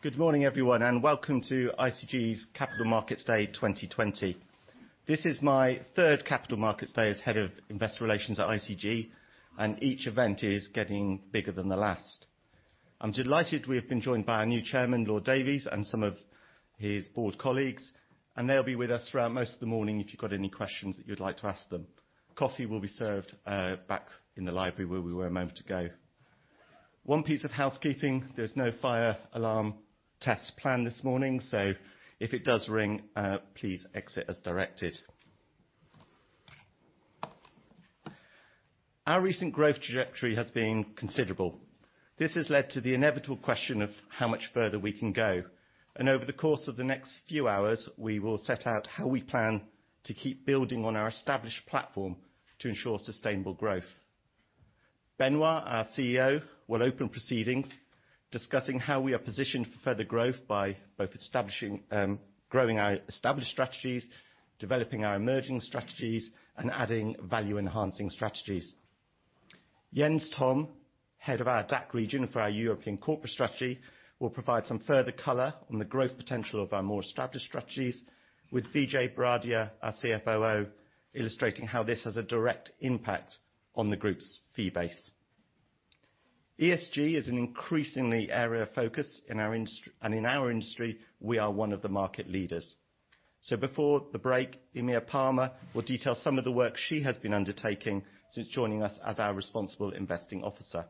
Good morning, everyone, welcome to ICG's Capital Markets Day 2020. This is my third Capital Markets Day as Head of Investor Relations at ICG, and each event is getting bigger than the last. I'm delighted we've been joined by our new Chairman, Lord Davies, and some of his board colleagues, and they'll be with us throughout most of the morning if you've got any questions that you'd like to ask them. Coffee will be served back in the library where we were a moment ago. One piece of housekeeping, there's no fire alarm tests planned this morning, so if it does ring, please exit as directed. Our recent growth trajectory has been considerable. This has led to the inevitable question of how much further we can go. Over the course of the next few hours, we will set out how we plan to keep building on our established platform to ensure sustainable growth. Benoît, our CEO, will open proceedings, discussing how we are positioned for further growth by both growing our established strategies, developing our emerging strategies, and adding value-enhancing strategies. Jens Tonn, Head of our DACH region for our European corporate strategy, will provide some further color on the growth potential of our more established strategies with Vijay Bharadia, our CFOO, illustrating how this has a direct impact on the group's fee base. ESG is an increasingly area of focus, and in our industry, we are one of the market leaders. Before the break, Eimear Palmer will detail some of the work she has been undertaking since joining us as our Responsible Investing Officer.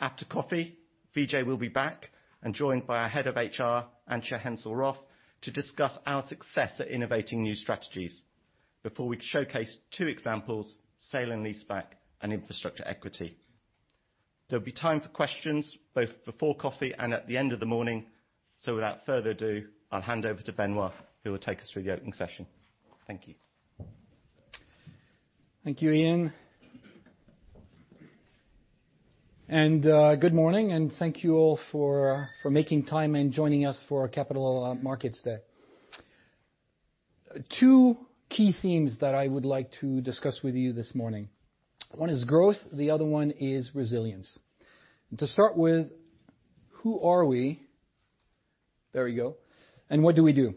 After coffee, Vijay will be back and joined by our Head of HR, Antje Hensel-Roth, to discuss our success at innovating new strategies before we showcase two examples, sale and leaseback and infrastructure equity. There'll be time for questions both before coffee and at the end of the morning. Without further ado, I'll hand over to Benoît, who will take us through the opening session. Thank you. Thank you, Ian. Good morning, and thank you all for making time and joining us for our Capital Markets Day. Two key themes that I would like to discuss with you this morning. One is growth, the other one is resilience. To start with, who are we, there we go, What do we do?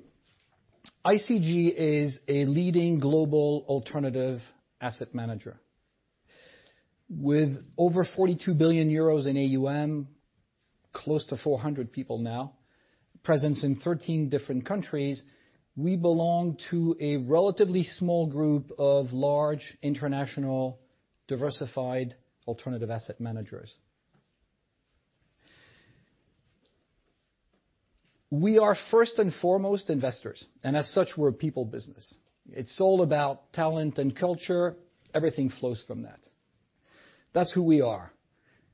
ICG is a leading global alternative asset manager. With over 42 billion euros in AUM, close to 400 people now, presence in 13 different countries, we belong to a relatively small group of large international diversified alternative asset managers. We are first and foremost investors, and as such, we're a people business. It's all about talent and culture. Everything flows from that. That's who we are.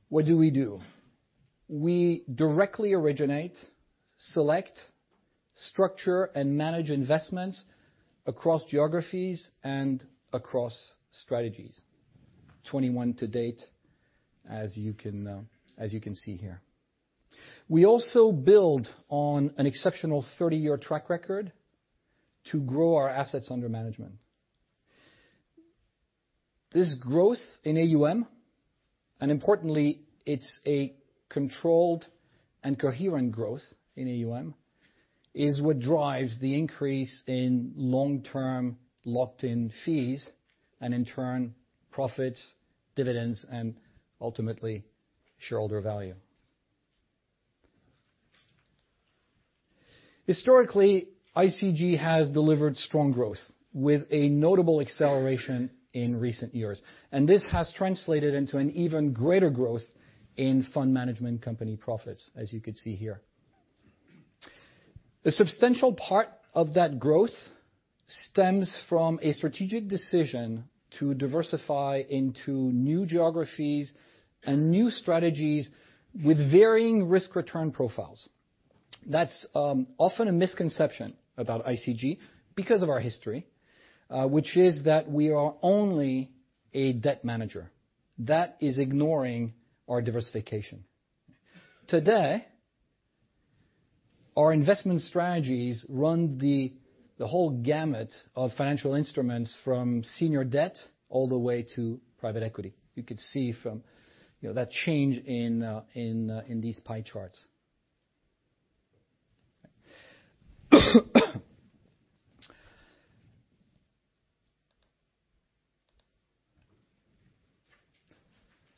What do we do? We directly originate, select, structure, and manage investments across geographies and across strategies. 21 to date, as you can see here. We also build on an exceptional 30-year track record to grow our assets under management. This growth in AUM, and importantly, it's a controlled and coherent growth in AUM, is what drives the increase in long-term locked-in fees, and in turn, profits, dividends, and ultimately shareholder value. Historically, ICG has delivered strong growth with a notable acceleration in recent years, and this has translated into an even greater growth in fund management company profits, as you can see here. A substantial part of that growth stems from a strategic decision to diversify into new geographies and new strategies with varying risk-return profiles. That's often a misconception about ICG because of our history, which is that we are only a debt manager. That is ignoring our diversification. Today, our investment strategies run the whole gamut of financial instruments from senior debt all the way to private equity. You could see from that change in these pie charts.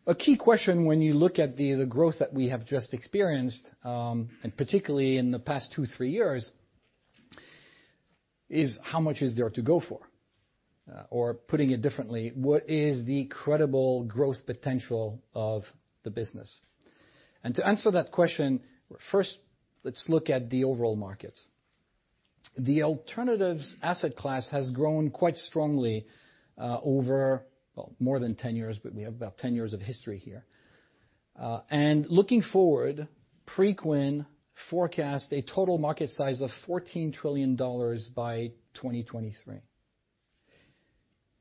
A key question when you look at the growth that we have just experienced, particularly in the past two, three years, is how much is there to go for? Putting it differently, what is the credible growth potential of the business? To answer that question, first, let's look at the overall market. The alternatives asset class has grown quite strongly over more than 10 years, we have about 10 years of history here. Looking forward, Preqin forecast a total market size of GBP 14 trillion by 2023.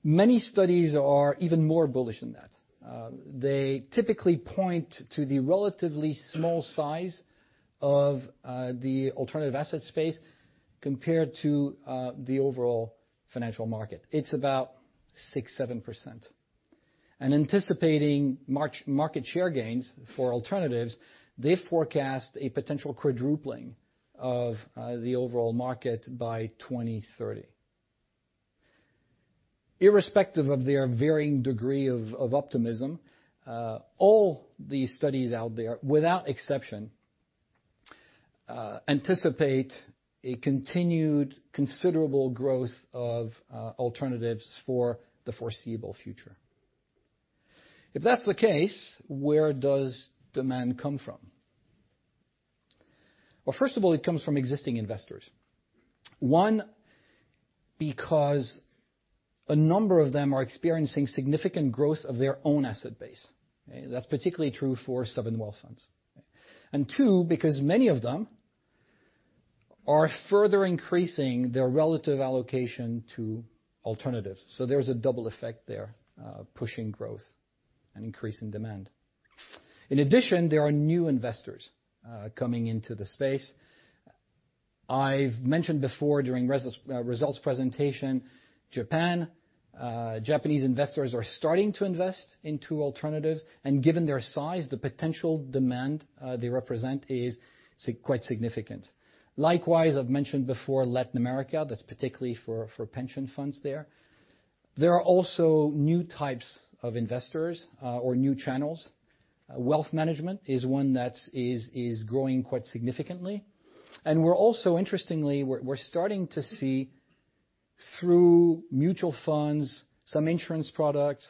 Many studies are even more bullish than that. They typically point to the relatively small size of the alternative asset space compared to the overall financial market. It's about 6%, 7%. Anticipating market share gains for alternatives, they forecast a potential quadrupling of the overall market by 2030. Irrespective of their varying degree of optimism, all these studies out there, without exception, anticipate a continued considerable growth of alternatives for the foreseeable future. If that's the case, where does demand come from? Well, first of all, it comes from existing investors. One, because a number of them are experiencing significant growth of their own asset base. That's particularly true for sovereign wealth funds. Two, because many of them are further increasing their relative allocation to alternatives. There's a double effect there, pushing growth and increasing demand. In addition, there are new investors coming into the space. I've mentioned before during results presentation, Japan. Japanese investors are starting to invest into alternatives, and given their size, the potential demand they represent is quite significant. Likewise, I've mentioned before Latin America. That's particularly for pension funds there. There are also new types of investors, or new channels. Wealth management is one that is growing quite significantly. We are also, interestingly, we are starting to see through mutual funds, some insurance products,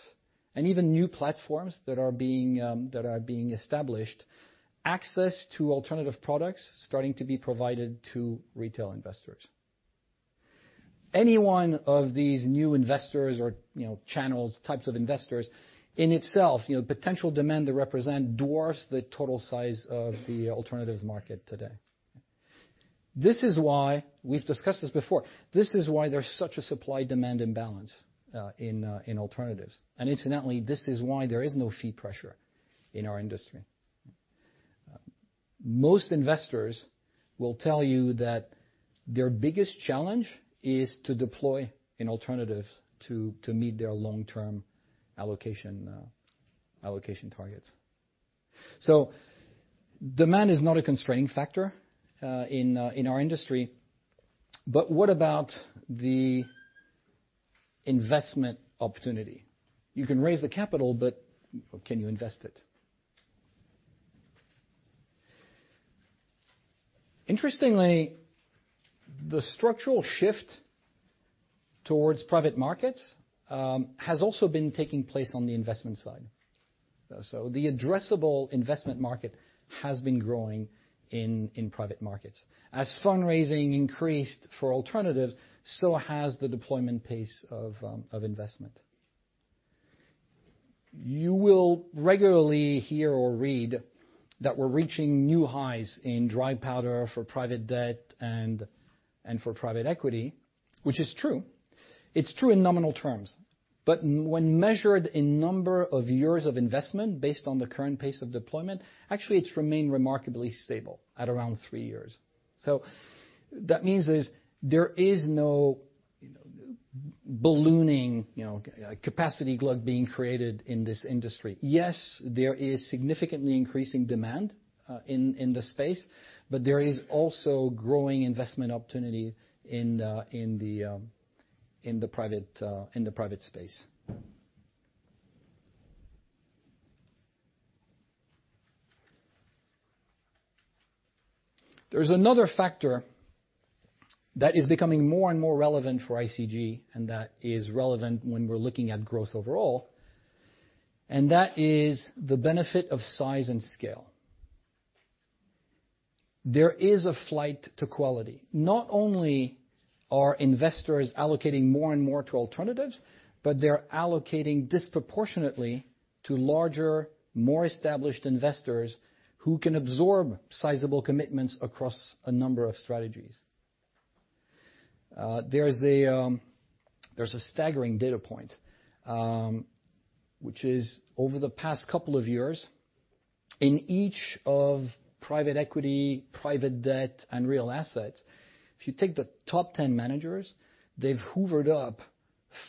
and even new platforms that are being established, access to alternative products starting to be provided to retail investors. Any one of these new investors or channels, types of investors in itself, potential demand they represent dwarfs the total size of the alternatives market today. We have discussed this before. This is why there is such a supply-demand imbalance in alternatives. Incidentally, this is why there is no fee pressure in our industry. Most investors will tell you that their biggest challenge is to deploy an alternative to meet their long-term allocation targets. Demand is not a constraining factor in our industry. What about the investment opportunity? You can raise the capital, but can you invest it? Interestingly, the structural shift towards private markets has also been taking place on the investment side. The addressable investment market has been growing in private markets. As fundraising increased for alternatives, so has the deployment pace of investment. You will regularly hear or read that we're reaching new highs in dry powder for private debt and for private equity, which is true. It's true in nominal terms. When measured in number of years of investment based on the current pace of deployment, actually it's remained remarkably stable at around three years. That means there is no ballooning capacity glut being created in this industry. Yes, there is significantly increasing demand in the space, but there is also growing investment opportunity in the private space. There's another factor that is becoming more and more relevant for ICG, that is relevant when we're looking at growth overall, that is the benefit of size and scale. There is a flight to quality. Not only are investors allocating more and more to alternatives, they're allocating disproportionately to larger, more established investors who can absorb sizable commitments across a number of strategies. There's a staggering data point, which is over the past couple of years, in each of private equity, private debt, and real assets, if you take the top 10 managers, they've hoovered up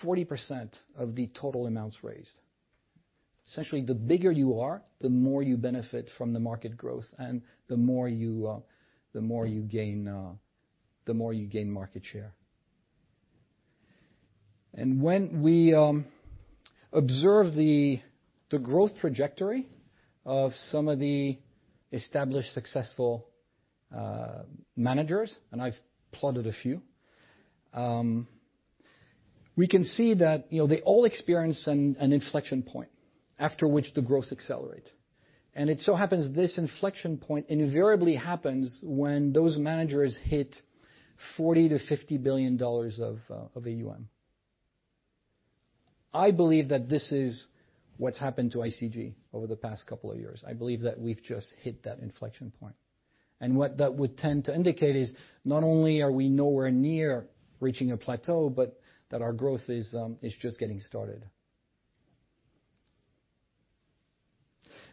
40% of the total amounts raised. Essentially, the bigger you are, the more you benefit from the market growth and the more you gain market share. When we observe the growth trajectory of some of the established successful managers, and I've plotted a few, we can see that they all experience an inflection point after which the growth accelerates. It so happens this inflection point invariably happens when those managers hit $40 billion-$50 billion of AUM. I believe that this is what's happened to ICG over the past couple of years. I believe that we've just hit that inflection point. What that would tend to indicate is not only are we nowhere near reaching a plateau, but that our growth is just getting started.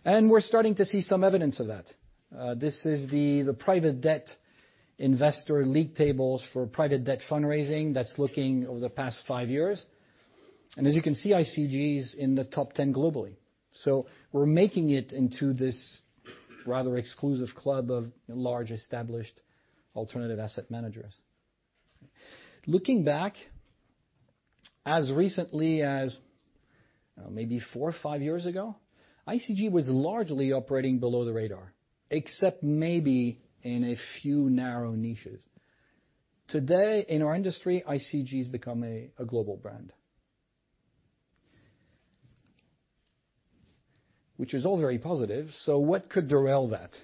We're starting to see some evidence of that. This is the private debt investor league tables for private debt fundraising that's looking over the past five years. As you can see, ICG is in the top 10 globally. We're making it into this rather exclusive club of large established alternative asset managers. Looking back as recently as maybe four or five years ago, ICG was largely operating below the radar, except maybe in a few narrow niches. Today, in our industry, ICG's become a global brand. Which is all very positive, what could derail that?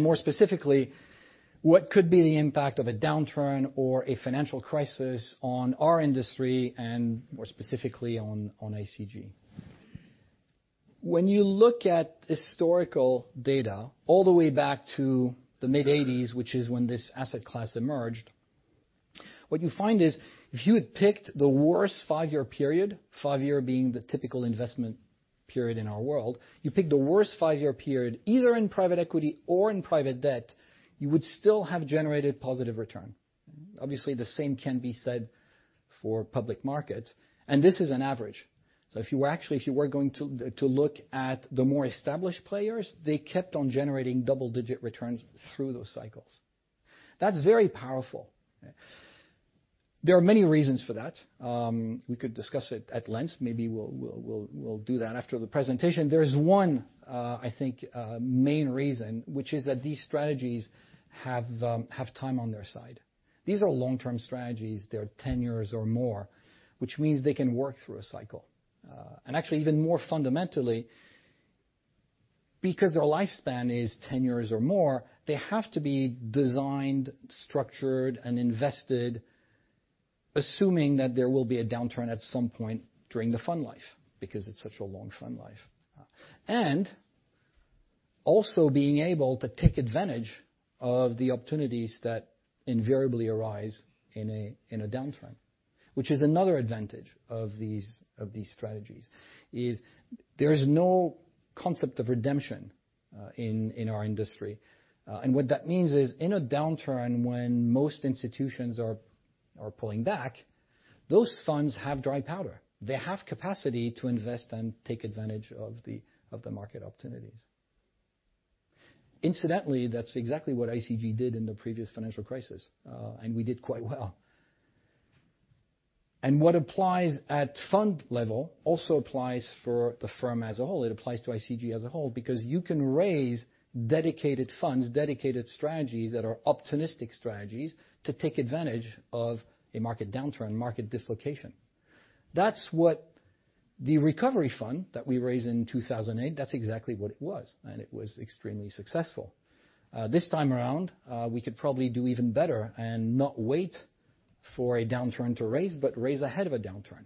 More specifically, what could be the impact of a downturn or a financial crisis on our industry and more specifically on ICG? When you look at historical data all the way back to the mid-1980s, which is when this asset class emerged, what you find is if you had picked the worst five-year period, five-year being the typical investment period in our world, you pick the worst five-year period, either in private equity or in private debt, you would still have generated positive return. Obviously, the same can be said for public markets, this is an average. If you were going to look at the more established players, they kept on generating double-digit returns through those cycles. That's very powerful. There are many reasons for that. We could discuss it at length. Maybe we'll do that after the presentation. There is one, I think, main reason, which is that these strategies have time on their side. These are long-term strategies. They are 10 years or more, which means they can work through a cycle. Actually, even more fundamentally, because their lifespan is 10 years or more, they have to be designed, structured, and invested, assuming that there will be a downturn at some point during the fund life because it's such a long fund life. Also being able to take advantage of the opportunities that invariably arise in a downturn, which is another advantage of these strategies, is there is no concept of redemption in our industry. What that means is in a downturn when most institutions are pulling back, those funds have dry powder. They have capacity to invest and take advantage of the market opportunities. Incidentally, that's exactly what ICG did in the previous financial crisis. We did quite well. What applies at fund level also applies for the firm as a whole. It applies to ICG as a whole because you can raise dedicated funds, dedicated strategies that are opportunistic strategies to take advantage of a market downturn, market dislocation. That's what the recovery fund that we raised in 2008, that's exactly what it was, and it was extremely successful. This time around, we could probably do even better and not wait for a downturn to raise, but raise ahead of a downturn.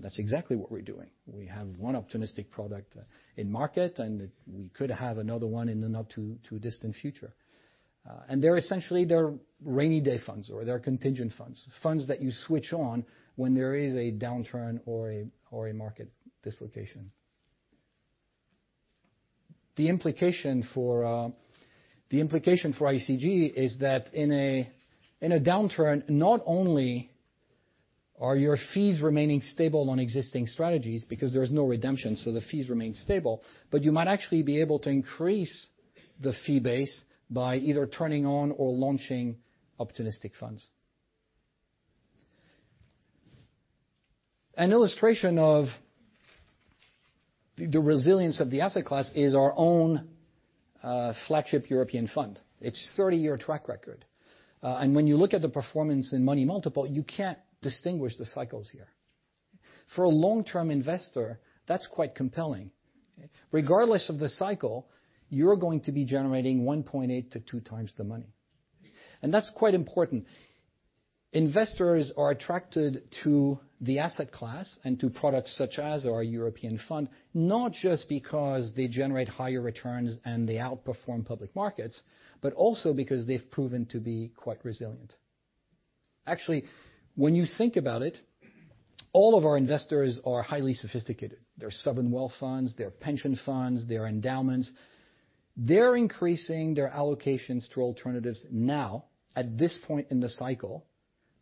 That's exactly what we're doing. We have one opportunistic product in market, and we could have another one in the not too distant future. They're essentially rainy day funds or they're contingent funds that you switch on when there is a downturn or a market dislocation. The implication for ICG is that in a downturn, not only are your fees remaining stable on existing strategies because there is no redemption, so the fees remain stable, but you might actually be able to increase the fee base by either turning on or launching opportunistic funds. An illustration of the resilience of the asset class is our own flagship European fund. It's 30-year track record. When you look at the performance in money multiple, you can't distinguish the cycles here. For a long-term investor, that's quite compelling. Regardless of the cycle, you're going to be generating 1.8x-2x the money, and that's quite important. Investors are attracted to the asset class and to products such as our European Fund, not just because they generate higher returns and they outperform public markets, but also because they've proven to be quite resilient. Actually, when you think about it, all of our investors are highly sophisticated. They're sovereign wealth funds, they're pension funds, they're endowments. They're increasing their allocations to alternatives now, at this point in the cycle.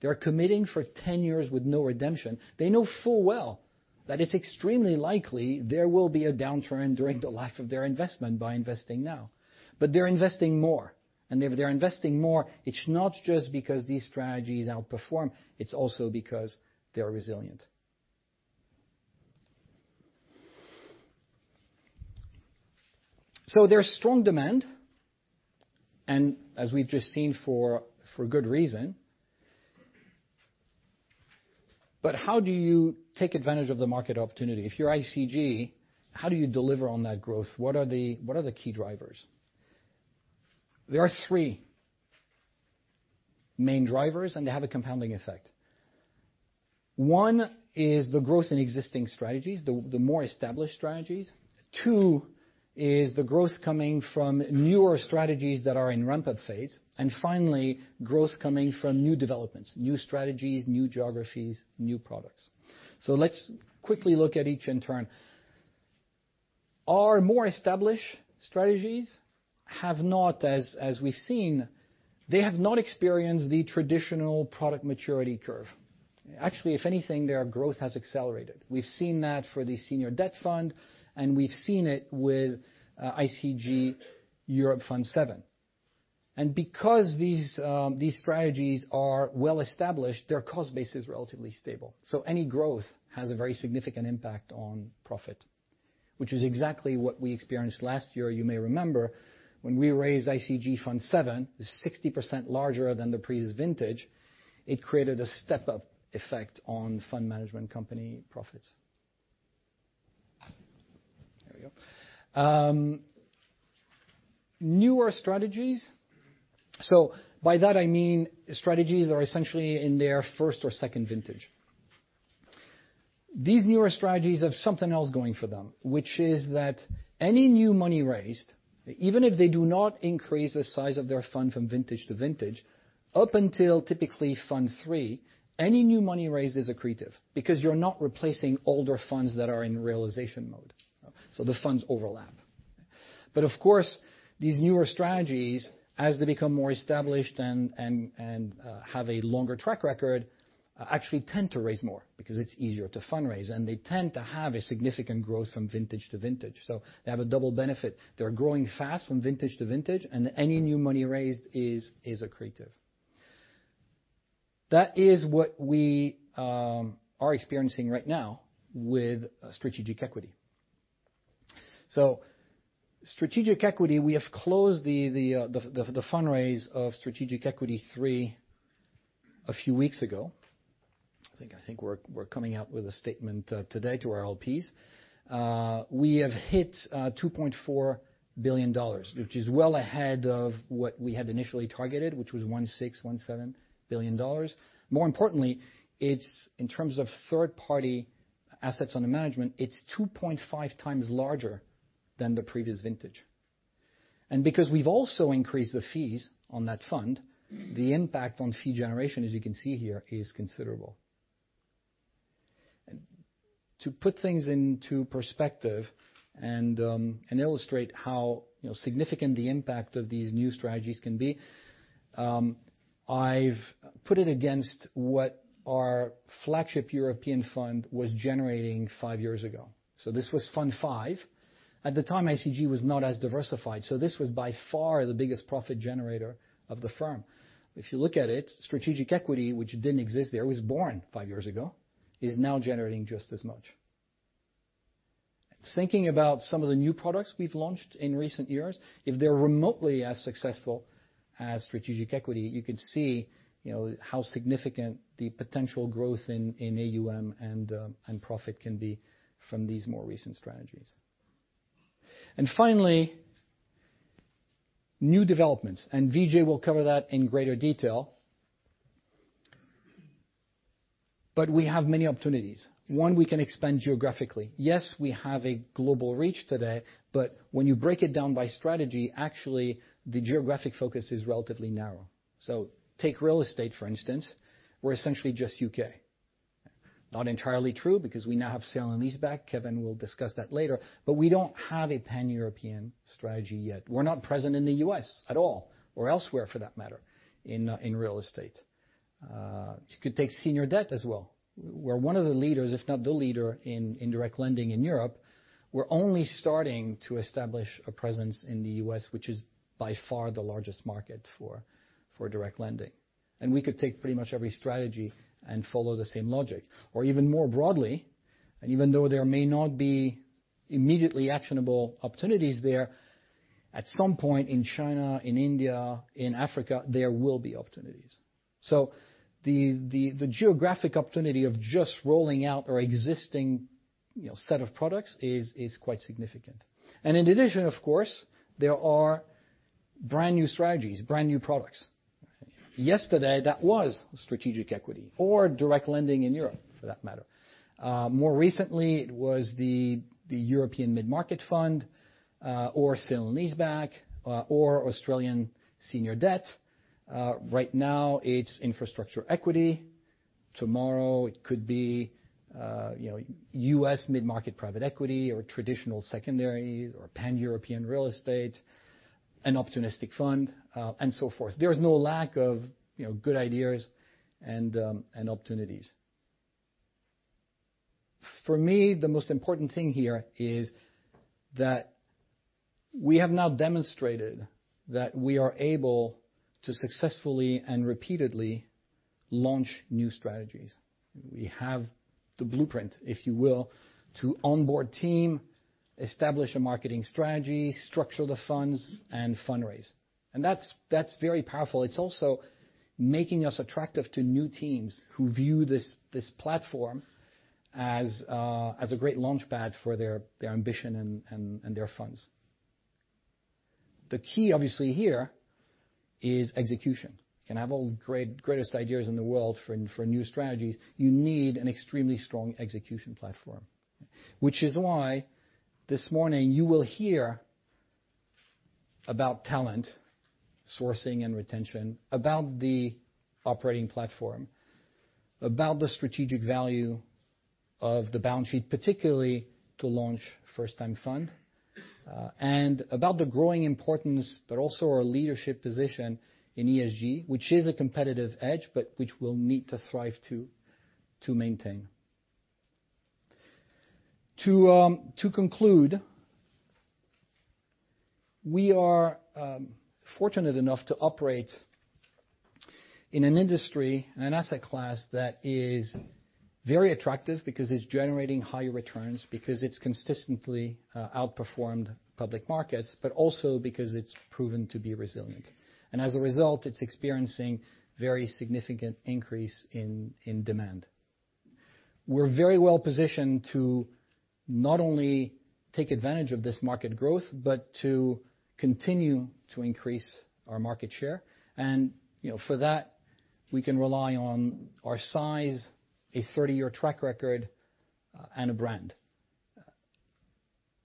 They're committing for 10 years with no redemption. They know full well that it's extremely likely there will be a downturn during the life of their investment by investing now. They're investing more. If they're investing more, it's not just because these strategies outperform, it's also because they are resilient. There's strong demand, and as we've just seen, for good reason. How do you take advantage of the market opportunity? If you're ICG, how do you deliver on that growth? What are the key drivers? There are three main drivers, and they have a compounding effect. One is the growth in existing strategies, the more established strategies. Two is the growth coming from newer strategies that are in ramp-up phase? Finally, growth coming from new developments, new strategies, new geographies, new products. Let's quickly look at each in turn. Our more established strategies have not, as we've seen, they have not experienced the traditional product maturity curve. If anything, their growth has accelerated. We've seen that for the senior debt fund, and we've seen it with ICG Europe Fund VII. Because these strategies are well-established, their cost base is relatively stable. Any growth has a very significant impact on profit, which is exactly what we experienced last year. You may remember when we raised ICG Europe Fund VII, 60% larger than the previous vintage, it created a step-up effect on fund management company profits. There we go. Newer strategies. By that I mean strategies are essentially in their first or second vintage. These newer strategies have something else going for them, which is that any new money raised, even if they do not increase the size of their fund from vintage to vintage, up until typically fund 3, any new money raised is accretive because you're not replacing older funds that are in realization mode. The funds overlap. Of course, these newer strategies, as they become more established and have a longer track record, actually tend to raise more because it's easier to fundraise, and they tend to have a significant growth from vintage to vintage. They have a double benefit. They're growing fast from vintage to vintage, and any new money raised is accretive. That is what we are experiencing right now with Strategic Equity. Strategic Equity, we have closed the fundraise of Strategic Equity III a few weeks ago. I think we're coming out with a statement today to our LPs. We have hit $2.4 billion, which is well ahead of what we had initially targeted, which was $1.6 billion-$1.7 billion. More importantly, it's in terms of third-party assets under management, it's 2.5x larger than the previous vintage. Because we've also increased the fees on that fund, the impact on fee generation, as you can see here, is considerable. To put things into perspective and illustrate how significant the impact of these new strategies can be, I've put it against what our flagship European fund was generating five years ago. This was Fund V. At the time, ICG was not as diversified, so this was by far the biggest profit generator of the firm. If you look at it, strategic equity, which didn't exist there, it was born five years ago, is now generating just as much. Thinking about some of the new products we've launched in recent years, if they're remotely as successful as strategic equity, you can see how significant the potential growth in AUM and profit can be from these more recent strategies. Finally, new developments, and Vijay will cover that in greater detail. We have many opportunities. One, we can expand geographically. Yes, we have a global reach today, but when you break it down by strategy, actually the geographic focus is relatively narrow. Take real estate, for instance. We're essentially just U.K. Not entirely true because we now have sale and leaseback. Kevin will discuss that later. We don't have a pan-European strategy yet. We're not present in the U.S. at all or elsewhere, for that matter, in real estate. You could take senior debt as well. We're one of the leaders, if not the leader, in indirect lending in Europe. We're only starting to establish a presence in the U.S., which is by far the largest market for direct lending. We could take pretty much every strategy and follow the same logic. Even more broadly, even though there may not be immediately actionable opportunities there, at some point in China, in India, in Africa, there will be opportunities. The geographic opportunity of just rolling out our existing set of products is quite significant. In addition, of course, there are brand new strategies, brand new products. Yesterday, that was strategic equity or direct lending in Europe, for that matter. More recently, it was the ICG Europe Mid-Market Fund or sale and leaseback or Australian senior debt. Right now, it's infrastructure equity. Tomorrow it could be U.S. mid-market private equity or traditional secondaries or pan-European real estate, an opportunistic fund, and so forth. There is no lack of good ideas and opportunities. For me, the most important thing here is that we have now demonstrated that we are able to successfully and repeatedly launch new strategies. We have the blueprint, if you will, to onboard team, establish a marketing strategy, structure the funds, and fundraise. That's very powerful. It's also making us attractive to new teams who view this platform as a great launchpad for their ambition and their funds. The key obviously here is execution. You can have all greatest ideas in the world for new strategies, you need an extremely strong execution platform. Is why this morning you will hear about talent, sourcing and retention, about the operating platform, about the strategic value of the balance sheet, particularly to launch first-time fund, about the growing importance, but also our leadership position in ESG, which is a competitive edge, but which we'll need to thrive to maintain. To conclude, we are fortunate enough to operate in an industry and an asset class that is very attractive because it's generating high returns, because it's consistently outperformed public markets, but also because it's proven to be resilient. As a result, it's experiencing very significant increase in demand. We're very well-positioned to not only take advantage of this market growth, but to continue to increase our market share. For that, we can rely on our size, a 30-year track record, and a brand.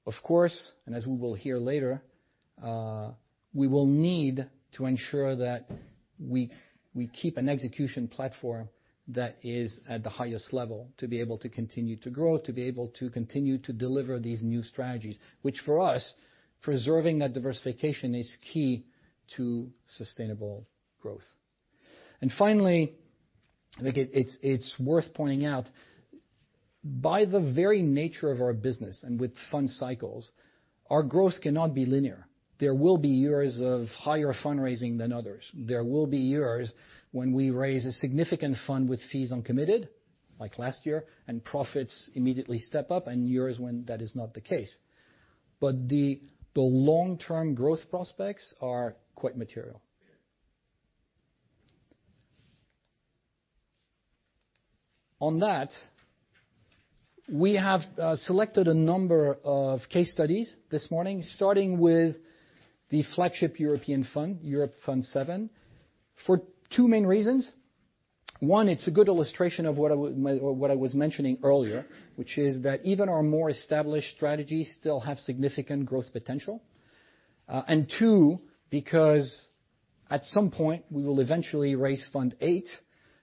Of course, as we will hear later, we will need to ensure that we keep an execution platform that is at the highest level to be able to continue to grow, to be able to continue to deliver these new strategies, which for us, preserving that diversification is key to sustainable growth. Finally, I think it's worth pointing out, by the very nature of our business and with fund cycles, our growth cannot be linear. There will be years of higher fundraising than others. There will be years when we raise a significant fund with fees uncommitted, like last year, and profits immediately step up, and years when that is not the case. The long-term growth prospects are quite material. On that, we have selected a number of case studies this morning, starting with the flagship European fund, Europe Fund VII, for two main reasons. One, it's a good illustration of what I was mentioning earlier, which is that even our more established strategies still have significant growth potential. Two, because at some point we will eventually raise Fund VIII,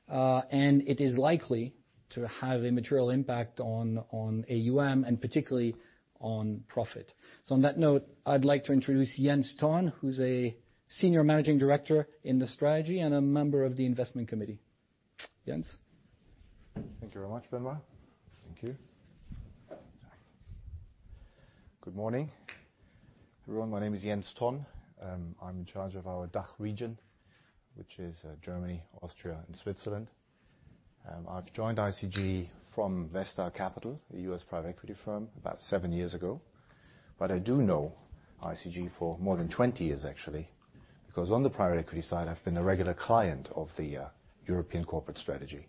and it is likely to have a material impact on AUM and particularly on profit. On that note, I'd like to introduce Jens Tonn, who's a Senior Managing Director in the strategy and a member of the Investment Committee. Jens. Thank you very much, Benoît. Thank you. Good morning, everyone. My name is Jens Tonn. I'm in charge of our DACH region, which is Germany, Austria, and Switzerland. I've joined ICG from Vestar Capital, a U.S. private equity firm, about seven years ago. I do know ICG for more than 20 years actually, because on the private equity side, I've been a regular client of the European corporate strategy.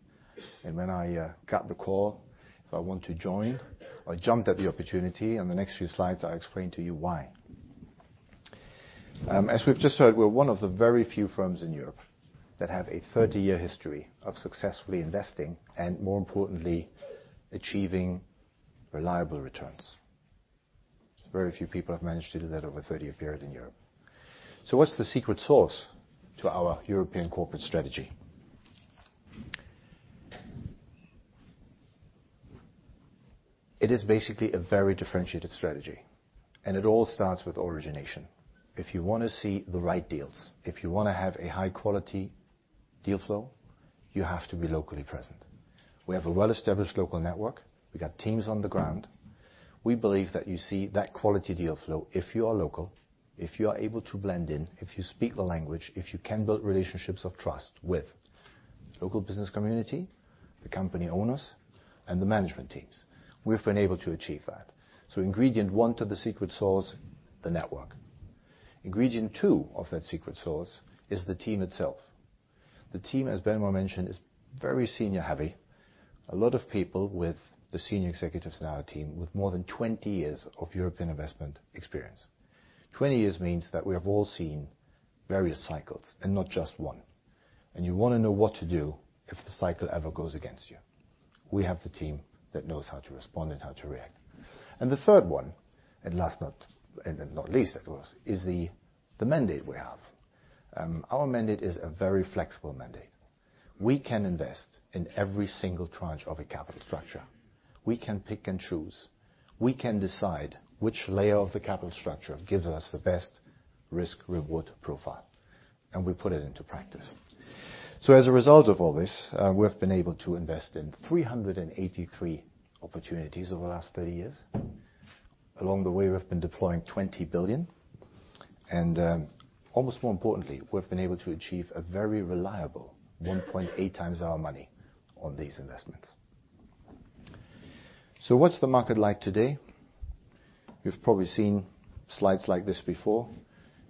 When I got the call if I want to join, I jumped at the opportunity, and the next few slides I'll explain to you why. As we've just heard, we're one of the very few firms in Europe that have a 30-year history of successfully investing and more importantly, achieving reliable returns. Very few people have managed to do that over a 30-year period in Europe. What's the secret sauce to our European corporate strategy? It is basically a very differentiated strategy, and it all starts with origination. If you want to see the right deals, if you want to have a high-quality deal flow, you have to be locally present. We have a well-established local network. We got teams on the ground. We believe that you see that quality deal flow if you are local, if you are able to blend in, if you speak the language, if you can build relationships of trust with local business community, the company owners, and the management teams. We've been able to achieve that. Ingredient one to the secret sauce, the network. Ingredient two of that secret sauce is the team itself. The team, as Benoît mentioned, is very senior heavy. A lot of people with the senior executives in our team with more than 20 years of European investment experience. 20 years means that we have all seen various cycles and not just one. You want to know what to do if the cycle ever goes against you. We have the team that knows how to respond and how to react. The 3rd one, and last and not least, of course, is the mandate we have. Our mandate is a very flexible mandate. We can invest in every single tranche of a capital structure. We can pick and choose. We can decide which layer of the capital structure gives us the best risk/reward profile, and we put it into practice. As a result of all this, we've been able to invest in 383 opportunities over the last 30 years. Along the way, we've been deploying 20 billion, and almost more importantly, we've been able to achieve a very reliable 1.8x our money on these investments. What's the market like today? You've probably seen slides like this before.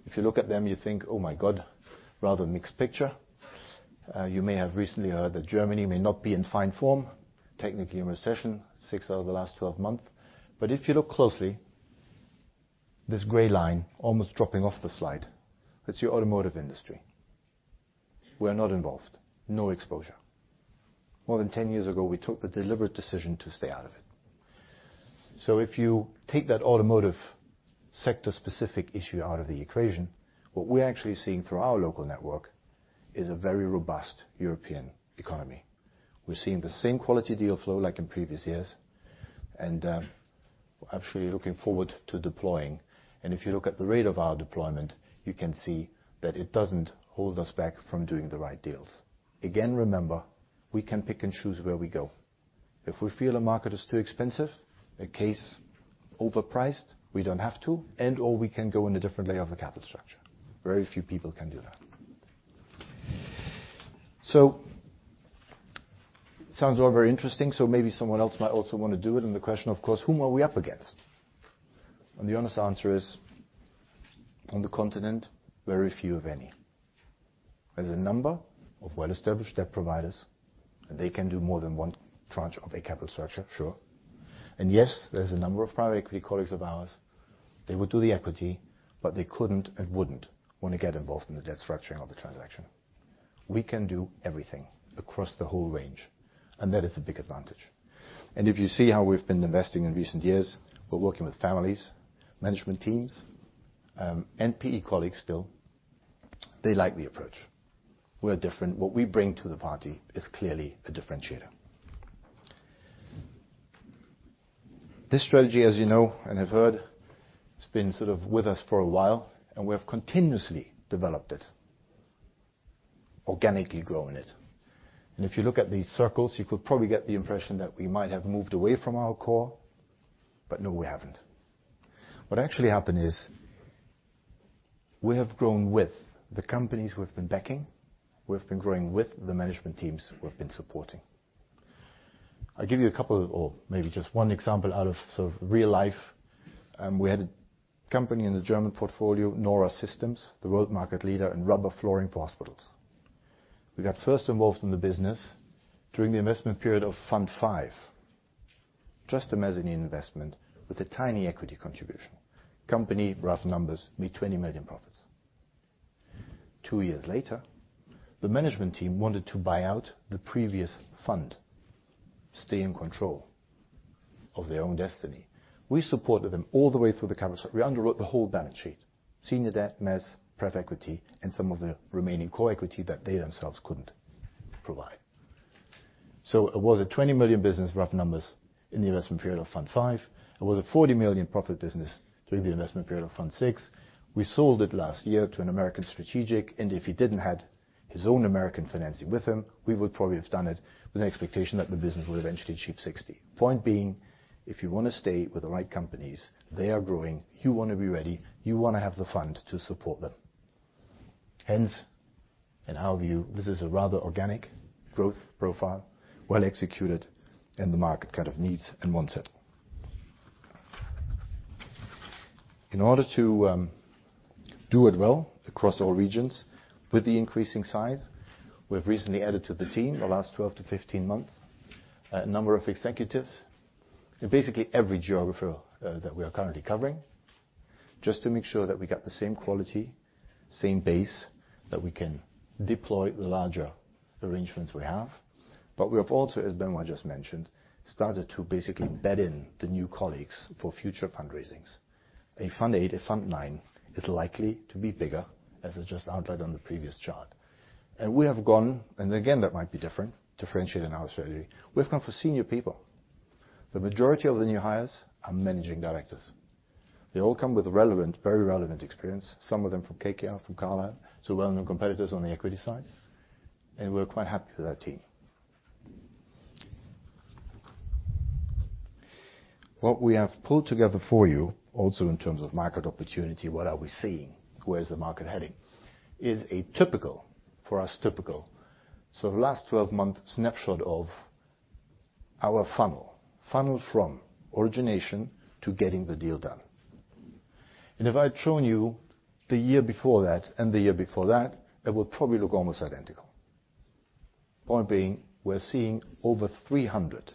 If you look at them, you think, "Oh my God." Rather mixed picture. You may have recently heard that Germany may not be in fine form, technically in recession six out of the last 12 months. If you look closely, this gray line almost dropping off the slide, that's your automotive industry. We are not involved. No exposure. More than 10 years ago, we took the deliberate decision to stay out of it. If you take that automotive sector specific issue out of the equation, what we're actually seeing through our local network is a very robust European economy. We're seeing the same quality deal flow like in previous years, and we're actually looking forward to deploying. If you look at the rate of our deployment, you can see that it doesn't hold us back from doing the right deals. Again, remember, we can pick and choose where we go. If we feel a market is too expensive, a case overpriced, we don't have to, and/or we can go in a different layer of the capital structure. Very few people can do that. Sounds all very interesting, so maybe someone else might also want to do it, and the question, of course, whom are we up against? The honest answer is, on the continent, very few, if any. There's a number of well-established debt providers, and they can do more than one tranche of a capital structure, sure. Yes, there's a number of private equity colleagues of ours. They would do the equity, but they couldn't and wouldn't want to get involved in the debt structuring of a transaction. We can do everything across the whole range, and that is a big advantage. If you see how we've been investing in recent years, we're working with families, management teams, NPE colleagues still. They like the approach. We're different. What we bring to the party is clearly a differentiator. This strategy, as you know and have heard, has been sort of with us for a while, and we have continuously developed it, organically growing it. If you look at these circles, you could probably get the impression that we might have moved away from our core. No, we haven't. What actually happened is we have grown with the companies we've been backing. We've been growing with the management teams we've been supporting. I'll give you a couple or maybe just one example out of sort of real life. We had a company in the German portfolio, Nora Systems, the world market leader in rubber flooring for hospitals. We got first involved in the business during the investment period of Fund Five. Just a mezzanine investment with a tiny equity contribution. Company, rough numbers, made 20 million profits. Two years later, the management team wanted to buy out the previous fund, stay in control of their own destiny. We supported them all the way through the capital. We underwrote the whole balance sheet, senior debt, mezz, pref equity, and some of the remaining core equity that they themselves couldn't provide. It was a 20 million business, rough numbers, in the investment period of Fund Five. It was a 40 million profit business during the investment period of Fund Six. We sold it last year to an American strategic, and if he didn't have his own American financing with him, we would probably have done it with an expectation that the business would eventually achieve 60. Point being, if you want to stay with the right companies, they are growing. You want to be ready. You want to have the fund to support them. In our view, this is a rather organic growth profile, well executed, and the market kind of needs and wants it. In order to do it well across all regions with the increasing size, we've recently added to the team the last 12-15 months, a number of executives in basically every geography that we are currently covering, just to make sure that we got the same quality, same base that we can deploy the larger arrangements we have. We have also, as Benoît just mentioned, started to basically bed in the new colleagues for future fundraisings. A Fund Eight, a Fund Nine is likely to be bigger, as I just outlined on the previous chart. We have gone, and again, that might be different, differentiate in our strategy. We've gone for senior people. The majority of the new hires are managing directors. They all come with relevant, very relevant experience. Some of them from KKR, from Carlyle, so well-known competitors on the equity side. We're quite happy with our team. What we have pulled together for you also in terms of market opportunity, what are we seeing, where is the market heading, is a typical, for us, typical, so last 12 months snapshot of our funnel. Funnel from origination to getting the deal done. If I'd shown you the year before that and the year before that, it would probably look almost identical. Point being, we're seeing over 300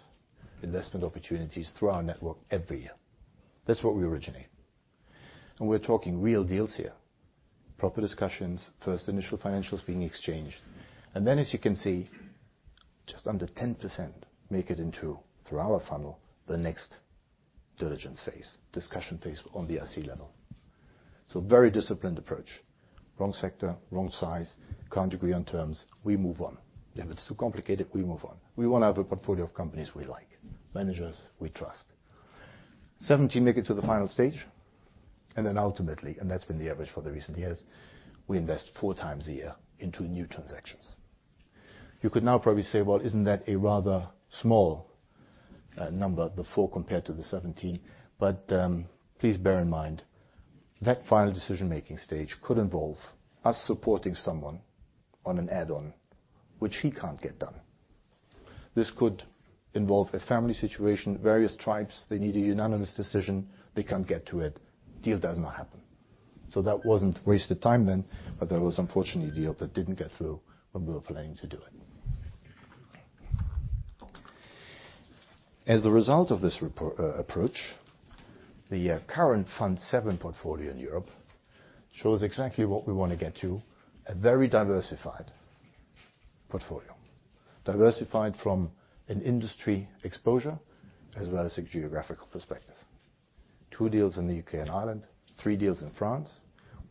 investment opportunities through our network every year. That's what we originate. We're talking real deals here, proper discussions, first initial financials being exchanged. As you can see, just under 10% make it into, through our funnel, the next diligence phase, discussion phase on the IC level. Very disciplined approach. Wrong sector, wrong size, can't agree on terms, we move on. If it's too complicated, we move on. We want to have a portfolio of companies we like, managers we trust. 17 make it to the final stage. Ultimately, and that's been the average for the recent years, we invest four times a year into new transactions. You could now probably say, Well, isn't that a rather small number, the four compared to the 17? Please bear in mind, that final decision-making stage could involve us supporting someone on an add-on which he can't get done. This could involve a family situation, various tribes, they need a unanimous decision, they can't get to it, deal does not happen. That wasn't wasted time then, but that was unfortunately a deal that didn't get through when we were planning to do it. As the result of this approach, the current Fund VII portfolio in Europe shows exactly what we want to get to, a very diversified portfolio. Diversified from an industry exposure as well as a geographical perspective. Two deals in the U.K. and Ireland, three deals in France,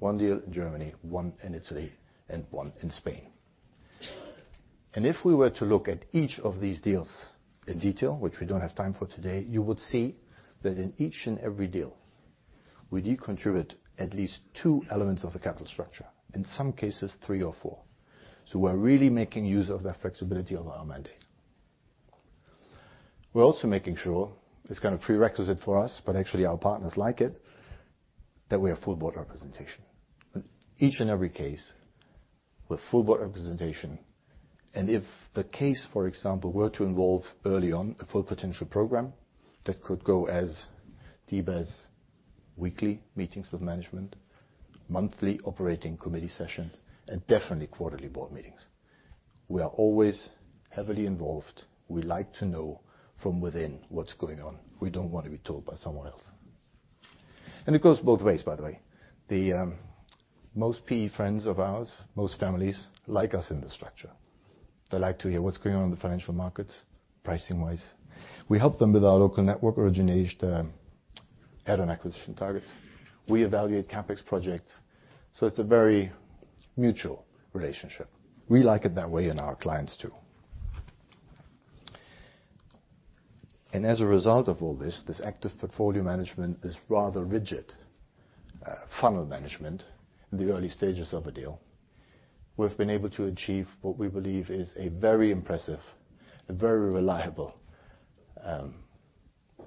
one deal in Germany, one in Italy, and one in Spain. If we were to look at each of these deals in detail, which we don't have time for today, you would see that in each and every deal, we contribute at least two elements of the capital structure, in some cases, three or four. We're really making use of that flexibility of our mandate. We're also making sure, it's kind of prerequisite for us, but actually our partners like it, that we have full board representation. Each and every case with full board representation. If the case, for example, were to involve early on a full potential program, that could go as deep as weekly meetings with management, monthly operating committee sessions, and definitely quarterly board meetings. We are always heavily involved. We like to know from within what's going on. We don't want to be told by someone else. It goes both ways, by the way. Most PE friends of ours, most families, like us in this structure. They like to hear what's going on in the financial markets pricing-wise. We help them with our local network originate add on acquisition targets. We evaluate CapEx projects. It's a very mutual relationship. We like it that way and our clients, too. As a result of all this active portfolio management is rather rigid funnel management in the early stages of a deal. We've been able to achieve what we believe is a very impressive and very reliable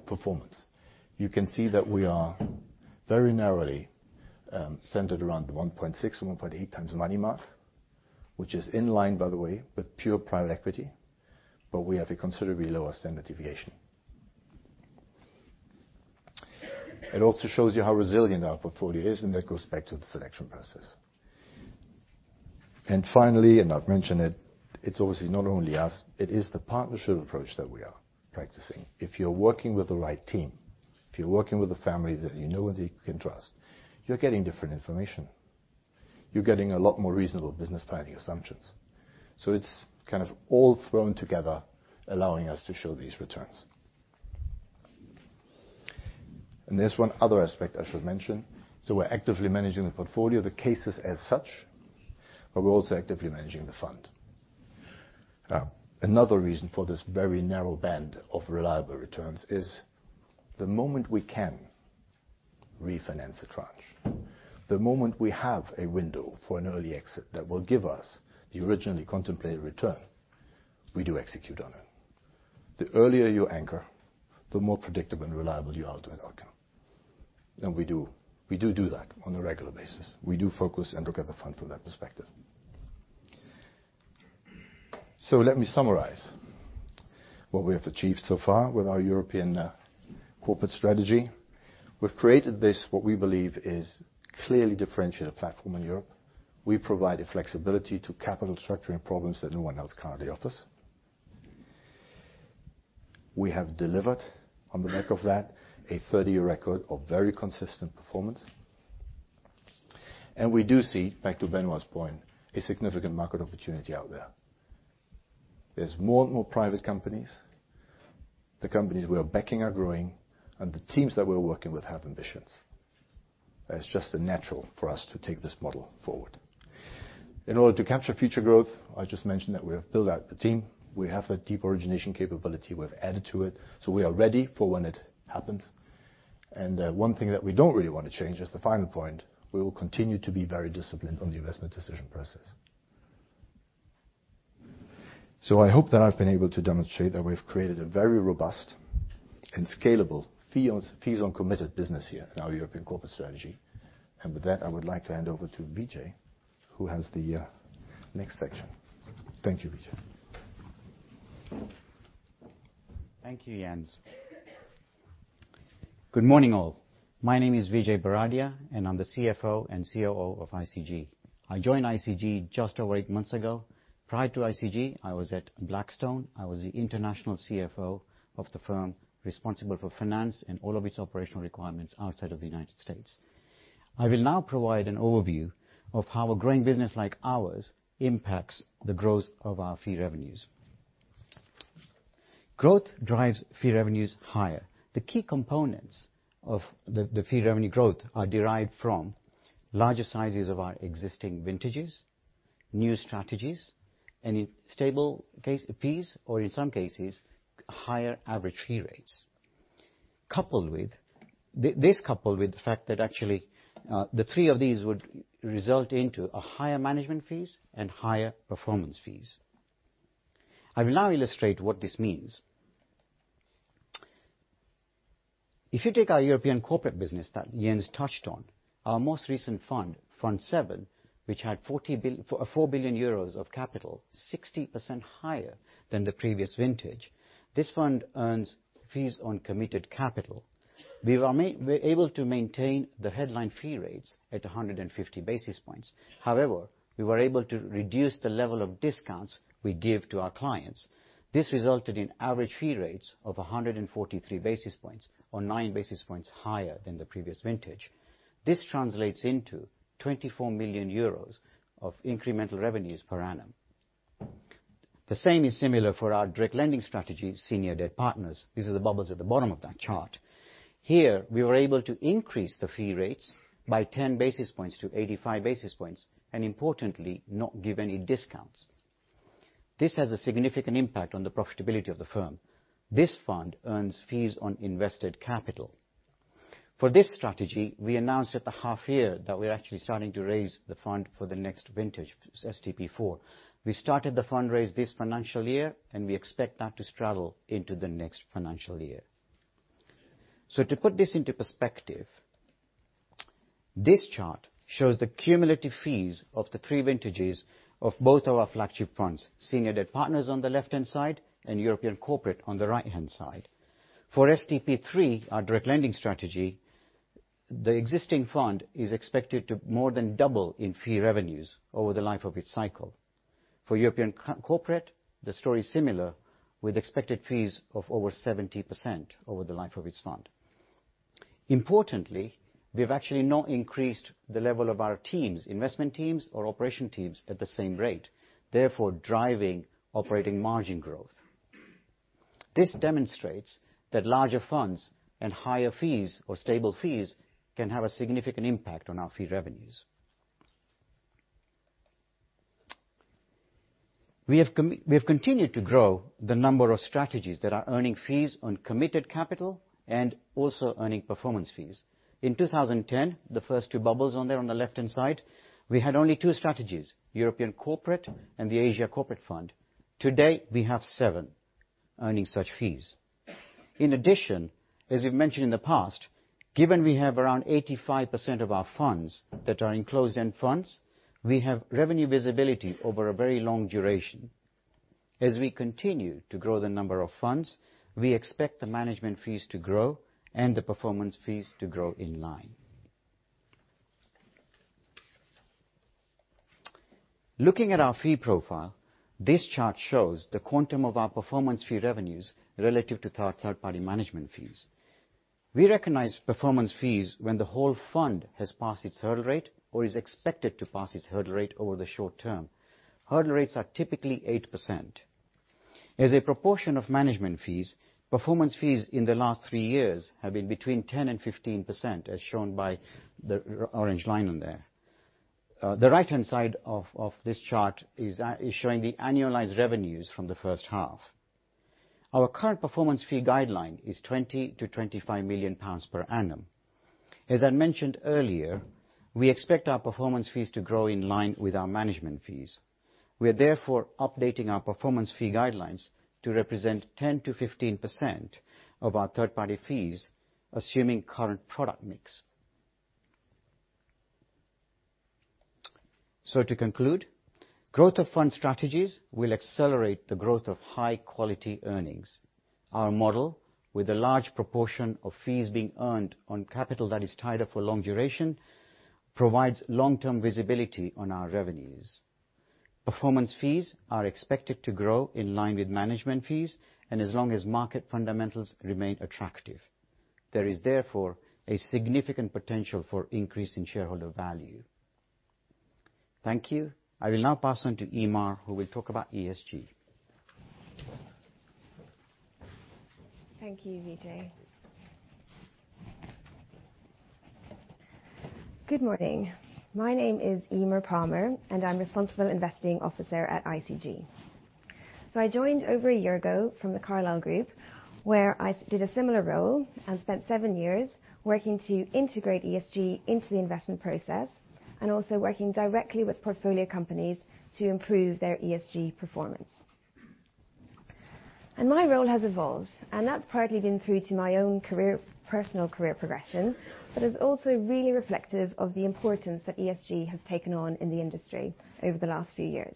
performance. You can see that we are very narrowly centered around the 1.6x or 1.8x money mark, which is in line, by the way, with pure private equity, but we have a considerably lower standard deviation. It also shows you how resilient our portfolio is. That goes back to the selection process. Finally, and I've mentioned it's obviously not only us, it is the partnership approach that we are practicing. If you're working with the right team, if you're working with a family that you know and you can trust, you're getting different information. You're getting a lot more reasonable business planning assumptions. It's kind of all thrown together, allowing us to show these returns. There's one other aspect I should mention. We're actively managing the portfolio, the cases as such, but we're also actively managing the fund. Another reason for this very narrow band of reliable returns is the moment we can refinance a tranche, the moment we have a window for an early exit that will give us the originally contemplated return, we do execute on it. The earlier you anchor, the more predictable and reliable the ultimate outcome. We do that on a regular basis. We do focus and look at the fund from that perspective. Let me summarize what we have achieved so far with our European corporate strategy. We've created this, what we believe is, clearly differentiated platform in Europe. We provide a flexibility to capital structuring problems that no one else currently offers. We have delivered on the back of that a 30-year record of very consistent performance. We do see, back to Benoît's point, a significant market opportunity out there. There's more and more private companies. The companies we are backing are growing, and the teams that we're working with have ambitions. That it's just natural for us to take this model forward. In order to capture future growth, I just mentioned that we have built out the team. We have a deep origination capability. We've added to it. We are ready for when it happens. One thing that we don't really want to change as the final point, we will continue to be very disciplined on the investment decision process. I hope that I've been able to demonstrate that we've created a very robust and scalable fees on committed business here in our European corporate strategy. With that, I would like to hand over to Vijay, who has the next section. Thank you, Vijay. Thank you, Jens. Good morning, all. My name is Vijay Bharadia, and I'm the CFO and COO of ICG. I joined ICG just over eight months ago. Prior to ICG, I was at Blackstone. I was the international CFO of the firm responsible for finance and all of its operational requirements outside of the United States. I will now provide an overview of how a growing business like ours impacts the growth of our fee revenues. Growth drives fee revenues higher. The key components of the fee revenue growth are derived from larger sizes of our existing vintages, new strategies, and in stable case fees, or in some cases, higher average fee rates. This coupled with the fact that actually the three of these would result into a higher management fees and higher performance fees. I will now illustrate what this means. If you take our European corporate business that Jens touched on, our most recent fund, Fund VII, which had 4 billion euros of capital, 60% higher than the previous vintage. This fund earns fees on committed capital. We were able to maintain the headline fee rates at 150 basis points. However, we were able to reduce the level of discounts we give to our clients. This resulted in average fee rates of 143 basis points, or 9 basis points higher than the previous vintage. This translates into 24 million euros of incremental revenues per annum. The same is similar for our direct lending strategy, Senior Debt Partners. These are the bubbles at the bottom of that chart. Here, we were able to increase the fee rates by 10 basis points to 85 basis points, and importantly, not give any discounts. This has a significant impact on the profitability of the firm. This fund earns fees on invested capital. For this strategy, we announced at the half year that we're actually starting to raise the fund for the next vintage, SDP IV. We started the fundraise this financial year, and we expect that to straddle into the next financial year. To put this into perspective, this chart shows the cumulative fees of the three vintages of both our flagship funds, Senior Debt Partners on the left-hand side and European Corporate on the right-hand side. For SDP III, our direct lending strategy, the existing fund is expected to more than double in fee revenues over the life of its cycle. For European Corporate, the story is similar, with expected fees of over 70% over the life of its fund. Importantly, we've actually not increased the level of our teams, investment teams or operation teams, at the same rate, therefore driving operating margin growth. This demonstrates that larger funds and higher fees or stable fees can have a significant impact on our fee revenues. We have continued to grow the number of strategies that are earning fees on committed capital and also earning performance fees. In 2010, the first two bubbles on there on the left-hand side, we had only two strategies, European Corporate and the Asia Pacific Fund. Today, we have seven earning such fees. In addition, as we've mentioned in the past, given we have around 85% of our funds that are in closed-end funds, we have revenue visibility over a very long duration. As we continue to grow the number of funds, we expect the management fees to grow and the performance fees to grow in line. Looking at our fee profile, this chart shows the quantum of our performance fee revenues relative to our third-party management fees. We recognize performance fees when the whole fund has passed its hurdle rate or is expected to pass its hurdle rate over the short term. Hurdle rates are typically 8%. As a proportion of management fees, performance fees in the last three years have been 10%-15%, as shown by the orange line on there. The right-hand side of this chart is showing the annualized revenues from the first half. Our current performance fee guideline is 20 million-25 million pounds per annum. As I mentioned earlier, we expect our performance fees to grow in line with our management fees. We are therefore updating our performance fee guidelines to represent 10%-15% of our third-party fees, assuming current product mix. To conclude, growth of fund strategies will accelerate the growth of high-quality earnings. Our model, with a large proportion of fees being earned on capital that is tied up for long duration, provides long-term visibility on our revenues. Performance fees are expected to grow in line with management fees and as long as market fundamentals remain attractive. There is therefore a significant potential for increase in shareholder value. Thank you. I will now pass on to Eimear, who will talk about ESG. Thank you, Vijay. Good morning. My name is Eimear Palmer, I'm Responsible Investing Officer at ICG. I joined over a year ago from The Carlyle Group, where I did a similar role and spent seven years working to integrate ESG into the investment process and also working directly with portfolio companies to improve their ESG performance. My role has evolved, and that's partly been through to my own personal career progression, but is also really reflective of the importance that ESG has taken on in the industry over the last few years.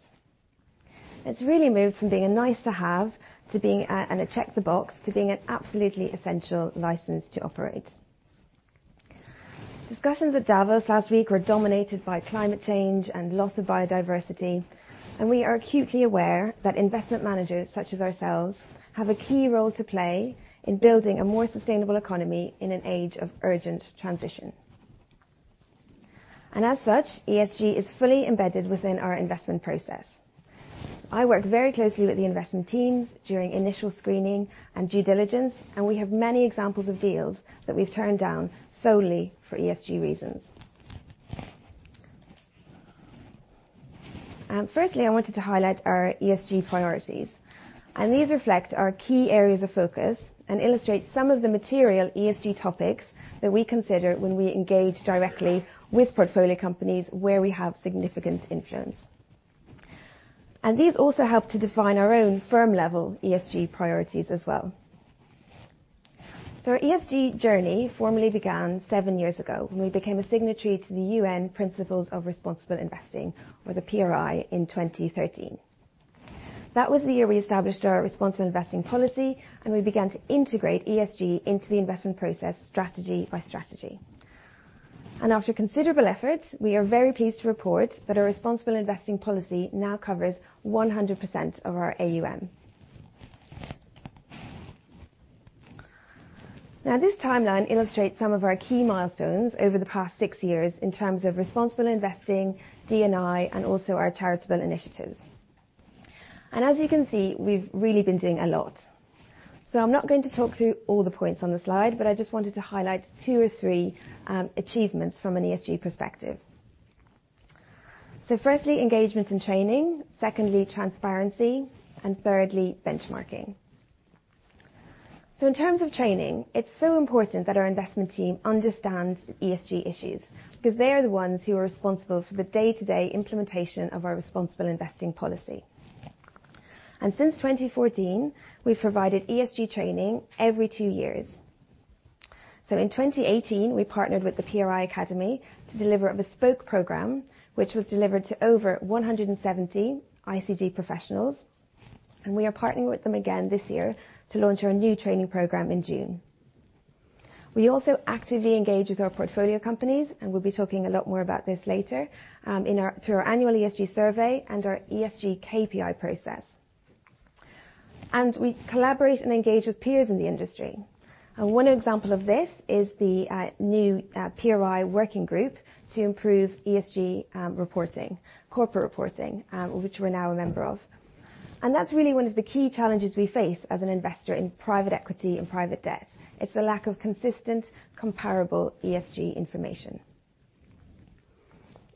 It's really moved from being a nice to have and a check the box to being an absolutely essential license to operate. Discussions at Davos last week were dominated by climate change and loss of biodiversity. We are acutely aware that investment managers such as ourselves have a key role to play in building a more sustainable economy in an age of urgent transition. As such, ESG is fully embedded within our investment process. I work very closely with the investment teams during initial screening and due diligence. We have many examples of deals that we've turned down solely for ESG reasons. Firstly, I wanted to highlight our ESG priorities. These reflect our key areas of focus and illustrate some of the material ESG topics that we consider when we engage directly with portfolio companies where we have significant influence. These also help to define our own firm level ESG priorities as well. Our ESG journey formally began seven years ago when we became a signatory to the UN Principles for Responsible Investment, or the PRI, in 2013. That was the year we established our responsible investing policy, and we began to integrate ESG into the investment process, strategy by strategy. After considerable efforts, we are very pleased to report that our responsible investing policy now covers 100% of our AUM. This timeline illustrates some of our key milestones over the past six years in terms of responsible investing, D&I, and also our charitable initiatives. As you can see, we've really been doing a lot. I'm not going to talk through all the points on the slide, but I just wanted to highlight two or three achievements from an ESG perspective. Firstly, engagement and training, secondly, transparency, and thirdly, benchmarking. In terms of training, it's so important that our investment team understands ESG issues, because they are the ones who are responsible for the day-to-day implementation of our responsible investing policy. Since 2014, we've provided ESG training every two years. In 2018, we partnered with the PRI Academy to deliver a bespoke program, which was delivered to over 170 ICG professionals, and we are partnering with them again this year to launch our new training program in June. We also actively engage with our portfolio companies, and we'll be talking a lot more about this later, through our annual ESG survey and our ESG KPI process. We collaborate and engage with peers in the industry. One example of this is the new PRI working group to improve ESG reporting, corporate reporting, which we're now a member of. That's really one of the key challenges we face as an investor in private equity and private debt. It's the lack of consistent, comparable ESG information.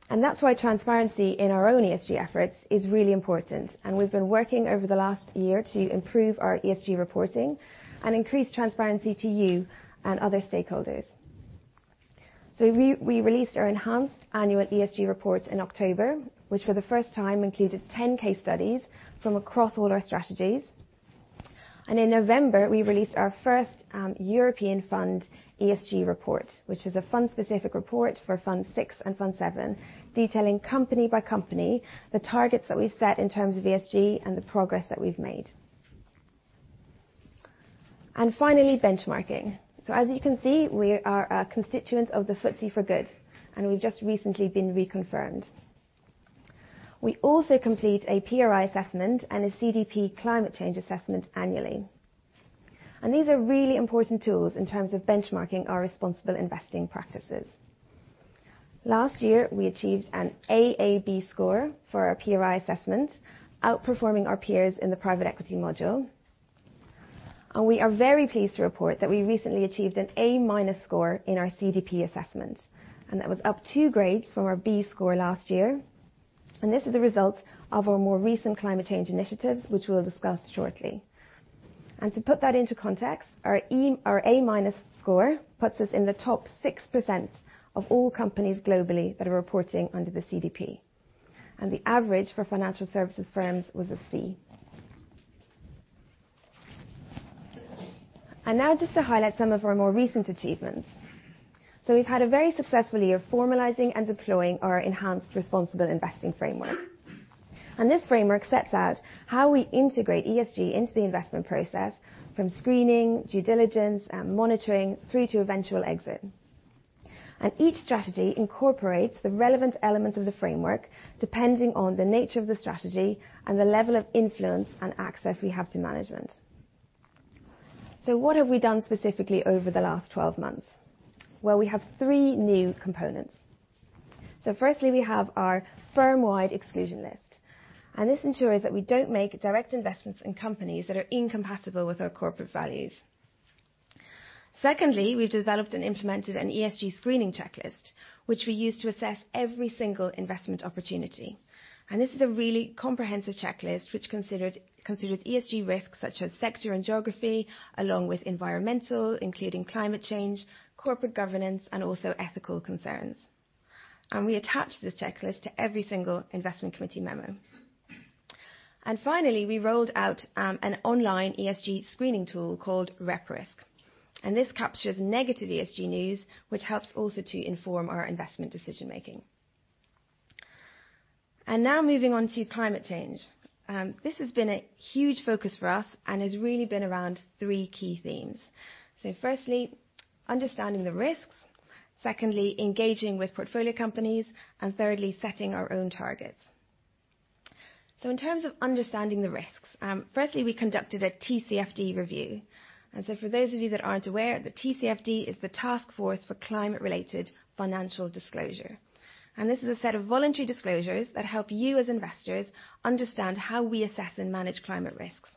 That's why transparency in our own ESG efforts is really important, and we've been working over the last year to improve our ESG reporting and increase transparency to you and other stakeholders. We released our enhanced annual ESG reports in October, which for the first time included 10 case studies from across all our strategies. In November, we released our first European fund ESG report, which is a fund-specific report for Fund VI and Fund VII, detailing company by company, the targets that we've set in terms of ESG and the progress that we've made. Finally, benchmarking. As you can see, we are a constituent of the FTSE4Good, and we've just recently been reconfirmed. We also complete a PRI assessment and a CDP climate change assessment annually. These are really important tools in terms of benchmarking our responsible investing practices. Last year, we achieved an AAB score for our PRI assessment, outperforming our peers in the private equity module. We are very pleased to report that we recently achieved an A- score in our CDP assessment, that was up two grades from our B score last year. This is a result of our more recent climate change initiatives, which we'll discuss shortly. To put that into context, our A- score puts us in the top 6% of all companies globally that are reporting under the CDP. The average for financial services firms was a C. Now just to highlight some of our more recent achievements. We've had a very successful year formalizing and deploying our enhanced responsible investing framework. This framework sets out how we integrate ESG into the investment process from screening, due diligence, and monitoring, through to eventual exit. Each strategy incorporates the relevant elements of the framework, depending on the nature of the strategy and the level of influence and access we have to management. What have we done specifically over the last 12 months? Well, we have three new components. Firstly, we have our firm-wide exclusion list, and this ensures that we don't make direct investments in companies that are incompatible with our corporate values. Secondly, we've developed and implemented an ESG screening checklist, which we use to assess every single investment opportunity. This is a really comprehensive checklist which considers ESG risks such as sector and geography, along with environmental, including climate change, corporate governance, and also ethical concerns. We attach this checklist to every single investment committee memo. Finally, we rolled out an online ESG screening tool called RepRisk, and this captures negative ESG news, which helps also to inform our investment decision-making. Now moving on to climate change. This has been a huge focus for us and has really been around three key themes. Firstly, understanding the risks. Secondly, engaging with portfolio companies. And thirdly, setting our own targets. In terms of understanding the risks, firstly, we conducted a TCFD review. For those of you that aren't aware, the TCFD is the Task Force for Climate-related Financial Disclosure. This is a set of voluntary disclosures that help you as investors understand how we assess and manage climate risks.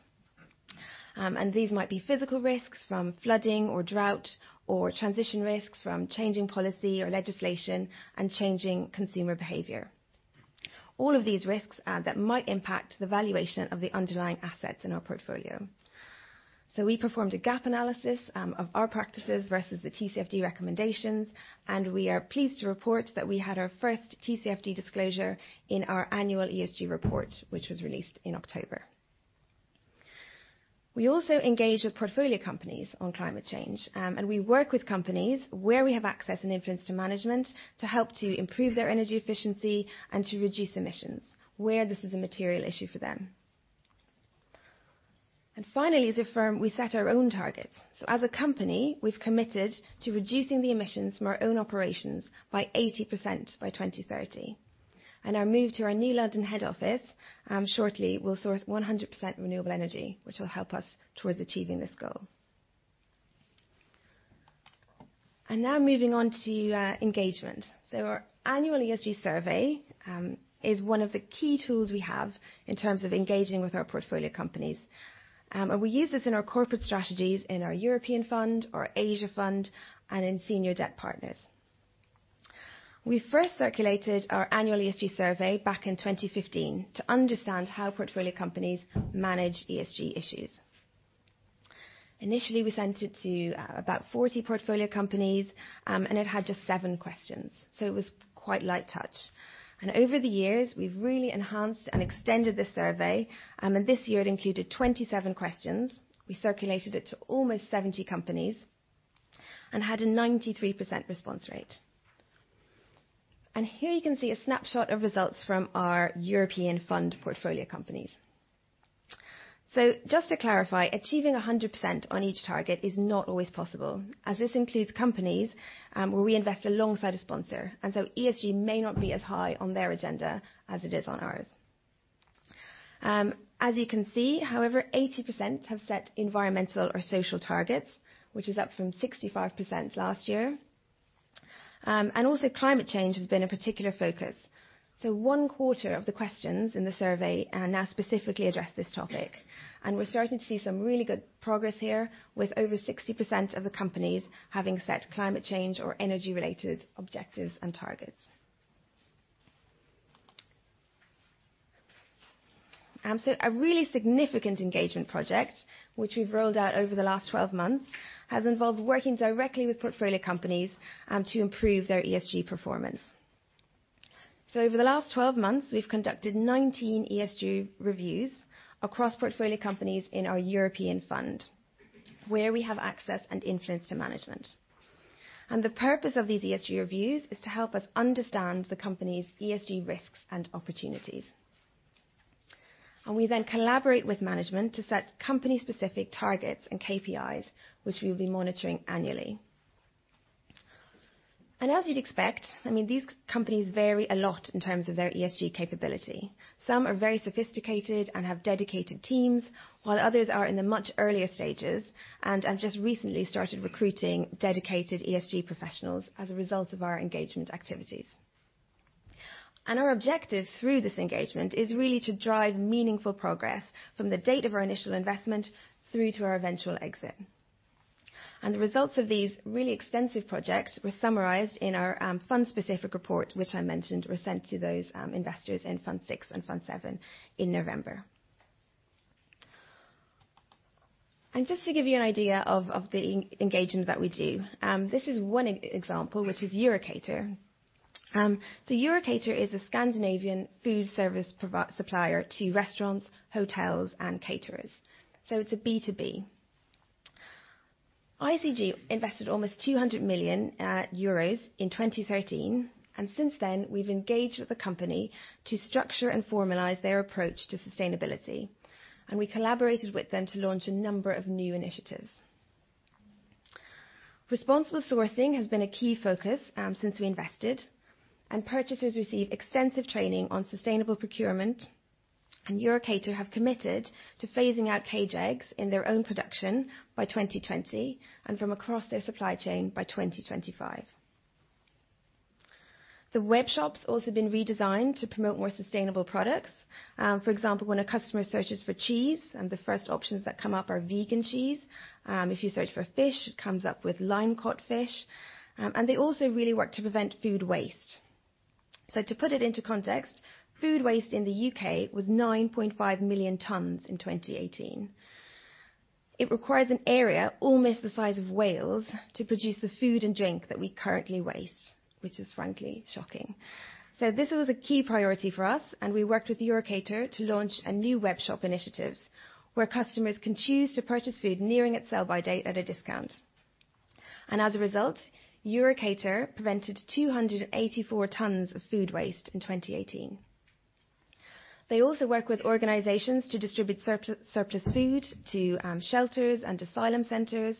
These might be physical risks from flooding or drought, or transition risks from changing policy or legislation and changing consumer behavior. All of these risks that might impact the valuation of the underlying assets in our portfolio. We performed a gap analysis of our practices versus the TCFD recommendations, and we are pleased to report that we had our first TCFD disclosure in our annual ESG report, which was released in October. We also engage with portfolio companies on climate change, and we work with companies where we have access and influence to management to help to improve their energy efficiency and to reduce emissions where this is a material issue for them. Finally, as a firm, we set our own targets. As a company, we've committed to reducing the emissions from our own operations by 80% by 2030. Our move to our new London head office, shortly, we'll source 100% renewable energy, which will help us towards achieving this goal. Now moving on to engagement. Our annual ESG survey is one of the key tools we have in terms of engaging with our portfolio companies. We use this in our corporate strategies in our European fund, our Asia fund, and in Senior Debt Partners. We first circulated our annual ESG survey back in 2015 to understand how portfolio companies manage ESG issues. Initially, we sent it to about 40 portfolio companies, and it had just seven questions, so it was quite light touch. Over the years, we've really enhanced and extended the survey. This year it included 27 questions. We circulated it to almost 70 companies and had a 93% response rate. Here you can see a snapshot of results from our European fund portfolio companies. Just to clarify, achieving 100% on each target is not always possible, as this includes companies, where we invest alongside a sponsor, and ESG may not be as high on their agenda as it is on ours. As you can see, however, 80% have set environmental or social targets, which is up from 65% last year. Also climate change has been a particular focus. One quarter of the questions in the survey now specifically address this topic, and we're starting to see some really good progress here, with over 60% of the companies having set climate change or energy-related objectives and targets. A really significant engagement project, which we've rolled out over the last 12 months, has involved working directly with portfolio companies, to improve their ESG performance. Over the last 12 months, we've conducted 19 ESG reviews across portfolio companies in our European Fund, where we have access and influence to management. The purpose of these ESG reviews is to help us understand the company's ESG risks and opportunities. We then collaborate with management to set company-specific targets and KPIs, which we'll be monitoring annually. As you'd expect, these companies vary a lot in terms of their ESG capability. Some are very sophisticated and have dedicated teams, while others are in the much earlier stages and have just recently started recruiting dedicated ESG professionals as a result of our engagement activities. Our objective through this engagement is really to drive meaningful progress from the date of our initial investment through to our eventual exit. The results of these really extensive projects were summarized in our fund-specific report, which I mentioned were sent to those investors in Fund VI and Fund VII in November. Just to give you an idea of the engagement that we do, this is one example, which is Euro Cater. Euro Cater is a Scandinavian food service supplier to restaurants, hotels, and caterers, so it's a B2B. ICG invested almost 200 million euros in 2013, and since then, we've engaged with the company to structure and formalize their approach to sustainability, and we collaborated with them to launch a number of new initiatives. Responsible sourcing has been a key focus since we invested. Purchasers receive extensive training on sustainable procurement. Euro Cater have committed to phasing out cage eggs in their own production by 2020 and from across their supply chain by 2025. The webshop's also been redesigned to promote more sustainable products. For example, when a customer searches for cheese, the first options that come up are vegan cheese. If you search for fish, it comes up with line-caught fish. They also really work to prevent food waste. To put it into context, food waste in the U.K. was 9.5 million tons in 2018. It requires an area almost the size of Wales to produce the food and drink that we currently waste, which is frankly shocking. This was a key priority for us, and we worked with Euro Cater to launch a new web shop initiatives where customers can choose to purchase food nearing its sell-by date at a discount. As a result, Euro Cater prevented 284 tons of food waste in 2018. They also work with organizations to distribute surplus food to shelters and asylum centers.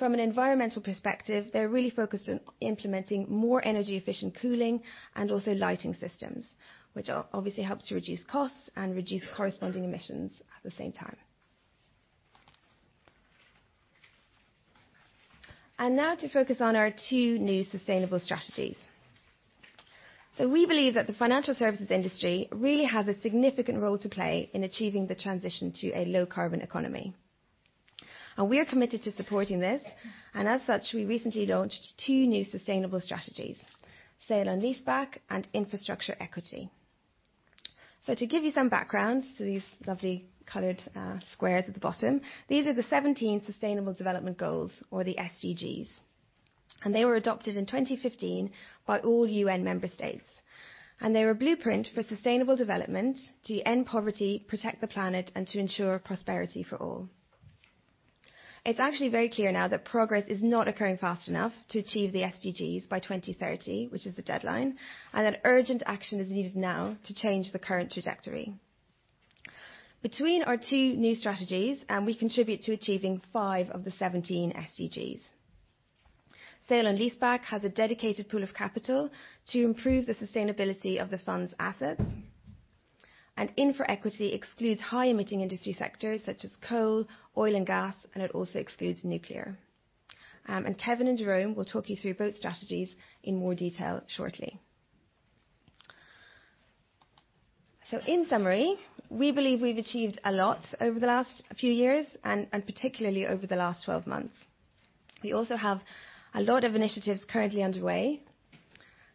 From an environmental perspective, they're really focused on implementing more energy-efficient cooling and also lighting systems, which obviously helps to reduce costs and reduce corresponding emissions at the same time. Now to focus on our two new sustainable strategies. We believe that the financial services industry really has a significant role to play in achieving the transition to a low-carbon economy. We are committed to supporting this, and as such, we recently launched two new sustainable strategies, sale and leaseback and infrastructure equity. To give you some background to these lovely colored squares at the bottom, these are the 17 Sustainable Development Goals, or the SDGs. They were adopted in 2015 by all UN member states. They're a blueprint for sustainable development to end poverty, protect the planet, and to ensure prosperity for all. It's actually very clear now that progress is not occurring fast enough to achieve the SDGs by 2030, which is the deadline, and that urgent action is needed now to change the current trajectory. Between our two new strategies, we contribute to achieving five of the 17 SDGs. Sale and leaseback has a dedicated pool of capital to improve the sustainability of the fund's assets. Infrastructure Equity excludes high emitting industry sectors such as coal, oil, and gas, and it also excludes nuclear. Kevin and Jérôme will talk you through both strategies in more detail shortly. In summary, we believe we've achieved a lot over the last few years, and particularly over the last 12 months. We also have a lot of initiatives currently underway.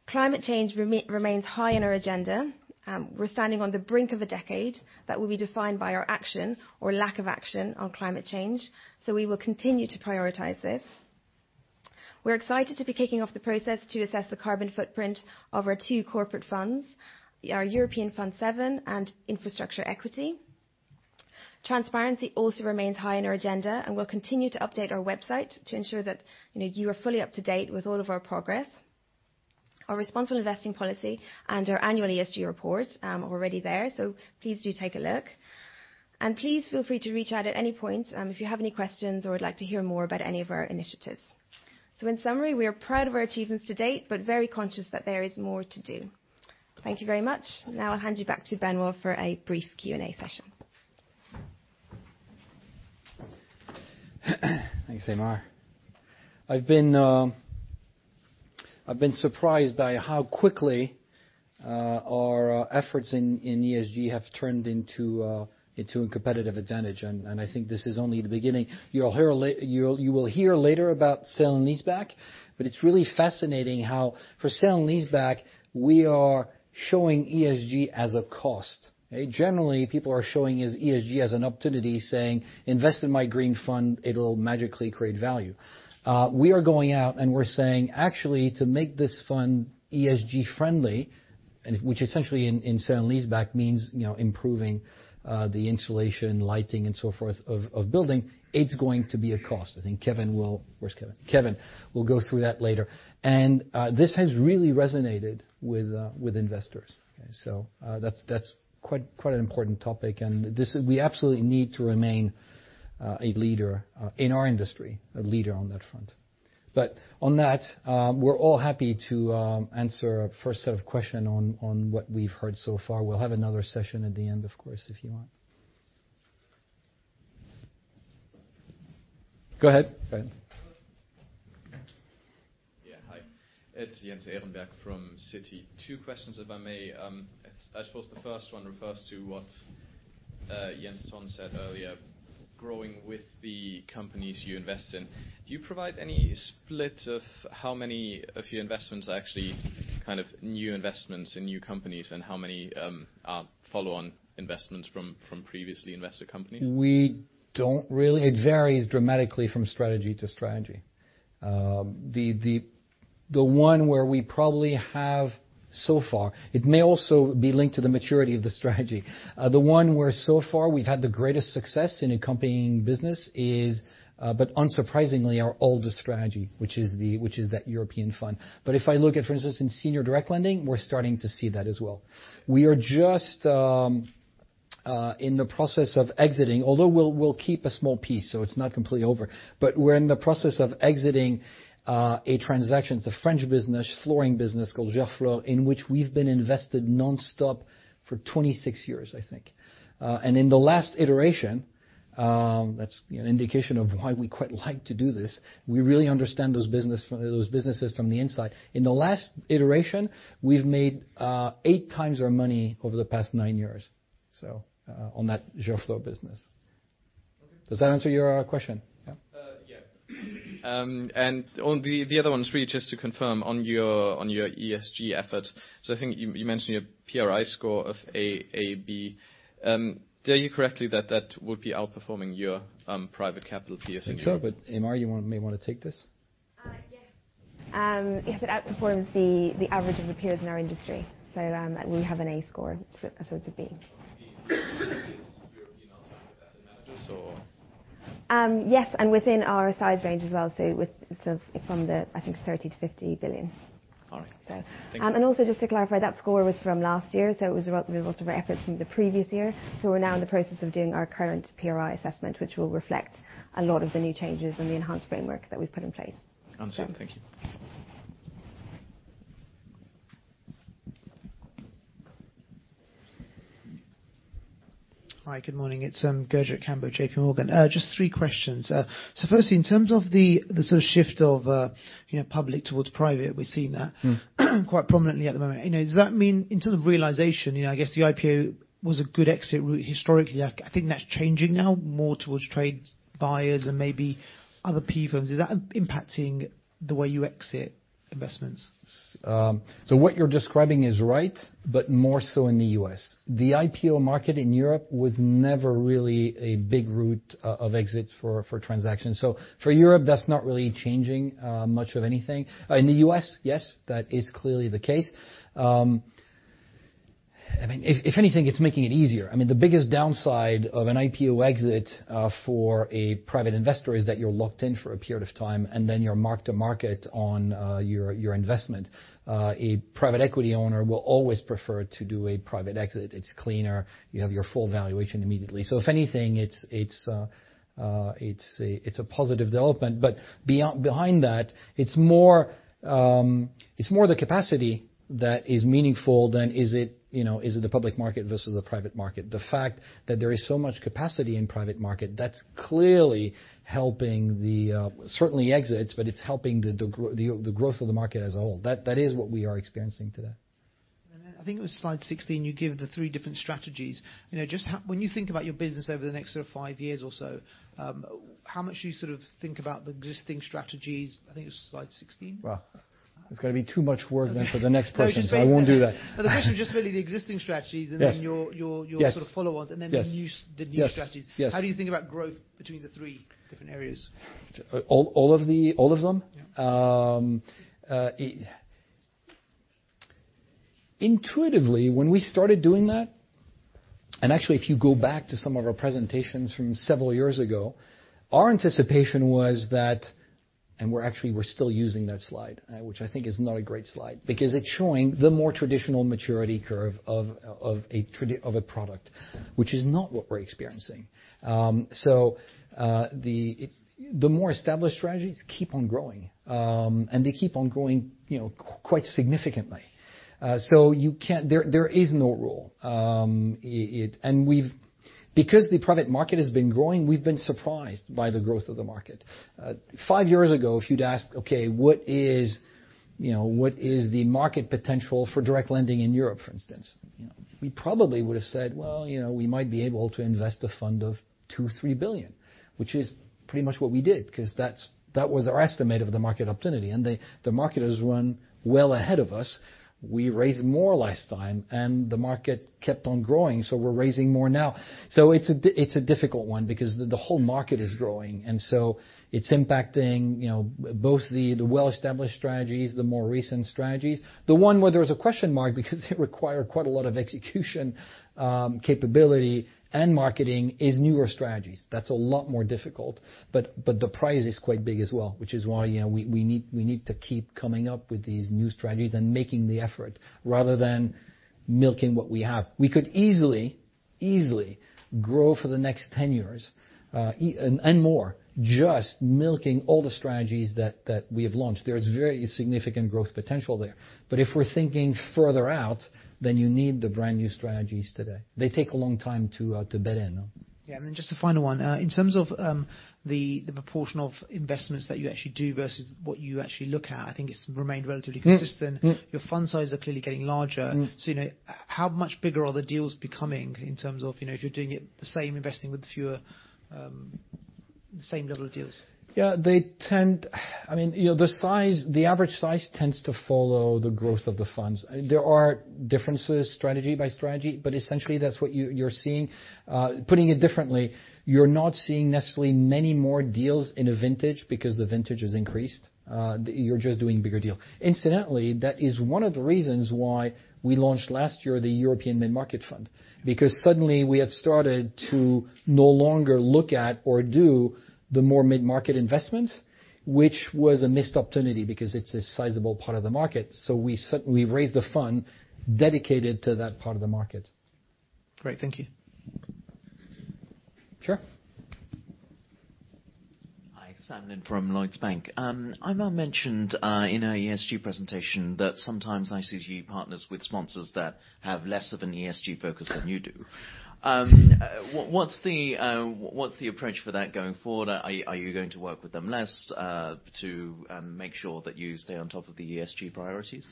Climate change remains high on our agenda. We're standing on the brink of a decade that will be defined by our action or lack of action on climate change. We will continue to prioritize this. We're excited to be kicking off the process to assess the carbon footprint of our two corporate funds, our ICG Europe Fund VII and Infrastructure Equity. Transparency also remains high on our agenda, and we'll continue to update our website to ensure that you are fully up to date with all of our progress. Our responsible investing policy and our annual ESG report are already there, so please do take a look, and please feel free to reach out at any point, if you have any questions or would like to hear more about any of our initiatives. In summary, we are proud of our achievements to date, but very conscious that there is more to do. Thank you very much. Now I'll hand you back to Benoît for a brief Q&A session. Thanks, Eimear. I've been surprised by how quickly our efforts in ESG have turned into a competitive advantage, and I think this is only the beginning. You will hear later about sale and lease back, but it's really fascinating how for sale and lease back, we are showing ESG as a cost. Generally, people are showing ESG as an opportunity, saying, "Invest in my green fund, it'll magically create value." We are going out, and we're saying, actually, to make this fund ESG friendly, which essentially in sale and lease back means improving the insulation, lighting and so forth of building, it's going to be a cost. I think Kevin will go through that later. This has really resonated with investors. That's quite an important topic, and we absolutely need to remain a leader in our industry, a leader on that front. On that, we're all happy to answer a first set of question on what we've heard so far. We'll have another session at the end, of course, if you want. Go ahead. Yeah. Hi. It's Jens Ehrenberg from Citi. Two questions, if I may. I suppose the first one refers to what Jens Tonn said earlier, growing with the companies you invest in. Do you provide any split of how many of your investments are actually kind of new investments in new companies, and how many are follow-on investments from previously invested companies? We don't really. It varies dramatically from strategy to strategy. The one where we probably have so far, it may also be linked to the maturity of the strategy. The one where so far we've had the greatest success in accompanying business is, unsurprisingly, our oldest strategy, which is that European fund. If I look at, for instance, in senior direct lending, we're starting to see that as well. We are just in the process of exiting, although, we'll keep a small piece, so it's not completely over. We're in the process of exiting a transaction. It's a French business, flooring business called Gerflor, in which we've been invested nonstop for 26 years, I think. In the last iteration, that's an indication of why we quite like to do this. We really understand those businesses from the inside. In the last iteration, we've made 8x our money over the past nine years on that Gerflor business. Okay. Does that answer your question? Yeah. On the other one is really just to confirm on your ESG efforts. I think you mentioned your PRI score of AB. Did I hear you correctly that that would be outperforming your private capital peers in Europe? I think so, but Eimear, you may want to take this. Yes. Yes, it outperforms the average of our peers in our industry. We have an A score as opposed to B. Maybe this is European alternative asset managers or? Yes, within our size range as well, so from the, I think it's 30 billion-50 billion. All right. Thank you. Also just to clarify, that score was from last year, so it was the result of our efforts from the previous year. We're now in the process of doing our current PRI assessment, which will reflect a lot of the new changes and the enhanced framework that we've put in place. Understood. Thank you. Hi, good morning. It's Gurjit Kambo, JPMorgan. Just three questions. Firstly, in terms of the sort of shift of public towards private. We've seen quite prominently at the moment. Does that mean in terms of realization, I guess the IPO was a good exit route historically. I think that's changing now more towards trade buyers and maybe other PE firms. Is that impacting the way you exit investments? What you're describing is right, but more so in the U.S. The IPO market in Europe was never really a big route of exit for transactions. For Europe, that's not really changing much of anything. In the U.S., yes, that is clearly the case. If anything, it's making it easier. The biggest downside of an IPO exit for a private investor is that you're locked in for a period of time, and then you're mark-to-market on your investment. A private equity owner will always prefer to do a private exit. It's cleaner. You have your full valuation immediately. If anything, it's a positive development. Behind that, it's more the capacity that is meaningful than is it the public market versus the private market? The fact that there is so much capacity in private market, that's clearly helping the, certainly exits, but it's helping the growth of the market as a whole. That is what we are experiencing today. Then I think it was slide 16, you give the three different strategies. When you think about your business over the next sort of five years or so, how much do you think about the existing strategies? I think it was slide 16. Well, it's going to be too much work then for the next person, so I won't do that. No, just really the existing strategies and then your sort of follow-ons, and then the new strategies. How do you think about growth between the three different areas? All of them? Yeah. Intuitively, when we started doing that, and actually if you go back to some of our presentations from several years ago, our anticipation was that, and we're actually still using that slide, which I think is not a great slide because it's showing the more traditional maturity curve of a product, which is not what we're experiencing. The more established strategies keep on growing. They keep on growing quite significantly. There is no rule. Because the private market has been growing, we've been surprised by the growth of the market. Five years ago, if you'd asked, okay, what is the market potential for direct lending in Europe, for instance? We probably would have said, "Well, we might be able to invest a fund of 2 billion, 3 billion," which is pretty much what we did because that was our estimate of the market opportunity. The market has run well ahead of us. We raised more last time, and the market kept on growing, so we're raising more now. It's a difficult one because the whole market is growing, and so it's impacting both the well-established strategies, the more recent strategies. The one where there's a question mark because it require quite a lot of execution capability and marketing is newer strategies. That's a lot more difficult. The prize is quite big as well, which is why we need to keep coming up with these new strategies and making the effort rather than milking what we have. We could easily grow for the next 10 years and more just milking all the strategies that we have launched. There is very significant growth potential there. If we're thinking further out, then you need the brand-new strategies today. They take a long time to bed in. Yeah. Just the final one. In terms of the proportion of investments that you actually do versus what you actually look at, I think it's remained relatively consistent. Your fund size are clearly getting larger. How much bigger are the deals becoming in terms of, if you're doing it the same investing with fewer, same level of deals? Yeah. The average size tends to follow the growth of the funds. There are differences strategy by strategy, but essentially that's what you're seeing. Putting it differently, you're not seeing necessarily many more deals in a vintage because the vintage has increased. You're just doing bigger deal. Incidentally, that is one of the reasons why we launched last year the European Mid-Market Fund because suddenly we had started to no longer look at or do the more mid-market investments, which was a missed opportunity because it's a sizable part of the market. We raised the fund dedicated to that part of the market. Great. Thank you. Sure. Hi. Sam Mahon from Lloyds Bank. Eimear mentioned in our ESG presentation that sometimes ICG partners with sponsors that have less of an ESG focus than you do. What's the approach for that going forward? Are you going to work with them less to make sure that you stay on top of the ESG priorities?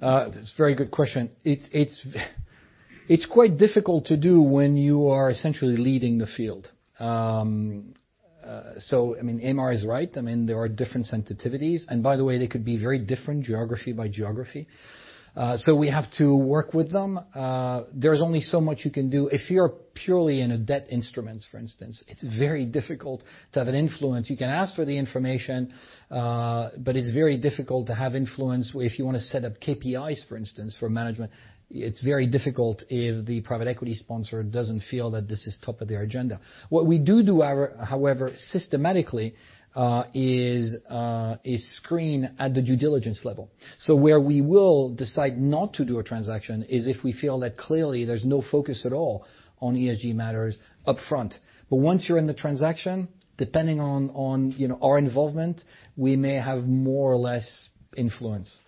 It's a very good question. It's quite difficult to do when you are essentially leading the field. Eimear is right. There are different sensitivities. By the way, they could be very different geography by geography. We have to work with them. There's only so much you can do. If you're purely in a debt instruments, for instance, it's very difficult to have an influence. You can ask for the information, but it's very difficult to have influence if you want to set up KPIs, for instance, for management. It's very difficult if the private equity sponsor doesn't feel that this is top of their agenda. What we do, however, systematically is screen at the due diligence level. Where we will decide not to do a transaction is if we feel that clearly there's no focus at all on ESG matters upfront. Once you're in the transaction, depending on our involvement, we may have more or less influence.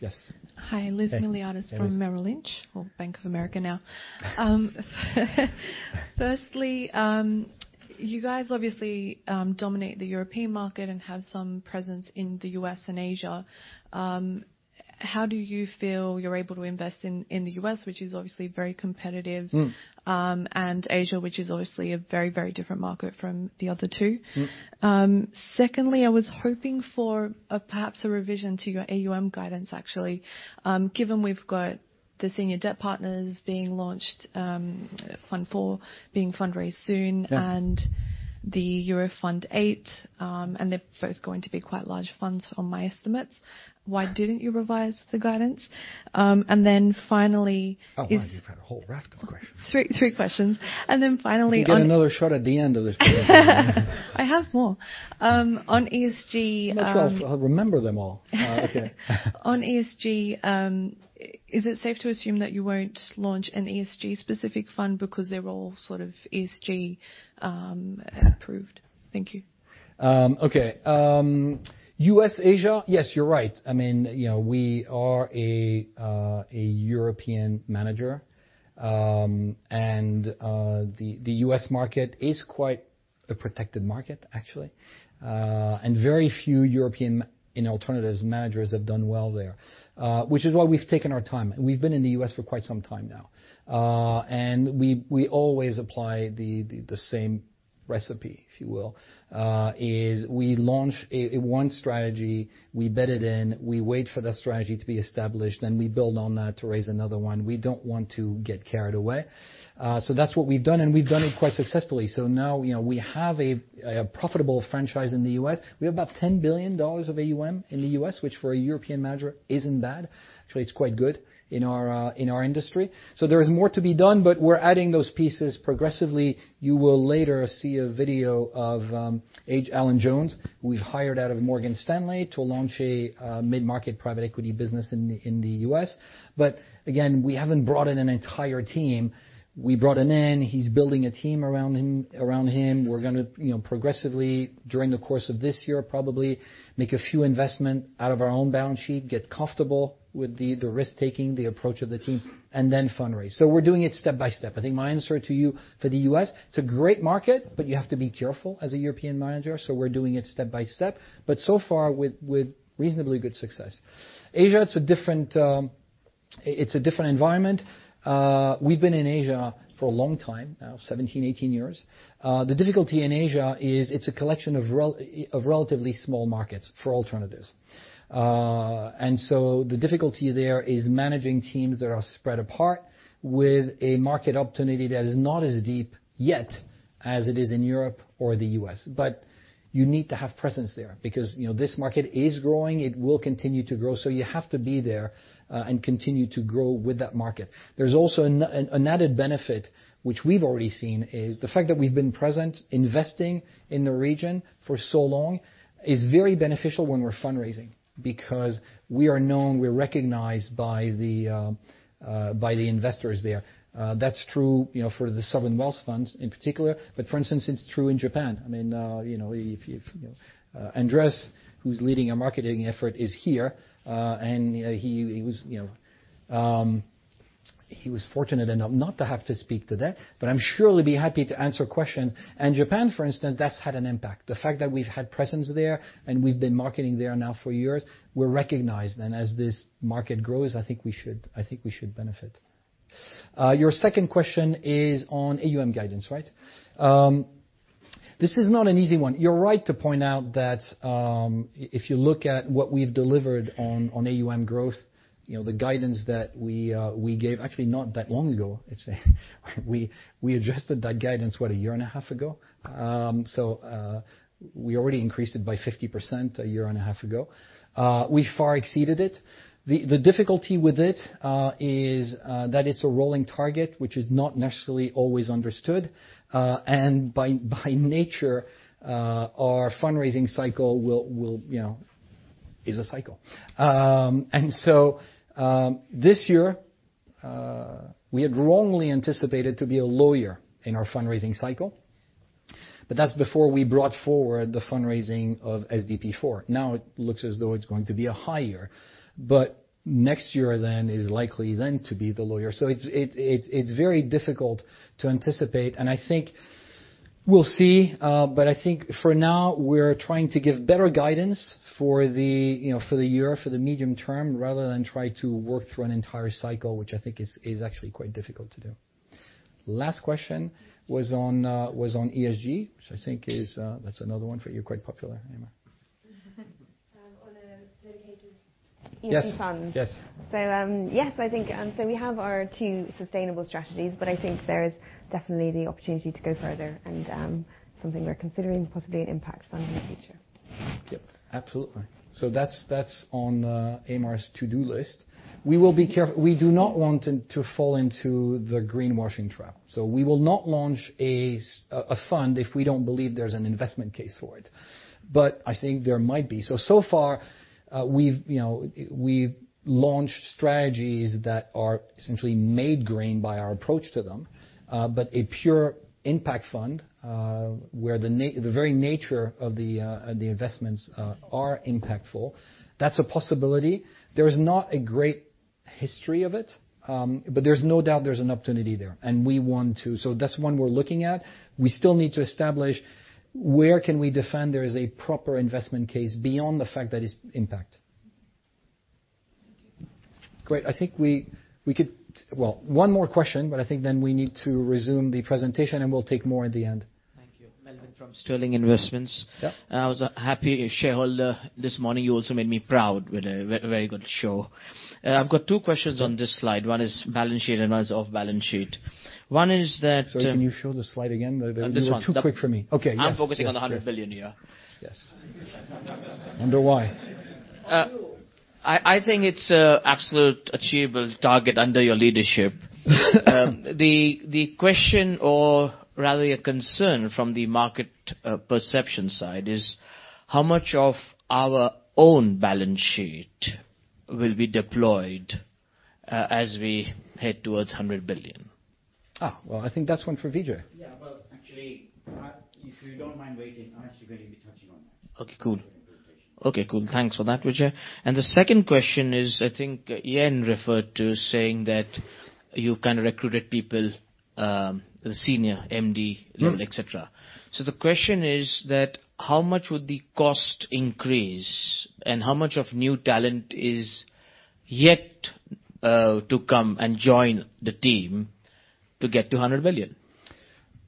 Yes. Hi. Liz Miliatis from Merrill Lynch or Bank of America now. Firstly. You guys obviously dominate the European market and have some presence in the U.S. and Asia. How do you feel you're able to invest in the U.S., which is obviously very competitive? Asia, which is obviously a very different market from the other two. Secondly, I was hoping for perhaps a revision to your AUM guidance, actually. Given we've got the Senior Debt Partners being launched, fund four being fundraised soon and the ICG Europe Fund VIII, and they're both going to be quite large funds on my estimates. Why didn't you revise the guidance? Oh, my. You've had a whole raft of questions. Three questions. You get another shot at the end of the presentation. I have more. On ESG. No trust I'll remember them all. Okay. On ESG, is it safe to assume that you won't launch an ESG specific fund because they're all sort of ESG approved? Thank you. Okay. U.S., Asia. Yes, you're right. We are a European manager. The U.S. market is quite a protected market, actually. Very few European in alternatives managers have done well there. Which is why we've taken our time, and we've been in the U.S. for quite some time now. We always apply the same recipe, if you will. Is we launch one strategy, we bed it in, we wait for that strategy to be established, and we build on that to raise another one. We don't want to get carried away. That's what we've done, and we've done it quite successfully. Now, we have a profitable franchise in the U.S. We have about GBP 10 billion of AUM in the U.S., which for a European manager isn't bad. Actually, it's quite good in our industry. There is more to be done, but we're adding those pieces progressively. You will later see a video of Alan Jones, who we've hired out of Morgan Stanley to launch a mid-market private equity business in the U.S. Again, we haven't brought in an entire team. We brought him in. He's building a team around him. We're going to progressively, during the course of this year, probably make a few investment out of our own balance sheet, get comfortable with the risk-taking, the approach of the team, and then fundraise. We're doing it step by step. I think my answer to you for the U.S., it's a great market, but you have to be careful as a European manager. We're doing it step by step. So far with reasonably good success. Asia, it's a different environment. We've been in Asia for a long time now, 17, 18 years. The difficulty in Asia is it's a collection of relatively small markets for alternatives. The difficulty there is managing teams that are spread apart with a market opportunity that is not as deep yet as it is in Europe or the U.S. You need to have presence there because this market is growing. It will continue to grow. You have to be there, and continue to grow with that market. There's also an added benefit, which we've already seen, is the fact that we've been present, investing in the region for so long is very beneficial when we're fundraising because we are known, we are recognized by the investors there. That's true for the sovereign wealth fund in particular. For instance, it's true in Japan. If Andreas, who's leading our marketing effort is here, and he was fortunate enough not to have to speak today, but I'm sure he'll be happy to answer questions. Japan, for instance, that's had an impact. The fact that we've had presence there and we've been marketing there now for years, we're recognized. As this market grows, I think we should benefit. Your second question is on AUM guidance, right? This is not an easy one. You're right to point out that if you look at what we've delivered on AUM growth, the guidance that we gave actually not that long ago, it's we adjusted that guidance, what, a year and a half ago. We already increased it by 50% a year and a half ago. We far exceeded it. The difficulty with it, is that it's a rolling target, which is not necessarily always understood. By nature, our fundraising cycle is a cycle. This year, we had wrongly anticipated to be a low year in our fundraising cycle, but that's before we brought forward the fundraising of SDP IV. Now it looks as though it's going to be a high year, but next year then is likely then to be the low year. It's very difficult to anticipate, and I think we'll see. I think for now, we're trying to give better guidance for the year, for the medium term, rather than try to work through an entire cycle, which I think is actually quite difficult to do. Last question was on ESG, which I think is that's another one for you. Quite popular, Eimear. On a dedicated ESG fund? Yes. Yes, I think so. We have our two sustainable strategies, but I think there is definitely the opportunity to go further and something we're considering possibly an impact fund in the future. Yep, absolutely. That's on Eimear's to-do list. We do not want to fall into the greenwashing trap. We will not launch a fund if we don't believe there's an investment case for it. I think there might be. So far we've launched strategies that are essentially made green by our approach to them. A pure impact fund, where the very nature of the investments are impactful. That's a possibility. There is not a great history of it, but there's no doubt there's an opportunity there, and that's one we're looking at. We still need to establish where can we defend there is a proper investment case beyond the fact that it's impact. Thank you. Great. I think one more question, but I think then we need to resume the presentation, and we'll take more at the end. Thank you. Melwin from Sterling Investments. Yeah. I was a happy shareholder this morning. You also made me proud with a very good show. I've got two questions on this slide. One is balance sheet, and one is off balance sheet. Sorry, can you show the slide again? This one. You were too quick for me. Okay. Yes. I'm focusing on the 100 billion, yeah. Yes. Wonder why? I think it's a absolute achievable target under your leadership. The question or rather, a concern from the market perception side is, how much of our own balance sheet will be deployed, as we head towards 100 billion? I think that's one for Vijay. Yeah. Well, actually, if you don't mind waiting, I'm actually going to be touching on that in the presentation. Okay, cool. Thanks for that, Vijay. The second question is, I think Jens referred to saying that you kind of recruited people, the senior MD level, et cetera. The question is that, how much would the cost increase, and how much of new talent is yet to come and join the team to get to 100 billion?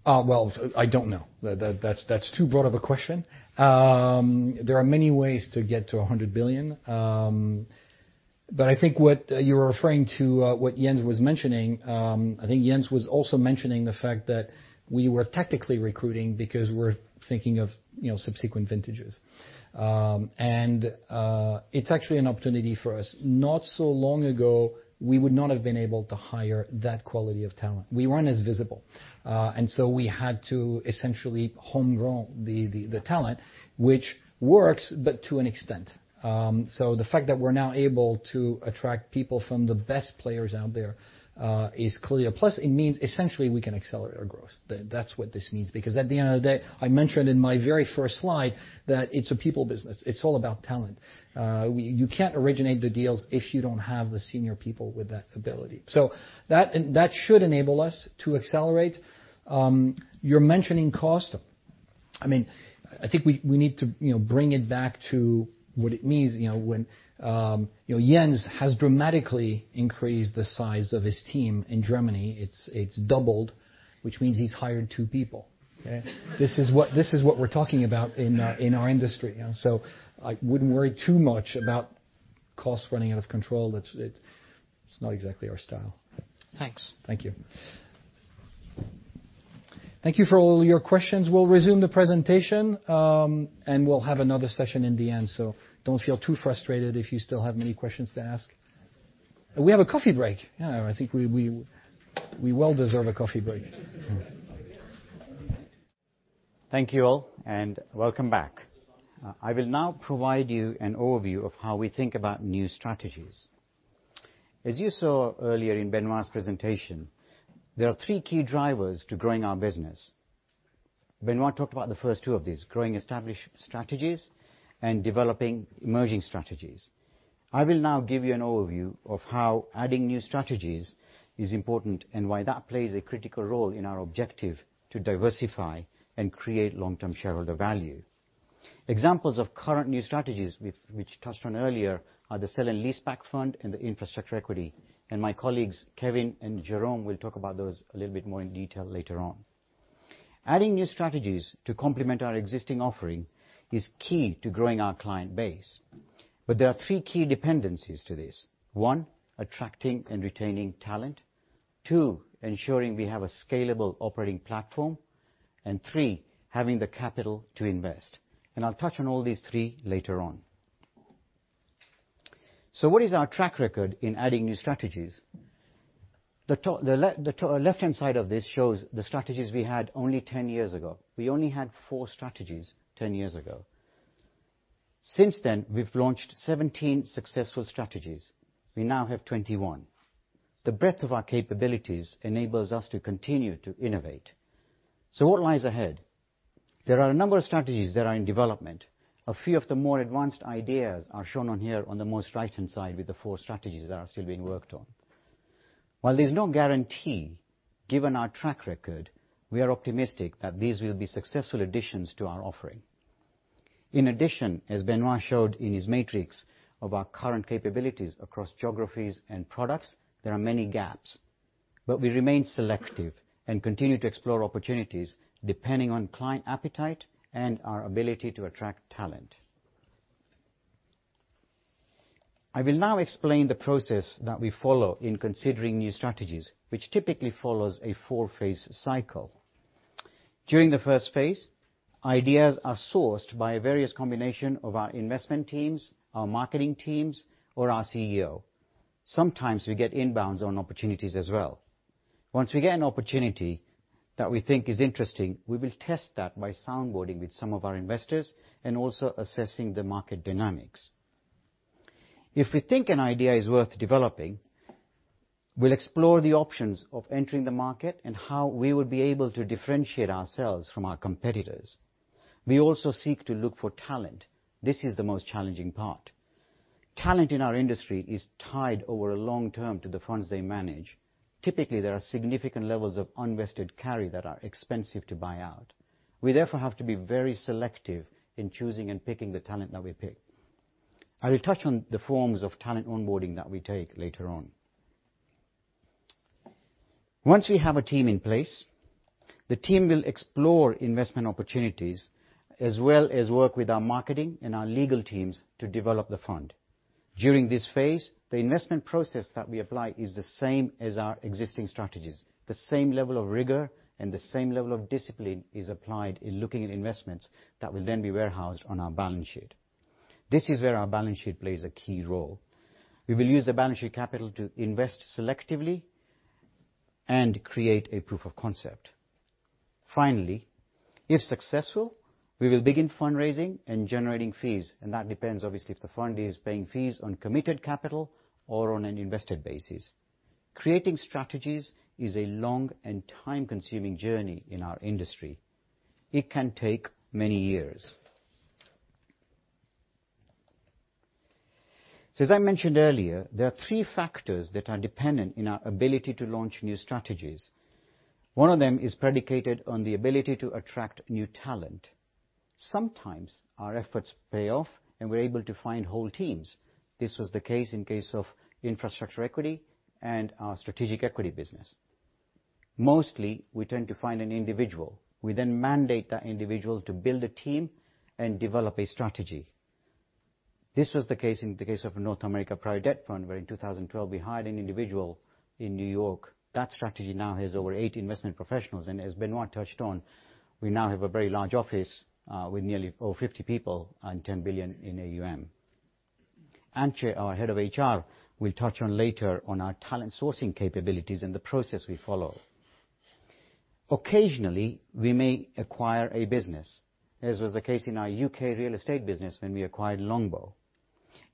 Well, I don't know. That's too broad of a question. There are many ways to get to 100 billion. I think what you're referring to, what Jens was mentioning, I think Jens was also mentioning the fact that we were tactically recruiting because we're thinking of subsequent vintages. It's actually an opportunity for us. Not so long ago, we would not have been able to hire that quality of talent. We weren't as visible. We had to essentially home-grow the talent, which works, but to an extent. The fact that we're now able to attract people from the best players out there is clear. It means essentially, we can accelerate our growth. That's what this means. At the end of the day, I mentioned in my very first slide that it's a people business. It's all about talent. You can't originate the deals if you don't have the senior people with that ability. That should enable us to accelerate. You're mentioning cost. I think we need to bring it back to what it means when Jens has dramatically increased the size of his team in Germany. It's doubled, which means he's hired two people, okay? This is what we're talking about in our industry. I wouldn't worry too much about costs running out of control. It's not exactly our style. Thanks. Thank you. Thank you for all your questions. We'll resume the presentation, and we'll have another session in the end, so don't feel too frustrated if you still have many questions to ask. We have a coffee break. Yeah, I think we well deserve a coffee break. Thank you all, and welcome back. I will now provide you an overview of how we think about new strategies. As you saw earlier in Benoît's presentation, there are three key drivers to growing our business. Benoît talked about the first two of these, growing established strategies and developing emerging strategies. I will now give you an overview of how adding new strategies is important, and why that plays a critical role in our objective to diversify and create long-term shareholder value. Examples of current new strategies which touched on earlier are the sale and leaseback fund and the infrastructure equity. My colleagues, Kevin and Jérôme, will talk about those a little bit more in detail later on. Adding new strategies to complement our existing offering is key to growing our client base. There are three key dependencies to this. One, attracting and retaining talent. Two, ensuring we have a scalable operating platform, and three, having the capital to invest. I'll touch on all these three later on. What is our track record in adding new strategies? The left-hand side of this shows the strategies we had only 10 years ago. We only had four strategies 10 years ago. Since then, we've launched 17 successful strategies. We now have 21. The breadth of our capabilities enables us to continue to innovate. What lies ahead? There are a number of strategies that are in development. A few of the more advanced ideas are shown on here on the most right-hand side with the four strategies that are still being worked on. While there's no guarantee, given our track record, we are optimistic that these will be successful additions to our offering. In addition, as Benoît showed in his matrix of our current capabilities across geographies and products, there are many gaps. We remain selective and continue to explore opportunities depending on client appetite and our ability to attract talent. I will now explain the process that we follow in considering new strategies, which typically follows a four-phase cycle. During the first phase, ideas are sourced by various combination of our investment teams, our marketing teams, or our CEO. Sometimes we get inbounds on opportunities as well. Once we get an opportunity that we think is interesting, we will test that by soundboarding with some of our investors and also assessing the market dynamics. If we think an idea is worth developingwe'll explore the options of entering the market and how we will be able to differentiate ourselves from our competitors. We also seek to look for talent. This is the most challenging part. Talent in our industry is tied over a long term to the funds they manage. Typically, there are significant levels of unvested carry that are expensive to buy out. We therefore have to be very selective in choosing and picking the talent that we pick. I will touch on the forms of talent onboarding that we take later on. Once we have a team in place, the team will explore investment opportunities as well as work with our marketing and our legal teams to develop the fund. During this phase, the investment process that we apply is the same as our existing strategies. The same level of rigor and the same level of discipline is applied in looking at investments that will then be warehoused on our balance sheet. This is where our balance sheet plays a key role. We will use the balance sheet capital to invest selectively and create a proof of concept. Finally, if successful, we will begin fundraising and generating fees, and that depends obviously if the fund is paying fees on committed capital or on an invested basis. Creating strategies is a long and time-consuming journey in our industry. It can take many years. As I mentioned earlier, there are three factors that are dependent in our ability to launch new strategies. One of them is predicated on the ability to attract new talent. Sometimes our efforts pay off, and we're able to find whole teams. This was the case in case of infrastructure equity and our Strategic Equity business. Mostly, we tend to find an individual. We then mandate that individual to build a team and develop a strategy. This was the case in the case of North America Private Debt Fund, where in 2012 we hired an individual in New York. That strategy now has over 80 investment professionals, and as Benoît touched on, we now have a very large office with nearly over 50 people and 10 billion in AUM. Antje, our head of HR, will touch on later on our talent sourcing capabilities and the process we follow. Occasionally, we may acquire a business, as was the case in our U.K. real estate business when we acquired Longbow.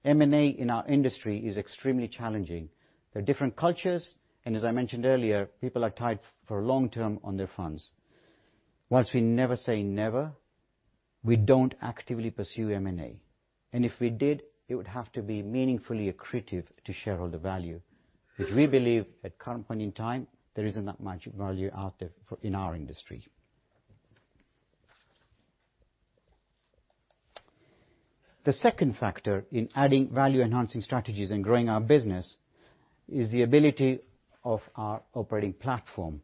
M&A in our industry is extremely challenging. There are different cultures, and as I mentioned earlier, people are tied for long term on their funds. Whilst we never say never, we don't actively pursue M&A, and if we did, it would have to be meaningfully accretive to shareholder value. We believe at current point in time, there isn't that much value out there in our industry. The second factor in adding value-enhancing strategies and growing our business is the ability of our operating platform.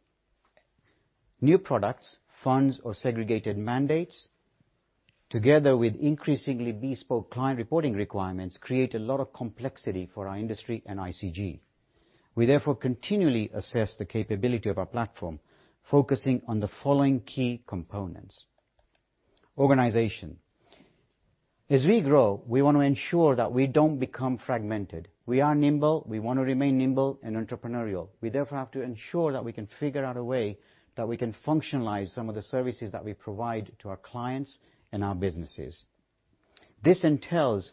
New products, funds or segregated mandates, together with increasingly bespoke client reporting requirements, create a lot of complexity for our industry and ICG. We therefore continually assess the capability of our platform, focusing on the following key components. Organization. As we grow, we want to ensure that we don't become fragmented. We are nimble. We want to remain nimble and entrepreneurial. We therefore have to ensure that we can figure out a way that we can functionalize some of the services that we provide to our clients and our businesses. This entails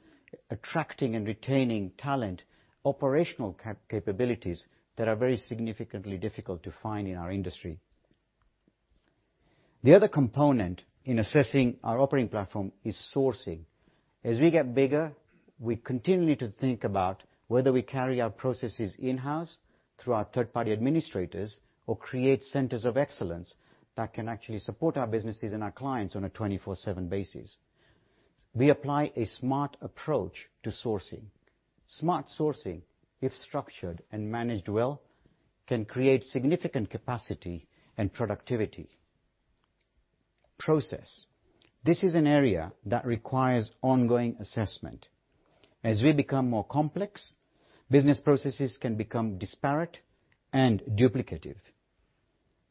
attracting and retaining talent, operational capabilities that are very significantly difficult to find in our industry. The other component in assessing our operating platform is sourcing. As we get bigger, we continually to think about whether we carry our processes in-house through our third-party administrators or create centers of excellence that can actually support our businesses and our clients on a 24/7 basis. We apply a smart approach to sourcing. Smart sourcing, if structured and managed well, can create significant capacity and productivity. Process. This is an area that requires ongoing assessment. As we become more complex, business processes can become disparate and duplicative.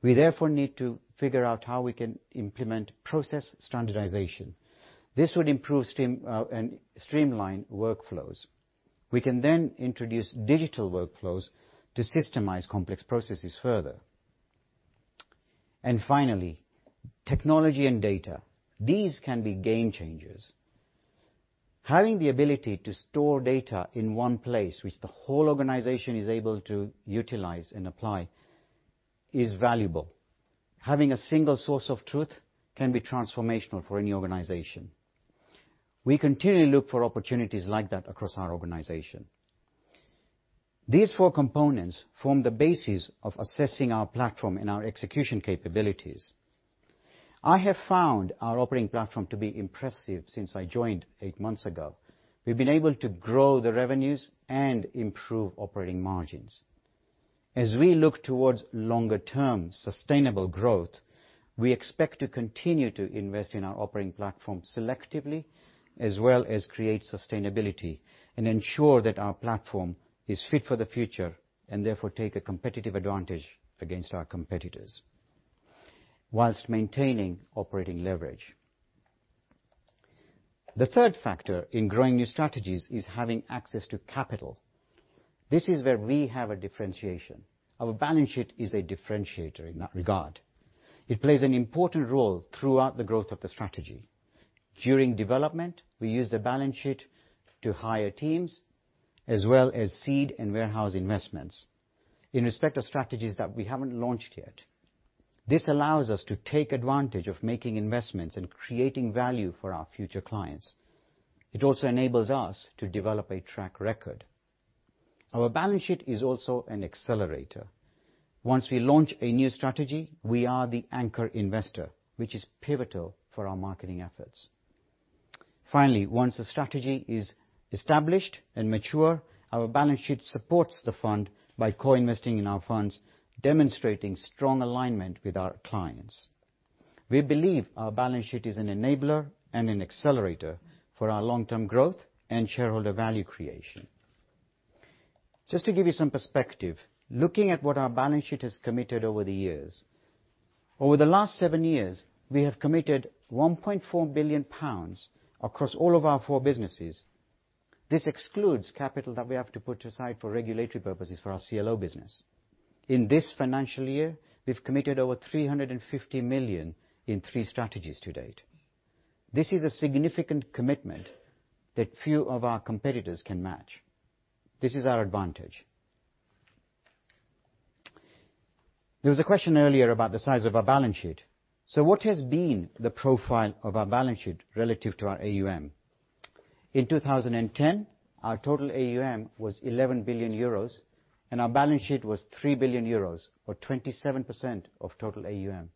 We therefore need to figure out how we can implement process standardization. This would improve and streamline workflows. We can then introduce digital workflows to systemize complex processes further. Finally, technology and data. These can be game changers. Having the ability to store data in one place which the whole organization is able to utilize and apply is valuable. Having a single source of truth can be transformational for any organization. We continually look for opportunities like that across our organization. These four components form the basis of assessing our platform and our execution capabilities. I have found our operating platform to be impressive since I joined eight months ago. We've been able to grow the revenues and improve operating margins. As we look towards longer term sustainable growth, we expect to continue to invest in our operating platform selectively as well as create sustainability and ensure that our platform is fit for the future and therefore take a competitive advantage against our competitors while maintaining operating leverage. The third factor in growing new strategies is having access to capital. This is where we have a differentiation. Our balance sheet is a differentiator in that regard. It plays an important role throughout the growth of the strategy. During development, we use the balance sheet to hire teams as well as seed and warehouse investments in respect of strategies that we haven't launched yet. This allows us to take advantage of making investments and creating value for our future clients. It also enables us to develop a track record. Our balance sheet is also an accelerator. Once we launch a new strategy, we are the anchor investor, which is pivotal for our marketing efforts. Finally, once a strategy is established and mature, our balance sheet supports the fund by co-investing in our funds, demonstrating strong alignment with our clients. We believe our balance sheet is an enabler and an accelerator for our long-term growth and shareholder value creation. Just to give you some perspective, looking at what our balance sheet has committed over the years. Over the last seven years, we have committed 1.4 billion pounds across all of our four businesses. This excludes capital that we have to put aside for regulatory purposes for our CLO business. In this financial year, we've committed over 350 million in three strategies to date. This is a significant commitment that few of our competitors can match. This is our advantage. There was a question earlier about the size of our balance sheet. What has been the profile of our balance sheet relative to our AUM? In 2010, our total AUM was 11 billion euros, and our balance sheet was 3 billion euros or 27% of total AUM.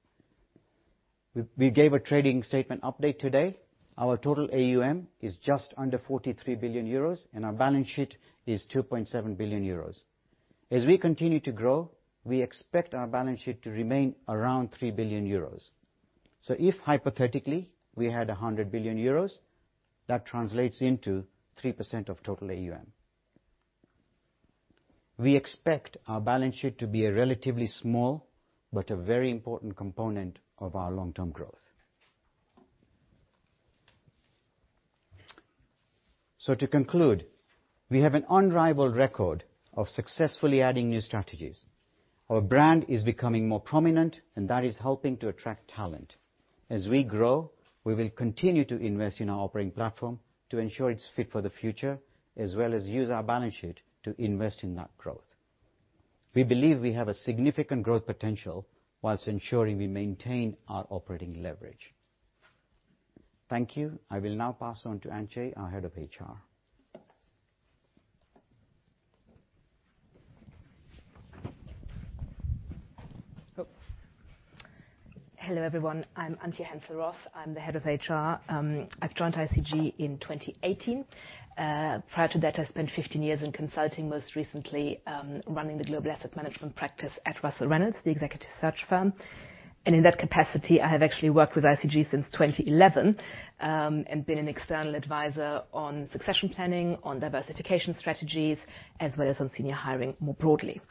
We gave a trading statement update today. Our total AUM is just under 43 billion euros, and our balance sheet is 2.7 billion euros. As we continue to grow, we expect our balance sheet to remain around 3 billion euros. If hypothetically we had 100 billion euros, that translates into 3% of total AUM. We expect our balance sheet to be a relatively small but a very important component of our long-term growth. To conclude, we have an unrivaled record of successfully adding new strategies. Our brand is becoming more prominent, and that is helping to attract talent. As we grow, we will continue to invest in our operating platform to ensure it's fit for the future, as well as use our balance sheet to invest in that growth. We believe we have a significant growth potential while ensuring we maintain our operating leverage. Thank you. I will now pass on to Antje, our head of HR. Hello, everyone. I'm Antje Hensel-Roth. I'm the head of HR. I've joined ICG in 2018. Prior to that, I spent 15 years in consulting, most recently, running the global asset management practice at Russell Reynolds, the executive search firm. In that capacity, I have actually worked with ICG since 2011, and been an external advisor on succession planning, on diversification strategies, as well as on senior hiring more broadly.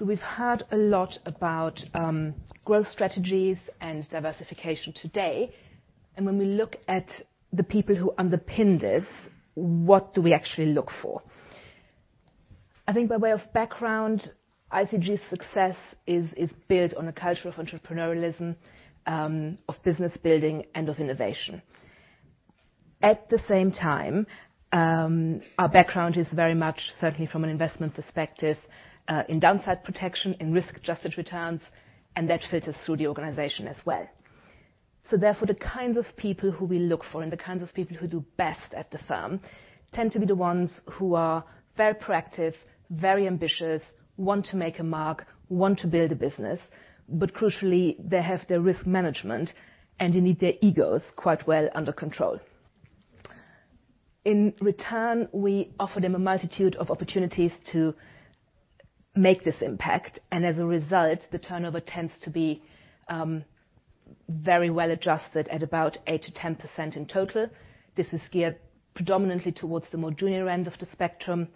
We've heard a lot about growth strategies and diversification today, and when we look at the people who underpin this, what do we actually look for? I think by way of background, ICG's success is built on a culture of entrepreneurialism, of business building, and of innovation. At the same time, our background is very much certainly from an investment perspective, in downside protection, in risk-adjusted returns, and that filters through the organization as well. Therefore, the kinds of people who we look for and the kinds of people who do best at the firm tend to be the ones who are very proactive, very ambitious, want to make a mark, want to build a business, but crucially, they have their risk management and they need their egos quite well under control. In return, we offer them a multitude of opportunities to make this impact, and as a result, the turnover tends to be very well adjusted at about 8%-10% in total. This is geared predominantly towards the more junior end of the spectrum,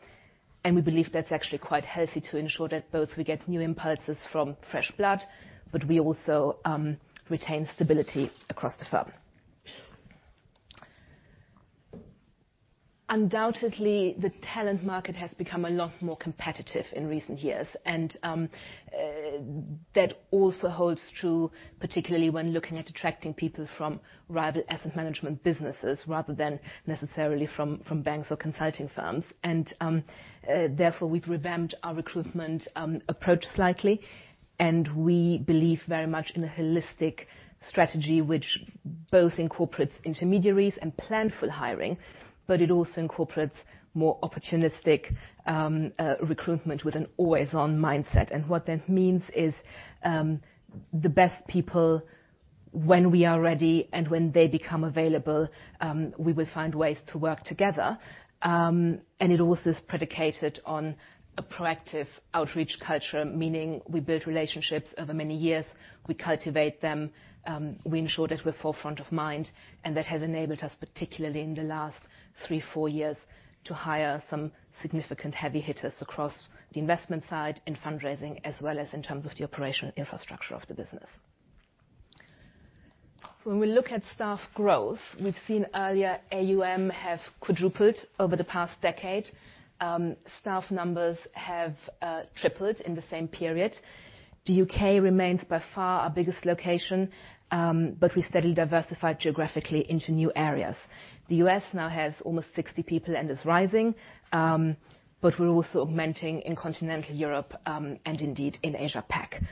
and we believe that's actually quite healthy to ensure that both we get new impulses from fresh blood, but we also retain stability across the firm. Undoubtedly, the talent market has become a lot more competitive in recent years, and that also holds true, particularly when looking at attracting people from rival asset management businesses rather than necessarily from banks or consulting firms. Therefore, we've revamped our recruitment approach slightly, and we believe very much in a holistic strategy which both incorporates intermediaries and planful hiring, but it also incorporates more opportunistic recruitment with an always-on mindset. What that means is, the best people, when we are ready and when they become available, we will find ways to work together. It also is predicated on a proactive outreach culture, meaning we build relationships over many years. We cultivate them. We ensure that we're forefront of mind, and that has enabled us, particularly in the last three, four years, to hire some significant heavy hitters across the investment side in fundraising, as well as in terms of the operational infrastructure of the business. When we look at staff growth, we've seen earlier AUM have quadrupled over the past decade. Staff numbers have tripled in the same period. The U.K. remains by far our biggest location, but we steadily diversified geographically into new areas. The U.S. now has almost 60 people and is rising, but we're also augmenting in continental Europe, and indeed in Asia-Pac.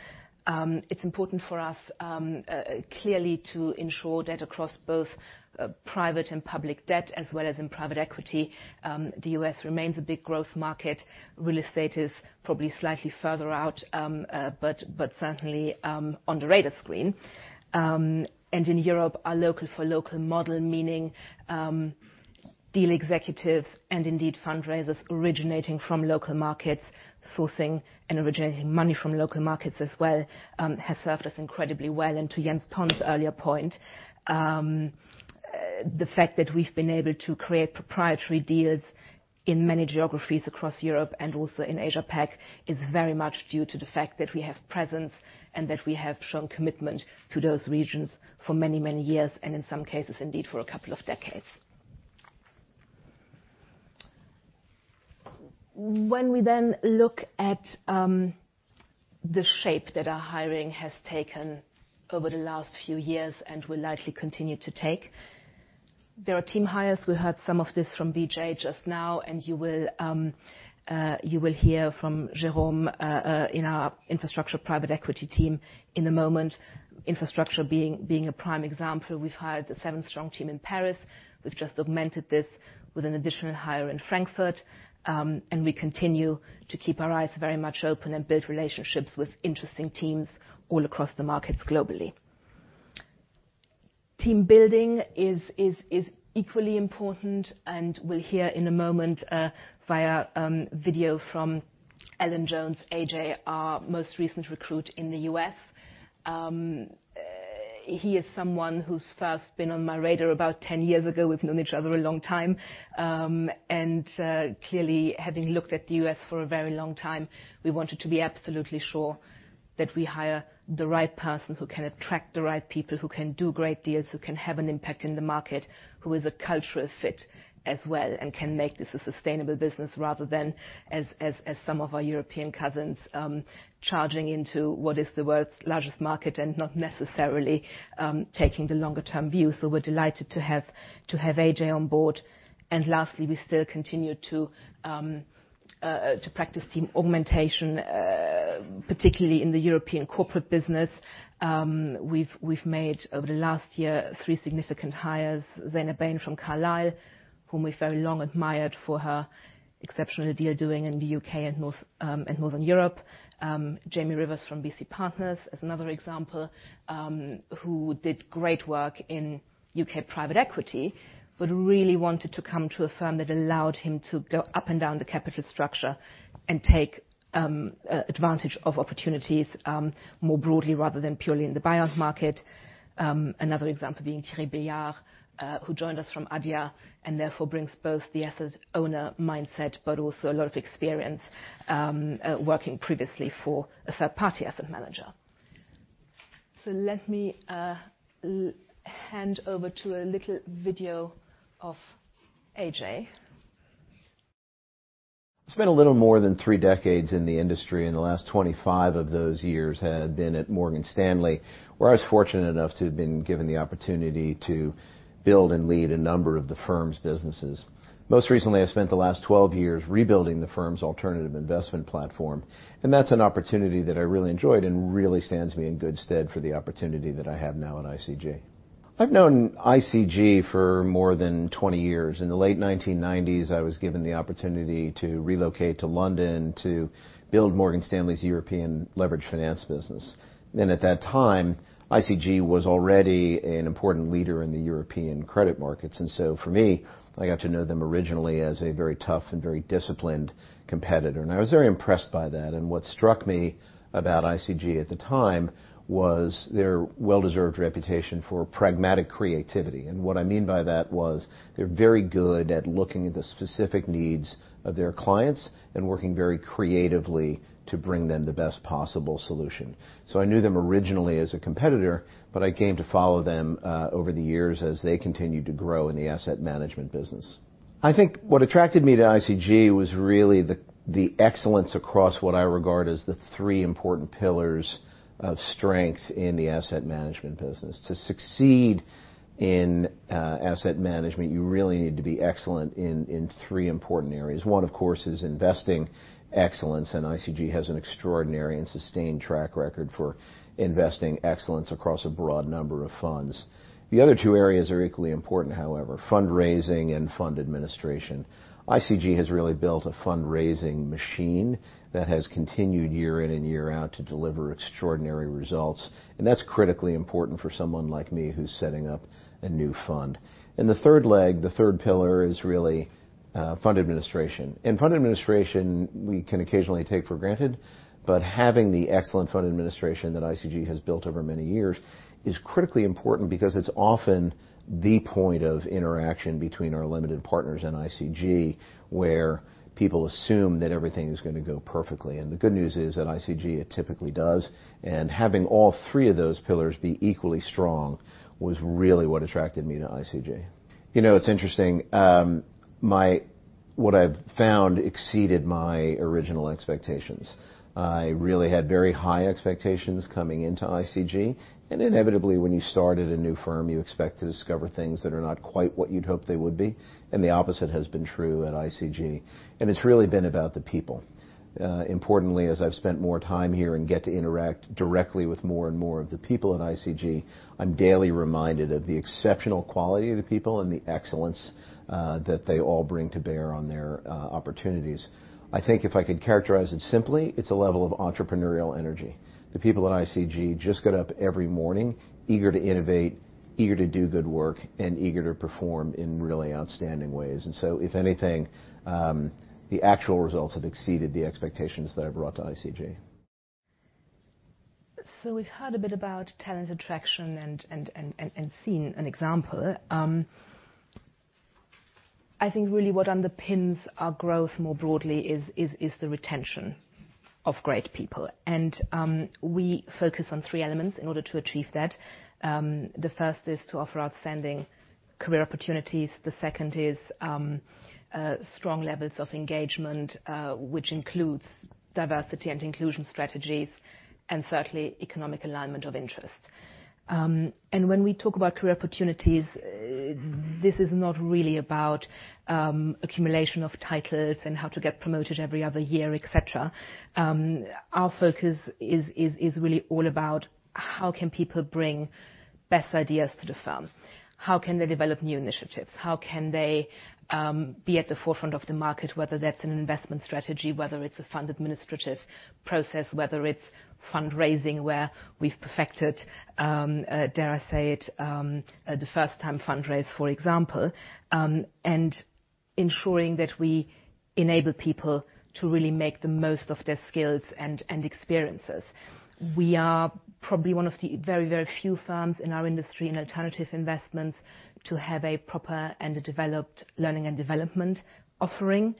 It's important for us, clearly, to ensure that across both private and public debt as well as in private equity, the U.S. remains a big growth market. Real estate is probably slightly further out, but certainly on the radar screen. In Europe, our local for local model, meaning deal executives and indeed fundraisers originating from local markets, sourcing and originating money from local markets as well, has served us incredibly well. To Jens Tonn's earlier point, the fact that we've been able to create proprietary deals in many geographies across Europe and also in Asia-Pac is very much due to the fact that we have presence and that we have shown commitment to those regions for many, many years, and in some cases, indeed, for a couple of decades. We then look at the shape that our hiring has taken over the last few years and will likely continue to take, there are team hires. We heard some of this from Vijay just now, and you will hear from Jérôme in our infrastructure private equity team in a moment. Infrastructure being a prime example. We've hired a seven-strong team in Paris. We've just augmented this with an additional hire in Frankfurt. We continue to keep our eyes very much open and build relationships with interesting teams all across the markets globally. Team building is equally important. We'll hear in a moment via video from Alan Jones, AJ, our most recent recruit in the U.S. He is someone who's first been on my radar about 10 years ago. We've known each other a long time. Clearly, having looked at the U.S. for a very long time, we wanted to be absolutely sure that we hire the right person who can attract the right people, who can do great deals, who can have an impact in the market, who is a cultural fit as well, and can make this a sustainable business rather than, as some of our European cousins, charging into what is the world's largest market and not necessarily taking the longer-term view. We're delighted to have A.J. on board. Lastly, we still continue to practice team augmentation, particularly in the European corporate business. We've made, over the last year, three significant hires. Zeina Bain from Carlyle, whom we very long admired for her exceptional deal-doing in the U.K. and Northern Europe. Jamie Rivers from BC Partners is another example, who did great work in U.K. private equity, but really wanted to come to a firm that allowed him to go up and down the capital structure and take advantage of opportunities more broadly rather than purely in the buyout market. Another example being Thierry Beyard, who joined us from ADIA and therefore brings both the asset owner mindset, but also a lot of experience working previously for a third-party asset manager. Let me hand over to a little video of A.J. I spent a little more than three decades in the industry, and the last 25 of those years had been at Morgan Stanley, where I was fortunate enough to have been given the opportunity to build and lead a number of the firm's businesses. Most recently, I spent the last 12 years rebuilding the firm's alternative investment platform, and that's an opportunity that I really enjoyed and really stands me in good stead for the opportunity that I have now at ICG. I've known ICG for more than 20 years. In the late 1990s, I was given the opportunity to relocate to London to build Morgan Stanley's European leverage finance business. At that time, ICG was already an important leader in the European credit markets. For me, I got to know them originally as a very tough and very disciplined competitor, and I was very impressed by that. What struck me about ICG at the time was their well-deserved reputation for pragmatic creativity. What I mean by that was they're very good at looking at the specific needs of their clients and working very creatively to bring them the best possible solution. I knew them originally as a competitor, but I came to follow them over the years as they continued to grow in the asset management business. I think what attracted me to ICG was really the excellence across what I regard as the three important pillars of strength in the asset management business. To succeed in asset management, you really need to be excellent in three important areas. One, of course, is investing excellence, and ICG has an extraordinary and sustained track record for investing excellence across a broad number of funds. The other two areas are equally important, however. Fundraising and fund administration. ICG has really built a fundraising machine that has continued year in and year out to deliver extraordinary results, and that's critically important for someone like me who's setting up a new fund. The third leg, the third pillar, is really fund administration. Fund administration, we can occasionally take for granted, but having the excellent fund administration that ICG has built over many years is critically important because it's often the point of interaction between our limited partners and ICG, where people assume that everything is going to go perfectly. The good news is, at ICG, it typically does, and having all three of those pillars be equally strong was really what attracted me to ICG. It's interesting. What I've found exceeded my original expectations. I really had very high expectations coming into ICG, inevitably, when you start at a new firm, you expect to discover things that are not quite what you'd hoped they would be, the opposite has been true at ICG. It's really been about the people. Importantly, as I've spent more time here and get to interact directly with more and more of the people at ICG, I'm daily reminded of the exceptional quality of the people and the excellence that they all bring to bear on their opportunities. I think if I could characterize it simply, it's a level of entrepreneurial energy. The people at ICG just get up every morning eager to innovate, eager to do good work, and eager to perform in really outstanding ways. If anything, the actual results have exceeded the expectations that I brought to ICG. We've heard a bit about talent attraction and seen an example. I think really what underpins our growth more broadly is the retention of great people. We focus on three elements in order to achieve that. The first is to offer outstanding career opportunities. The second is strong levels of engagement, which includes diversity and inclusion strategies. Thirdly, economic alignment of interest. When we talk about career opportunities, this is not really about accumulation of titles and how to get promoted every other year, et cetera. Our focus is really all about how can people bring the best ideas to the firm. How can they develop new initiatives? How can they be at the forefront of the market, whether that's an investment strategy or a fund administrative process. Whether it's fundraising, where we've perfected, dare I say it, the first-time fundraise, for example, and ensuring that we enable people to really make the most of their skills and experiences. We are probably one of the very, very few firms in our industry in alternative investments to have a proper and a developed learning and development offering.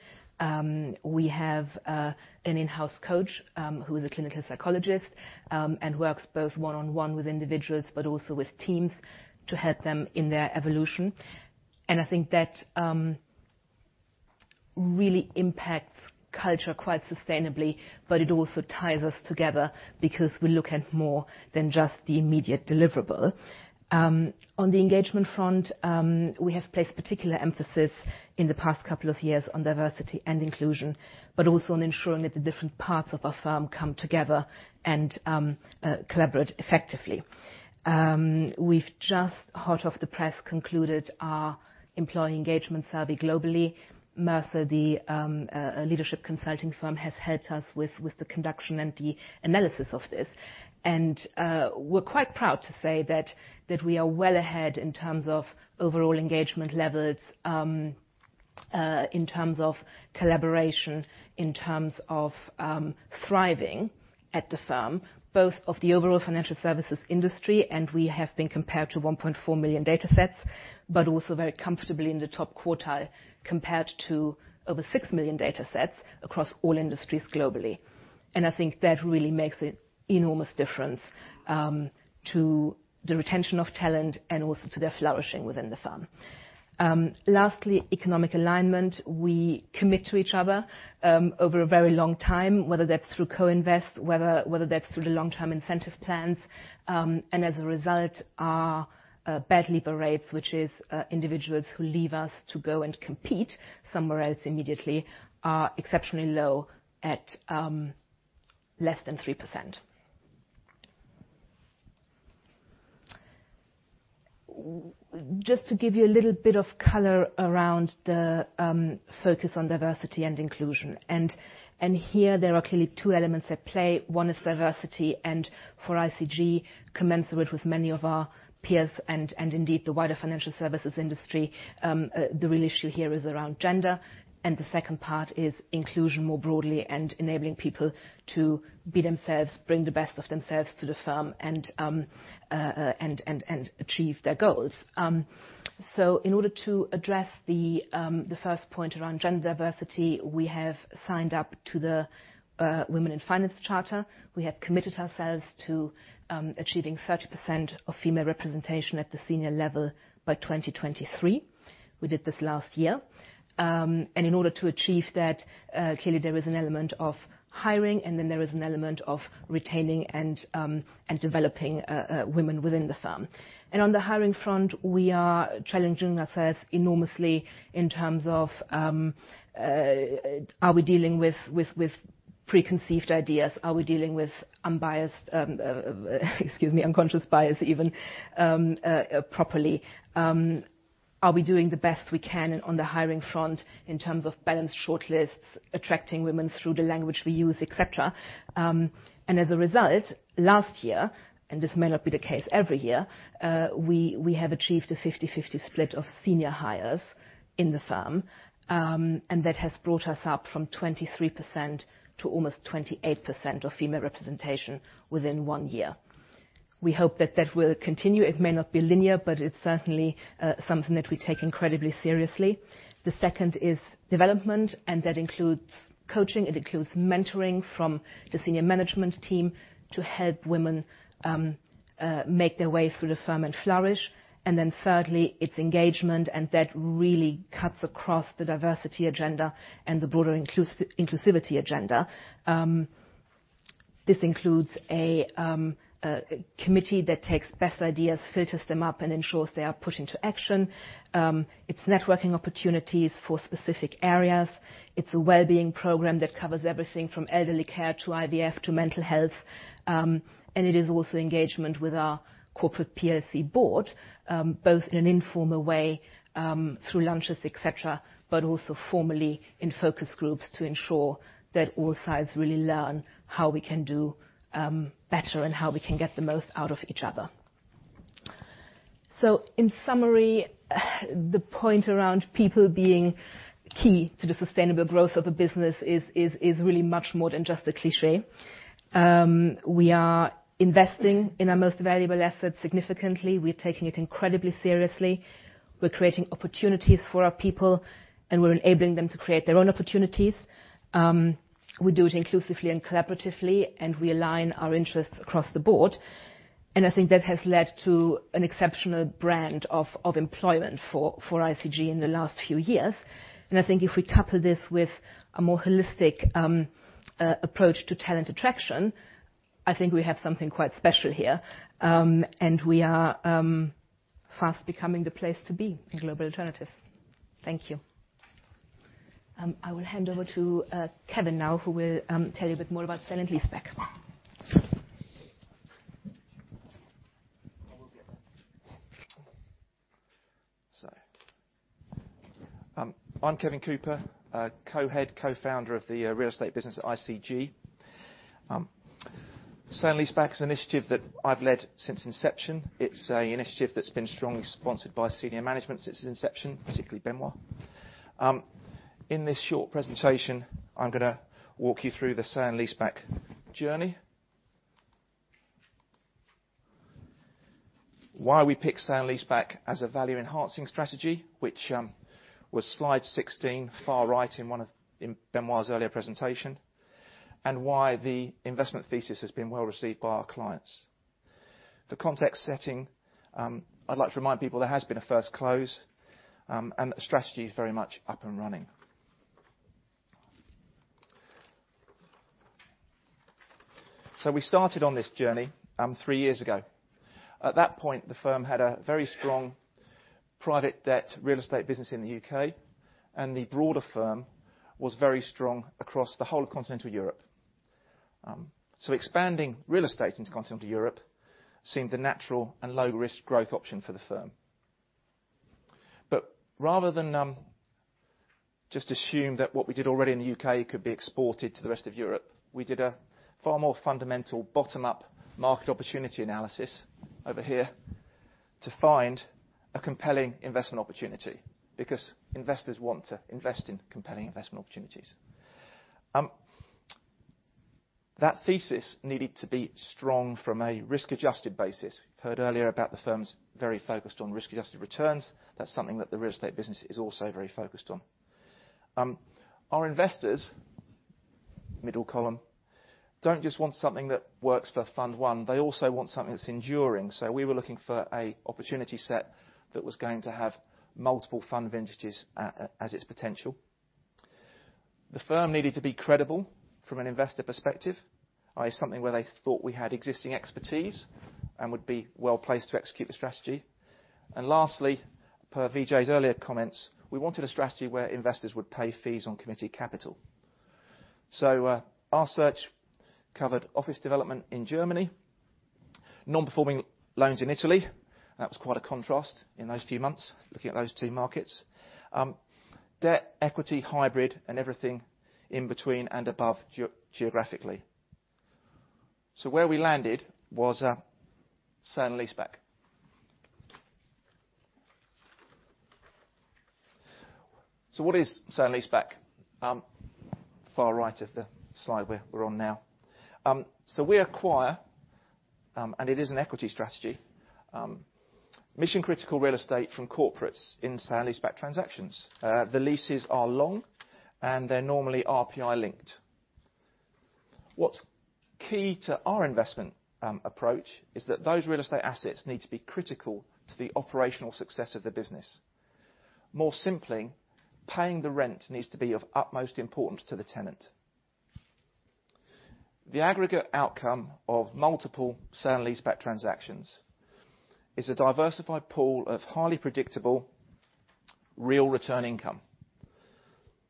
We have an in-house coach who is a clinical psychologist, and works both one-on-one with individuals, but also with teams to help them in their evolution. I think that really impacts culture quite sustainably, but it also ties us together because we look at more than just the immediate deliverable. On the engagement front, we have placed particular emphasis in the past couple of years on diversity and inclusion, but also on ensuring that the different parts of our firm come together and collaborate effectively. We've just, hot off the press, concluded our employee engagement survey globally. Mercer, the leadership consulting firm, has helped us with the conduction and the analysis of this. We're quite proud to say that we are well ahead in terms of overall engagement levels, in terms of collaboration, in terms of thriving at the firm, both of the overall financial services industry, and we have been compared to 1.4 million datasets. Also very comfortably in the top quartile, compared to over 6 million datasets across all industries globally. I think that really makes an enormous difference to the retention of talent and also to their flourishing within the firm. Lastly, economic alignment. We commit to each other over a very long time, whether that's through co-invest, whether that's through the long-term incentive plans. As a result, our bad leaver rates, which is individuals who leave us to go and compete somewhere else immediately, are exceptionally low at less than 3%. Just to give you a little bit of color around the focus on diversity and inclusion. Here there are clearly two elements at play. One is diversity, and for ICG, commensurate with many of our peers and indeed the wider financial services industry, the real issue here is around gender. The second part is inclusion more broadly and enabling people to be themselves, bring the best of themselves to the firm, and achieve their goals. In order to address the first point around gender diversity, we have signed up to the Women in Finance Charter. We have committed ourselves to achieving 30% of female representation at the senior level by 2023. We did this last year. In order to achieve that, clearly there is an element of hiring, then there is an element of retaining and developing women within the firm. On the hiring front, we are challenging ourselves enormously in terms of, are we dealing with preconceived ideas? Are we dealing with unbiased, excuse me, unconscious bias even, properly? Are we doing the best we can on the hiring front in terms of balanced shortlists, attracting women through the language we use, et cetera? As a result, last year, this may not be the case every year, we have achieved a 50/50 split of senior hires in the firm. That has brought us up from 23% to almost 28% of female representation within one year. We hope that that will continue. It may not be linear, but it's certainly something that we take incredibly seriously. The second is development. That includes coaching, it includes mentoring from the senior management team to help women make their way through the firm and flourish. Thirdly, it's engagement. That really cuts across the diversity agenda and the broader inclusivity agenda. This includes a committee that takes best ideas, filters them up, and ensures they are put into action. It's networking opportunities for specific areas. It's a wellbeing program that covers everything from elderly care to IVF to mental health. It is also engagement with our corporate PLC board, both in an informal way, through lunches, et cetera, but also formally in focus groups to ensure that all sides really learn how we can do better and how we can get the most out of each other. In summary, the point around people being key to the sustainable growth of a business is really much more than just a cliché. We are investing in our most valuable asset significantly. We are taking it incredibly seriously. We're creating opportunities for our people, and we're enabling them to create their own opportunities. We do it inclusively and collaboratively, and we align our interests across the board. I think that has led to an exceptional brand of employment for ICG in the last few years. I think if we couple this with a more holistic approach to talent attraction, I think we have something quite special here. We are fast becoming the place to be in global alternative. Thank you. I will hand over to Kevin now, who will tell you a bit more about sale and leaseback. I will get that. I'm Kevin Cooper, Co-head, Co-founder of the real estate business at ICG. Sale and leaseback is an initiative that I've led since inception. It's a initiative that's been strongly sponsored by senior management since its inception, particularly Benoît. In this short presentation, I'm gonna walk you through the sale and leaseback journey. Why we picked sale and leaseback as a value-enhancing strategy, which was slide 16, far right in Benoît's earlier presentation, and why the investment thesis has been well-received by our clients. For context setting, I'd like to remind people there has been a first close, and the strategy is very much up and running. We started on this journey three years ago. At that point, the firm had a very strong private debt real estate business in the U.K., and the broader firm was very strong across the whole of Continental Europe. Expanding real estate into Continental Europe seemed the natural and low-risk growth option for the firm. Rather than just assume that what we did already in the U.K. could be exported to the rest of Europe, we did a far more fundamental bottom-up market opportunity analysis, over here, to find a compelling investment opportunity. Investors want to invest in compelling investment opportunities. That thesis needed to be strong from a risk-adjusted basis. We've heard earlier about the firms very focused on risk-adjusted returns. That's something that the real estate business is also very focused on. Our investors, middle column, don't just want something that works for fund one, they also want something that's enduring. We were looking for a opportunity set that was going to have multiple fund vintages as its potential. The firm needed to be credible from an investor perspective, i.e., something where they thought we had existing expertise and would be well-placed to execute the strategy. Lastly, per Vijay's earlier comments, we wanted a strategy where investors would pay fees on committed capital. Our search covered office development in Germany, non-performing loans in Italy. That was quite a contrast in those few months, looking at those two markets. Debt, equity, hybrid, and everything in between and above geographically. Where we landed was sale and leaseback. What is sale and leaseback? Far right of the slide we're on now. We acquire, and it is an equity strategy, mission-critical real estate from corporates in sale and leaseback transactions. The leases are long, and they're normally RPI linked. What's key to our investment approach is that those real estate assets need to be critical to the operational success of the business. More simply, paying the rent needs to be of utmost importance to the tenant. The aggregate outcome of multiple sale and leaseback transactions is a diversified pool of highly predictable real return income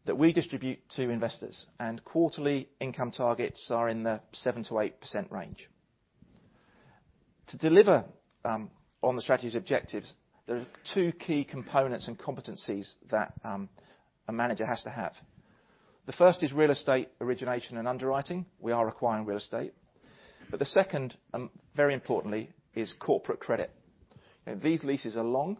that we distribute to investors. Quarterly income targets are in the 7%-8% range. To deliver on the strategy's objectives, there are two key components and competencies that a manager has to have. The first is real estate origination and underwriting. The second, very importantly, is corporate credit. These leases are long.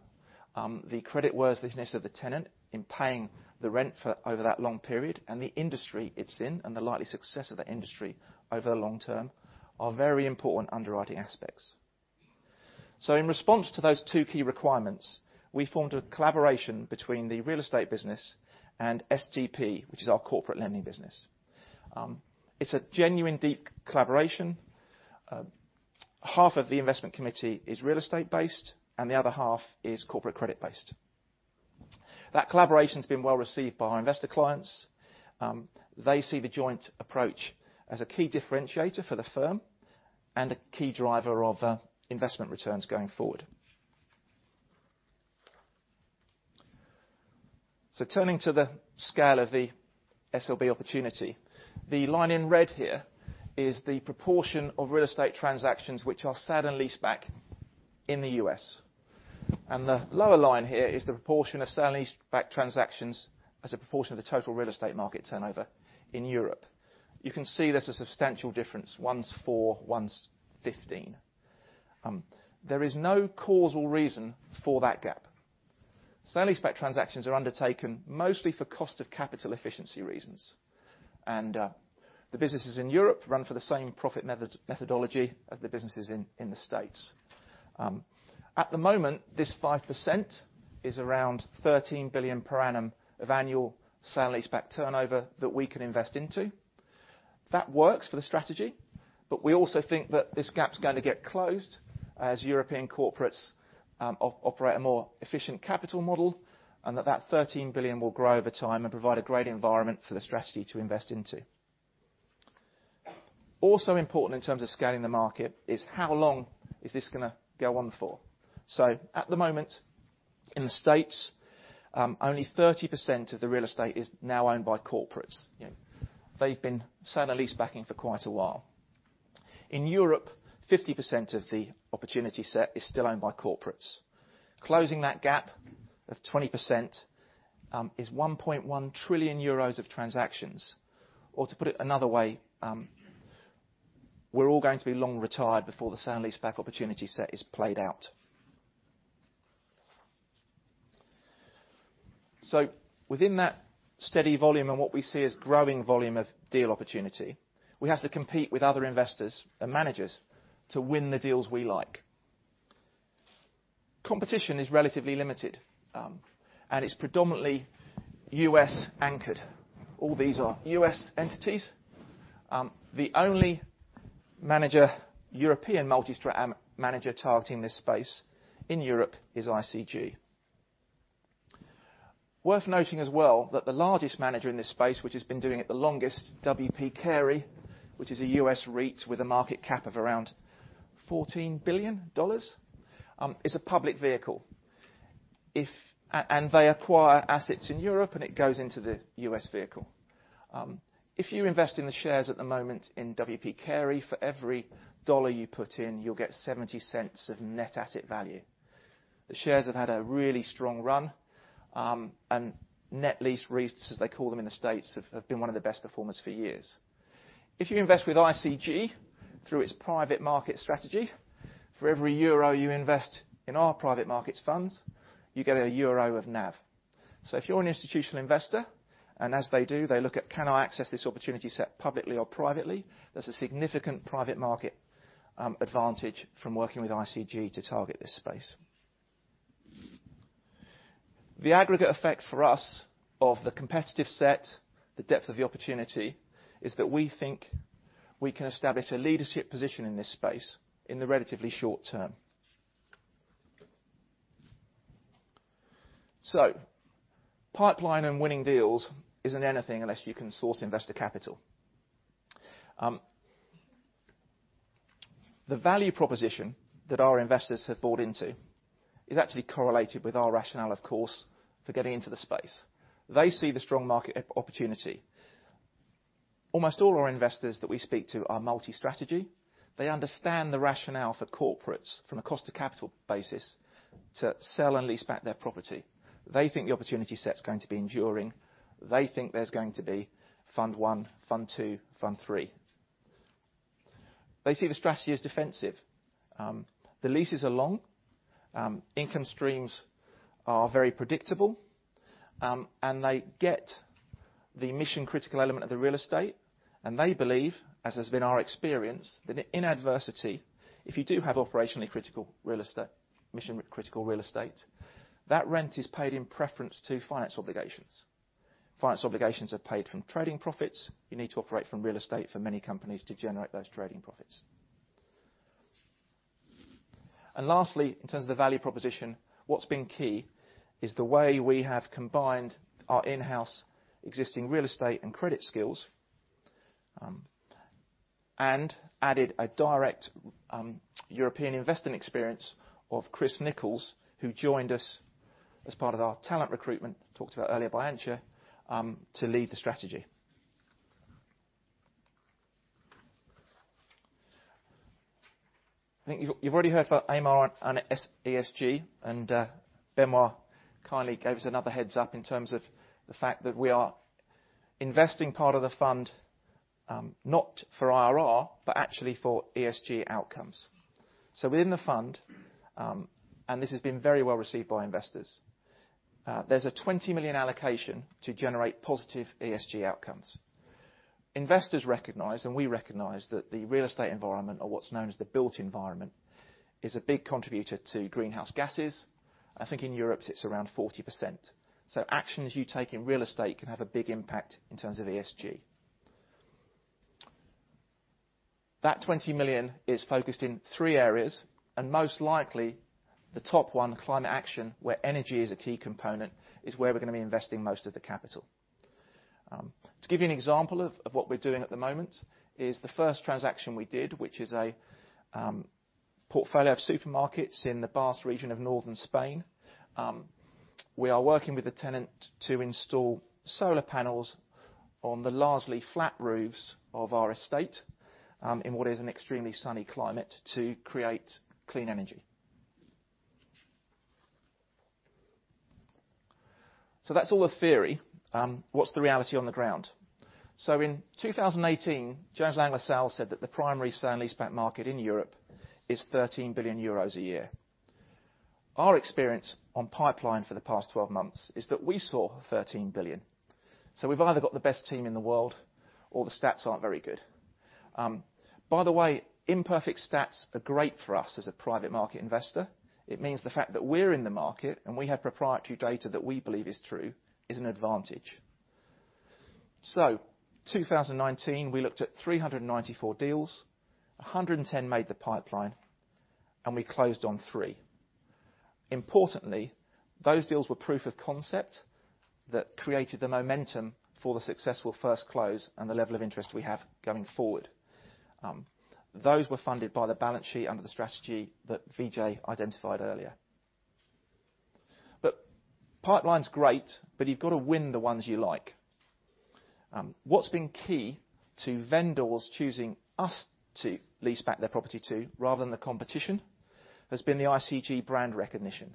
The creditworthiness of the tenant in paying the rent for over that long period and the industry it's in and the likely success of that industry over the long term are very important underwriting aspects. In response to those two key requirements, we formed a collaboration between the real estate business and SDP, which is our corporate lending business. It's a genuine, deep collaboration. Half of the investment committee is real estate based, and the other half is corporate credit based. That collaboration's been well-received by our investor clients. They see the joint approach as a key differentiator for the firm and a key driver of investment returns going forward. Turning to the scale of the SLB opportunity, the line in red here is the proportion of real estate transactions which are sold and leased back in the U.S. The lower line here is the proportion of sale and leaseback transactions as a proportion of the total real estate market turnover in Europe. You can see there's a substantial difference. One's four, one's 15. There is no causal reason for that gap. Sale and leaseback transactions are undertaken mostly for cost of capital efficiency reasons. The businesses in Europe run for the same profit methodology as the businesses in the U.S. At the moment, this 5% is around 13 billion per annum of annual sale and leaseback turnover that we can invest into. That works for the strategy, but we also think that this gap's going to get closed as European corporates operate a more efficient capital model, and that 13 billion will grow over time and provide a great environment for the strategy to invest into. Important in terms of scaling the market is how long is this going to go on for. At the moment, in the U.S., only 30% of the real estate is now owned by corporates. They've been sale and leasebacking for quite a while. In Europe, 50% of the opportunity set is still owned by corporates. Closing that gap of 20% is 1.1 trillion euros of transactions. To put it another way, we're all going to be long retired before the sale and leaseback opportunity set is played out. Within that steady volume and what we see as growing volume of deal opportunity, we have to compete with other investors and managers to win the deals we like. Competition is relatively limited, and it's predominantly U.S. anchored. All these are U.S. entities. The only European multi-manager targeting this space in Europe is ICG. Worth noting as well that the largest manager in this space, which has been doing it the longest, W. P. Carey, which is a U.S. REIT with a market cap of around $14 billion, is a public vehicle. They acquire assets in Europe and it goes into the U.S. vehicle. If you invest in the shares at the moment in W. P. Carey, for every dollar you put in, you'll get $0.70 of net asset value. The shares have had a really strong run, and net lease REITs, as they call them in the U.S., have been one of the best performers for years. If you invest with ICG through its private market strategy, for every euro you invest in our private markets funds, you get a euro of NAV. If you're an institutional investor, and as they do, they look at can I access this opportunity set publicly or privately, there's a significant private market advantage from working with ICG to target this space. The aggregate effect for us of the competitive set, the depth of the opportunity, is that we think we can establish a leadership position in this space in the relatively short term. Pipeline and winning deals isn't anything unless you can source investor capital. The value proposition that our investors have bought into is actually correlated with our rationale, of course, for getting into the space. They see the strong market opportunity. Almost all our investors that we speak to are multi-strategy. They understand the rationale for corporates from a cost of capital basis to sale and leaseback their property. They think the opportunity set's going to be enduring. They think there's going to be fund one, fund two, fund three. They see the strategy as defensive. The leases are long. Income streams are very predictable. They get the mission-critical element of the real estate, and they believe, as has been our experience, that in adversity, if you do have operationally mission-critical real estate, that rent is paid in preference to finance obligations. Finance obligations are paid from trading profits. You need to operate from real estate for many companies to generate those trading profits. Lastly, in terms of the value proposition, what's been key is the way we have combined our in-house existing real estate and credit skills, and added a direct European investing experience of Chris Nichols, who joined us as part of our talent recruitment, talked about earlier by Antje, to lead the strategy. I think you've already heard from Eimear on ESG. Benoît kindly gave us another heads up in terms of the fact that we are investing part of the fund, not for IRR, but actually for ESG outcomes. Within the fund, and this has been very well received by investors, there's a 20 million allocation to generate positive ESG outcomes. Investors recognize, and we recognize, that the real estate environment, or what's known as the built environment, is a big contributor to greenhouse gases. I think in Europe it's around 40%. Actions you take in real estate can have a big impact in terms of ESG. That 20 million is focused in three areas, and most likely the top one, climate action, where energy is a key component, is where we're going to be investing most of the capital. To give you an example of what we're doing at the moment is the first transaction we did, which is a portfolio of supermarkets in the Basque region of northern Spain. We are working with the tenant to install solar panels on the largely flat roofs of our estate, in what is an extremely sunny climate, to create clean energy. That's all the theory. What's the reality on the ground? In 2018, Jones Lang LaSalle said that the primary sale-leaseback market in Europe is 13 billion euros a year. Our experience on pipeline for the past 12 months is that we saw 13 billion. We've either got the best team in the world, or the stats aren't very good. By the way, imperfect stats are great for us as a private market investor. It means the fact that we're in the market and we have proprietary data that we believe is true is an advantage. 2019, we looked at 394 deals, 110 made the pipeline, and we closed on three. Importantly, those deals were proof of concept that created the momentum for the successful first close and the level of interest we have going forward. Those were funded by the balance sheet under the strategy that Vijay identified earlier. Pipeline's great, but you've got to win the ones you like. What's been key to vendors choosing us to lease back their property to rather than the competition, has been the ICG brand recognition.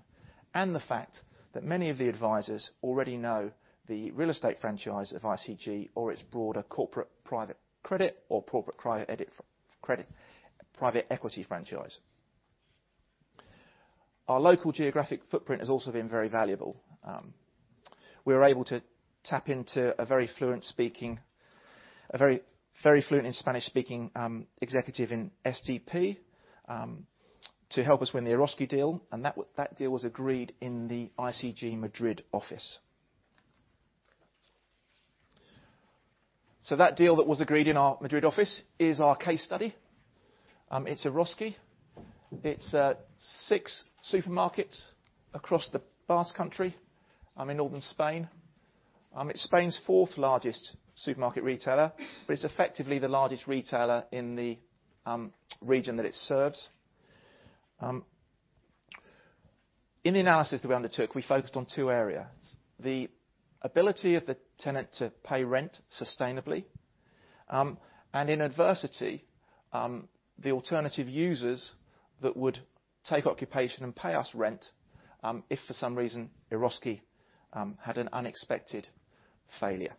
The fact that many of the advisors already know the real estate franchise of ICG or its broader corporate private credit or corporate private equity franchise. Our local geographic footprint has also been very valuable. We were able to tap into a very fluent in Spanish-speaking executive in SDP, to help us win the Eroski deal. That deal was agreed in the ICG Madrid office. That deal that was agreed in our Madrid office is our case study. It's Eroski. It's six supermarkets across the Basque country in northern Spain. It's Spain's fourth largest supermarket retailer. It's effectively the largest retailer in the region that it serves. In the analysis that we undertook, we focused on two areas, the ability of the tenant to pay rent sustainably, and in adversity, the alternative users that would take occupation and pay us rent, if for some reason, Eroski had an unexpected failure.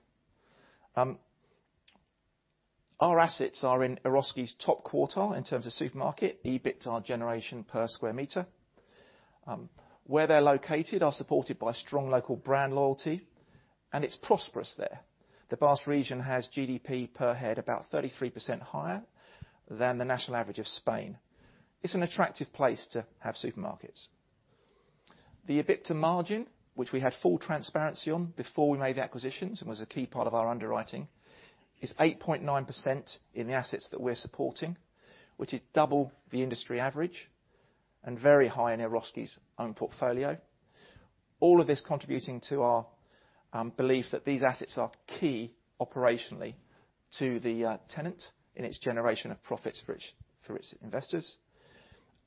Our assets are in Eroski's top quartile in terms of supermarket EBITDA generation per sq m. Where they're located are supported by strong local brand loyalty. It's prosperous there. The Basque region has GDP per head about 33% higher than the national average of Spain. It's an attractive place to have supermarkets. The EBITDA margin, which we had full transparency on before we made the acquisitions and was a key part of our underwriting, is 8.9% in the assets that we're supporting, which is double the industry average and very high in Eroski's own portfolio. All of this contributing to our belief that these assets are key operationally to the tenant in its generation of profits for its investors.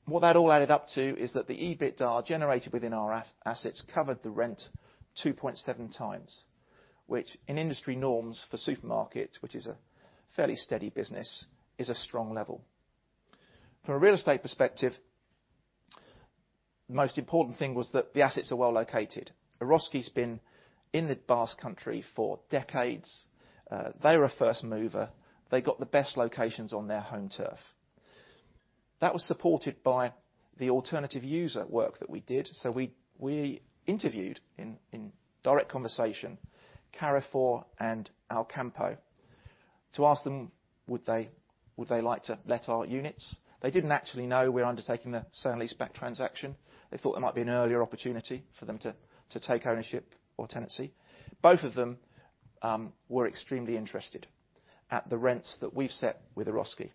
What that all added up to is that the EBITDAs generated within our assets covered the rent 2.7x, which in industry norms for supermarket, which is a fairly steady business, is a strong level. From a real estate perspective, most important thing was that the assets are well located. Eroski's been in the Basque country for decades. They were a first mover. They got the best locations on their home turf. That was supported by the alternative user work that we did. We interviewed, in direct conversation, Carrefour and Alcampo to ask them, would they like to let our units? They didn't actually know we're undertaking the sale-leaseback transaction. They thought there might be an earlier opportunity for them to take ownership or tenancy. Both of them were extremely interested at the rents that we've set with Eroski.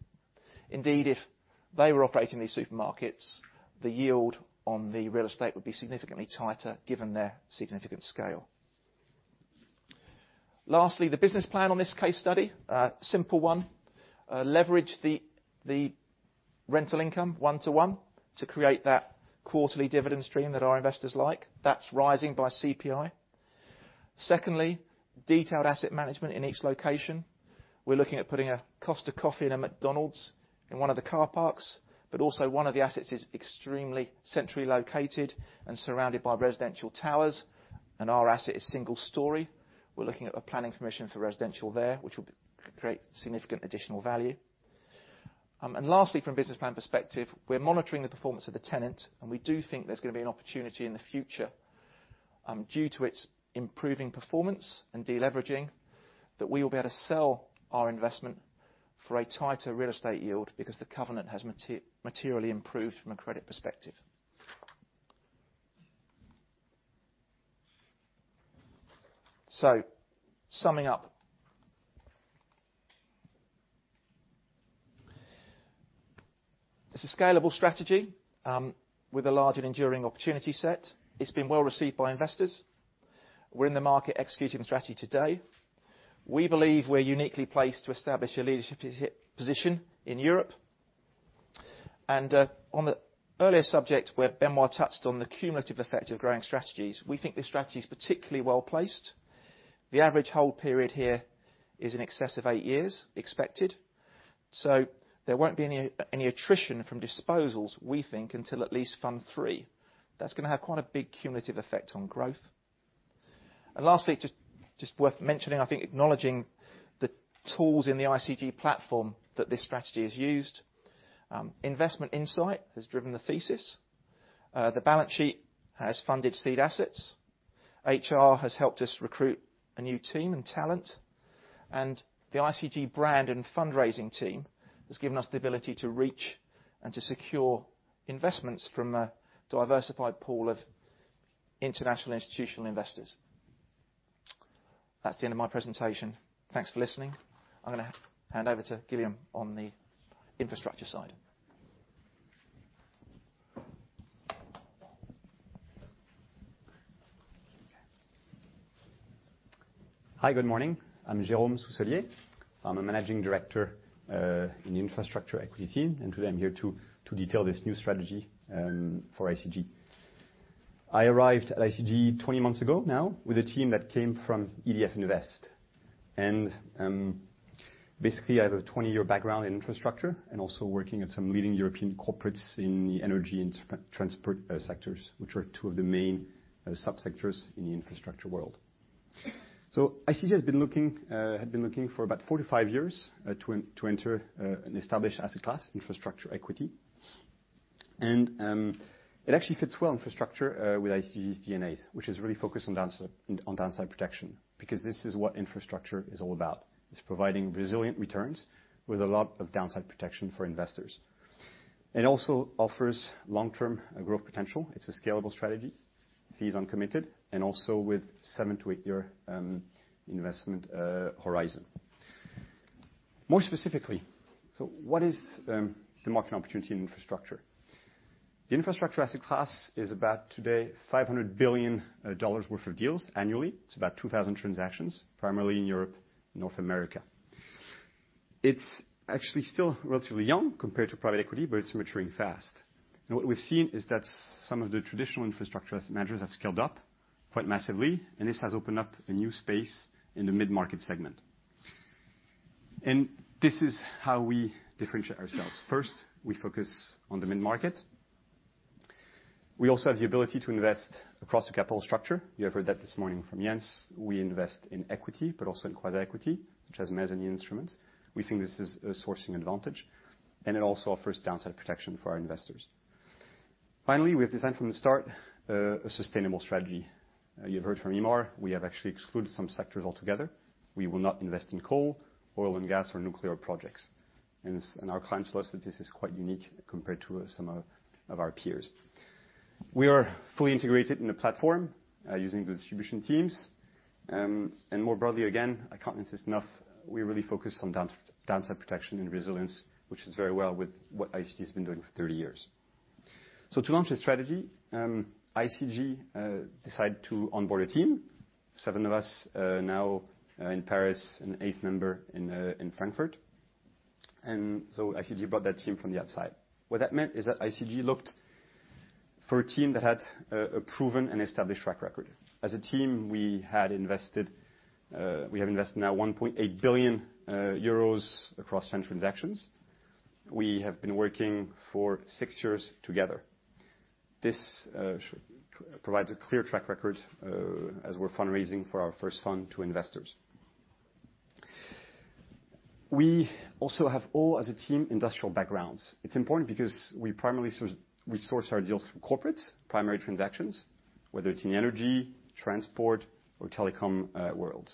Indeed, if they were operating these supermarkets, the yield on the real estate would be significantly tighter given their significant scale. Lastly, the business plan on this case study, simple one, leverage the rental income one to one to create that quarterly dividend stream that our investors like. That's rising by CPI. Secondly, detailed asset management in each location. We're looking at putting a Costa Coffee and a McDonald's in one of the car parks, but also one of the assets is extremely centrally located and surrounded by residential towers, and our asset is single story. We're looking at a planning permission for residential there, which will create significant additional value. Lastly, from business plan perspective, we're monitoring the performance of the tenant, and we do think there's going to be an opportunity in the future, due to its improving performance and de-leveraging, that we will be able to sell our investment for a tighter real estate yield because the covenant has materially improved from a credit perspective. Summing up. It's a scalable strategy with a large and enduring opportunity set. It's been well-received by investors. We're in the market executing the strategy today. We believe we're uniquely placed to establish a leadership position in Europe. On the earlier subject where Benoît touched on the cumulative effect of growing strategies, we think this strategy is particularly well-placed. The average hold period here is in excess of eight years expected. There won't be any attrition from disposals, we think, until at least fund three. That's going to have quite a big cumulative effect on growth. Lastly, just worth mentioning, I think, acknowledging the tools in the ICG platform that this strategy has used. Investment insight has driven the thesis. The balance sheet has funded seed assets. HR has helped us recruit a new team and talent, and the ICG brand and fundraising team has given us the ability to reach and to secure investments from a diversified pool of international institutional investors. That's the end of my presentation. Thanks for listening. I'm going to hand over to Jérôme on the infrastructure side. Hi, good morning. I'm Jérôme Sousselier. I'm a managing director, in infrastructure equity team. Today I'm here to detail this new strategy for ICG. I arrived at ICG 20 months ago now with a team that came from EDF Invest. Basically, I have a 20-year background in infrastructure and also working at some leading European corporates in the energy and transport sectors, which are two of the main sub-sectors in the infrastructure world. ICG had been looking for about four to five years to enter an established asset class, infrastructure equity. It actually fits well, infrastructure, with ICG's DNAs, which is really focused on downside protection, because this is what infrastructure is all about. It's providing resilient returns with a lot of downside protection for investors. It also offers long-term growth potential. It's a scalable strategy, fees uncommitted, and also with seven to eight year investment horizon. More specifically, what is the market opportunity in infrastructure? The infrastructure asset class is about today $500 billion worth of deals annually. It's about 2,000 transactions, primarily in Europe, North America. It's actually still relatively young compared to private equity. It's maturing fast. What we've seen is that some of the traditional infrastructure asset managers have scaled up quite massively. This has opened up a new space in the mid-market segment. This is how we differentiate ourselves. First, we focus on the mid-market. We also have the ability to invest across the capital structure. You have heard that this morning from Jens. We invest in equity. Also in quasi equity, such as mezzanine instruments. We think this is a sourcing advantage, and it also offers downside protection for our investors. Finally, we have designed from the start a sustainable strategy. You have heard from Eimear, we have actually excluded some sectors altogether. We will not invest in coal, oil and gas or nuclear projects. Our clients tell us that this is quite unique compared to some of our peers. We are fully integrated in the platform using the distribution teams. More broadly, again, I can't insist enough, we really focus on downside protection and resilience, which is very well with what ICG has been doing for 30 years. To launch the strategy, ICG decided to onboard a team, seven of us now in Paris and an eighth member in Frankfurt. ICG brought that team from the outside. What that meant is that ICG looked for a team that had a proven and established track record. As a team, we have invested now 1.8 billion euros across 10 transactions. We have been working for six years together. This provides a clear track record as we're fundraising for our first fund to investors. We also have all, as a team, industrial backgrounds. It's important because we source our deals from corporates, primary transactions, whether it's in the energy, transport, or telecom world.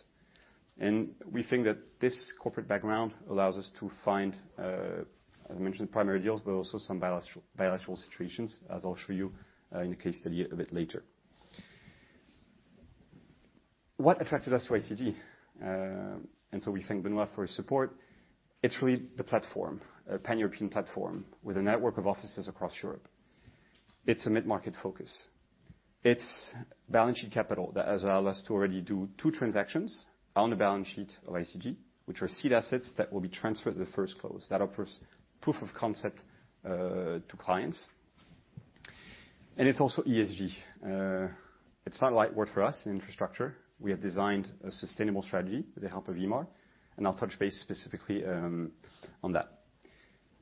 We think that this corporate background allows us to find, as I mentioned, primary deals, but also some bilateral situations, as I'll show you in a case study a bit later. What attracted us to ICG? We thank Benoît for his support. It's really the platform, a pan-European platform with a network of offices across Europe. It's a mid-market focus. It's balance sheet capital that has allowed us to already do two transactions on the balance sheet of ICG, which are seed assets that will be transferred at the first close. That offers proof of concept to clients. It's also ESG. It's not a light word for us in infrastructure. We have designed a sustainable strategy with the help of Eimear. I'll touch base specifically on that.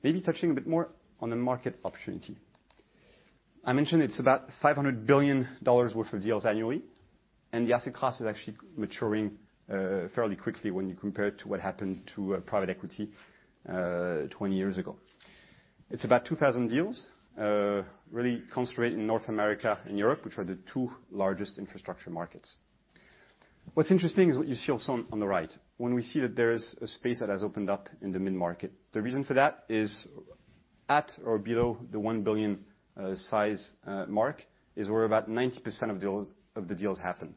Maybe touching a bit more on the market opportunity. I mentioned it's about $500 billion worth of deals annually. The asset class is actually maturing fairly quickly when you compare it to what happened to private equity 20 years ago. It's about 2,000 deals, really concentrated in North America and Europe, which are the two largest infrastructure markets. What's interesting is what you see also on the right, when we see that there's a space that has opened up in the mid-market. The reason for that is. At or below the 1 billion size mark is where about 90% of the deals happen.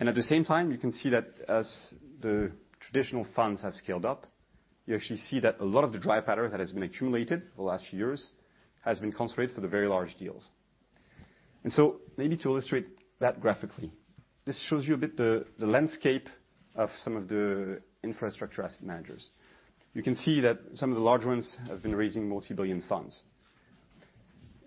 At the same time, you can see that as the traditional funds have scaled up, you actually see that a lot of the dry powder that has been accumulated the last few years has been concentrated for the very large deals. Maybe to illustrate that graphically, this shows you a bit the landscape of some of the infrastructure asset managers. You can see that some of the large ones have been raising multi-billion funds.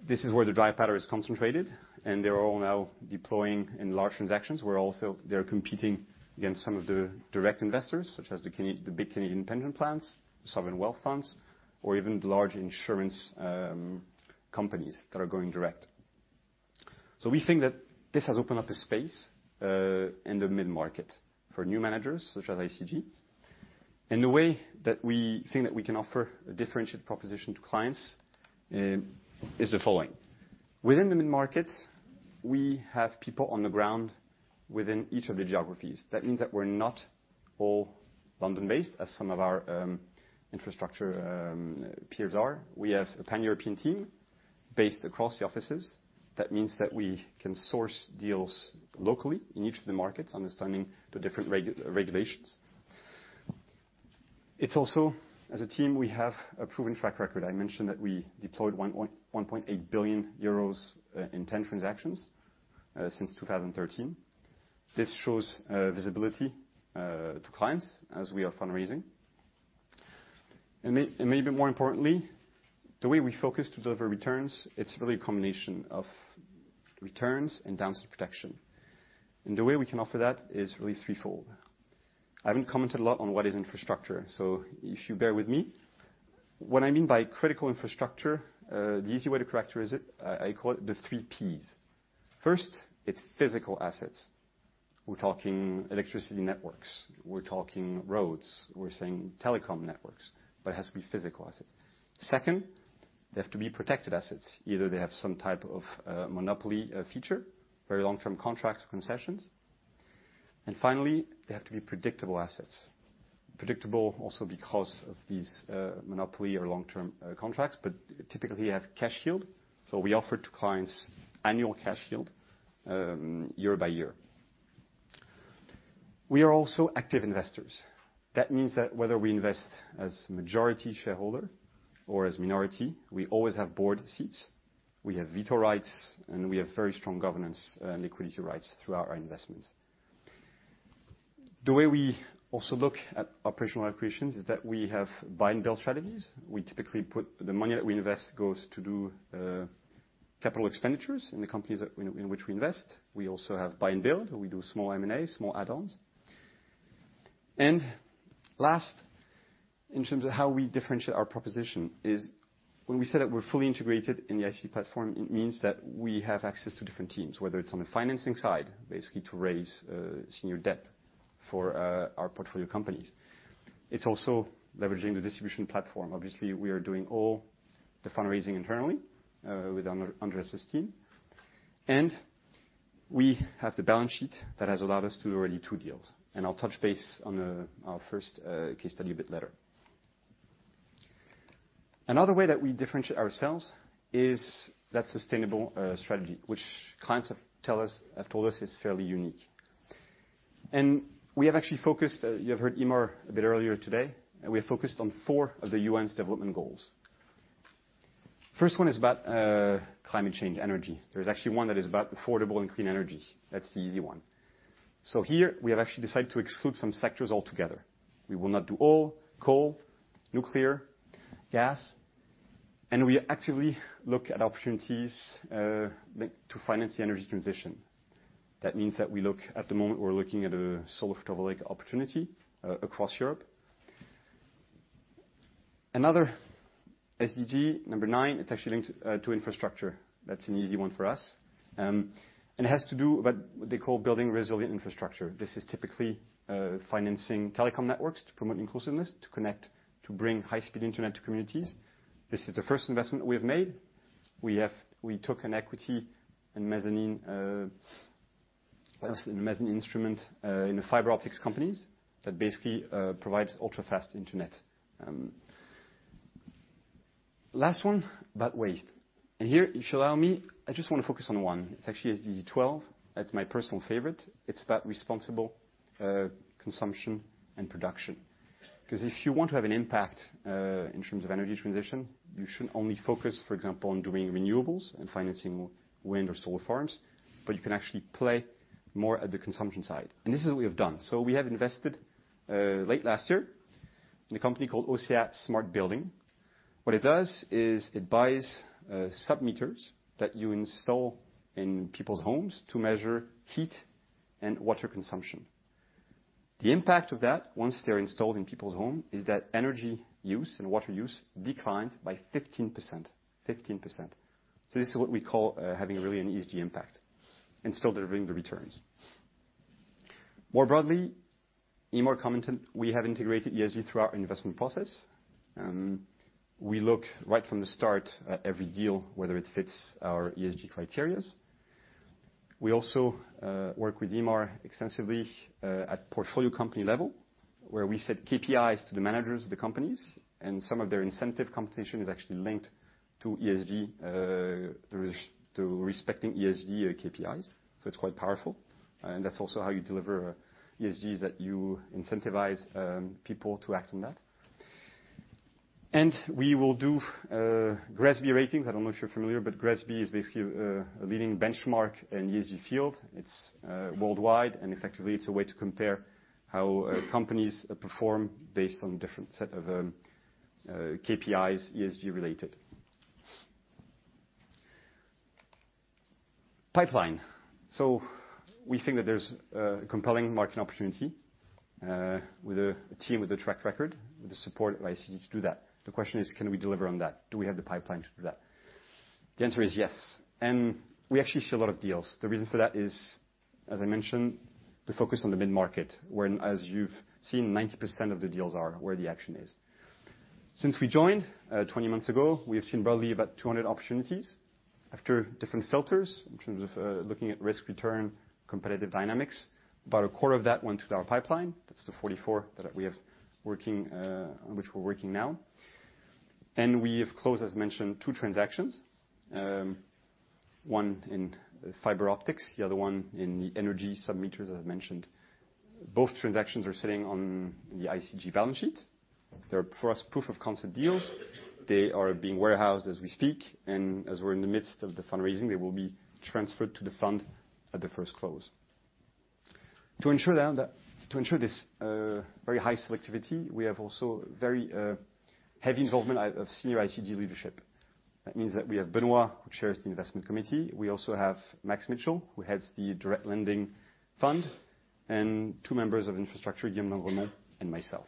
This is where the dry powder is concentrated, and they're all now deploying in large transactions, where also they're competing against some of the direct investors, such as the big Canadian pension plans, sovereign wealth funds, or even the large insurance companies that are going direct. We think that this has opened up a space in the mid-market for new managers such as ICG. The way that we think that we can offer a differentiated proposition to clients is the following. Within the mid-market, we have people on the ground within each of the geographies. That means that we're not all London-based as some of our infrastructure peers are. We have a pan-European team based across the offices. That means that we can source deals locally in each of the markets, understanding the different regulations. It's also as a team, we have a proven track record. I mentioned that we deployed 1.8 billion euros in 10 transactions since 2013. This shows visibility to clients as we are fundraising. Maybe more importantly, the way we focus to deliver returns, it's really a combination of returns and downside protection. The way we can offer that is really threefold. I haven't commented a lot on what is infrastructure, so if you bear with me. What I mean by critical infrastructure, the easy way to characterize it, I call it the three Ps. First, it's physical assets. We're talking electricity networks, we're talking roads, we're saying telecom networks, but it has to be physical assets. Second, they have to be protected assets. Either they have some type of monopoly feature, very long-term contract concessions. Finally, they have to be predictable assets. Predictable also because of these monopoly or long-term contracts, but typically have cash yield. We offer to clients annual cash yield year by year. We are also active investors. That means that whether we invest as majority shareholder or as minority, we always have board seats, we have veto rights, and we have very strong governance and liquidity rights throughout our investments. The way we also look at operational accretions is that we have buy and build strategies. We typically put the money that we invest goes to do CapEx in the companies in which we invest. We also have buy and build. We do small M&As, small add-ons. Last, in terms of how we differentiate our proposition is when we say that we're fully integrated in the ICG platform, it means that we have access to different teams, whether it's on the financing side, basically to raise senior debt for our portfolio companies. It's also leveraging the distribution platform. Obviously, we are doing all the fundraising internally with Andreas' team. We have the balance sheet that has allowed us to do already two deals, and I'll touch base on our first case study a bit later. Another way that we differentiate ourselves is that sustainable strategy, which clients have told us is fairly unique. We have actually focused, you have heard Eimear a bit earlier today, and we have focused on four of the UN's Development Goals. First one is about climate change energy. There's actually one that is about affordable and clean energy. That's the easy one. Here we have actually decided to exclude some sectors altogether. We will not do oil, coal, nuclear, gas, and we actively look at opportunities to finance the energy transition. That means that we look at the moment, we're looking at a solar photovoltaic opportunity across Europe. Another SDG, number nine, it's actually linked to infrastructure. That's an easy one for us. It has to do about what they call building resilient infrastructure. This is typically financing telecom networks to promote inclusiveness, to connect, to bring high speed internet to communities. This is the first investment we have made. We took an equity in mezzanine instrument in a fiber optics companies that basically provides ultra-fast internet. Last one about waste. Here, if you allow me, I just want to focus on one. It's actually SDG 12. That's my personal favorite. It's about responsible consumption and production. If you want to have an impact, in terms of energy transition, you shouldn't only focus, for example, on doing renewables and financing wind or solar farms. You can actually play more at the consumption side. This is what we have done. We have invested late last year in a company called Ocea Smart Building. What it does is it buys sub-meters that you install in people's homes to measure heat and water consumption. The impact of that, once they're installed in people's home is that energy use and water use declines by 15%. This is what we call having really an ESG impact and still delivering the returns. More broadly, Eimear commented, we have integrated ESG throughout our investment process. We look right from the start at every deal, whether it fits our ESG criteria. We also work with Eimear extensively at portfolio company level, where we set KPIs to the managers of the companies, and some of their incentive compensation is actually linked to respecting ESG KPIs. It's quite powerful. That's also how you deliver ESG, that you incentivize people to act on that. We will do GRESB ratings. I don't know if you're familiar, but GRESB is basically a leading benchmark in the ESG field. It's worldwide, effectively it's a way to compare how companies perform based on different set of KPIs, ESG-related. Pipeline. We think that there's a compelling market opportunity with a team with a track record, with the support of ICG to do that. The question is, can we deliver on that? Do we have the pipeline to do that? The answer is yes. We actually see a lot of deals. The reason for that is, as I mentioned, the focus on the mid-market, where, as you've seen, 90% of the deals are where the action is. Since we joined 20 months ago, we have seen broadly about 200 opportunities after different filters in terms of looking at risk-return competitive dynamics. About a quarter of that went to our pipeline. That's the 44 on which we're working now. We have closed, as mentioned, two transactions. One in fiber optics, the other one in the energy sub-meters, as I mentioned. Both transactions are sitting on the ICG balance sheet. They're proof of concept deals. They are being warehoused as we speak, and as we're in the midst of the fundraising, they will be transferred to the fund at the first close. To ensure this very high selectivity, we have also very heavy involvement of senior ICG leadership. That means that we have Benoît, who chairs the investment committee. We also have Max Mitchell, who heads the direct lending fund, and two members of infrastructure, Guillaume d'Engremont and myself.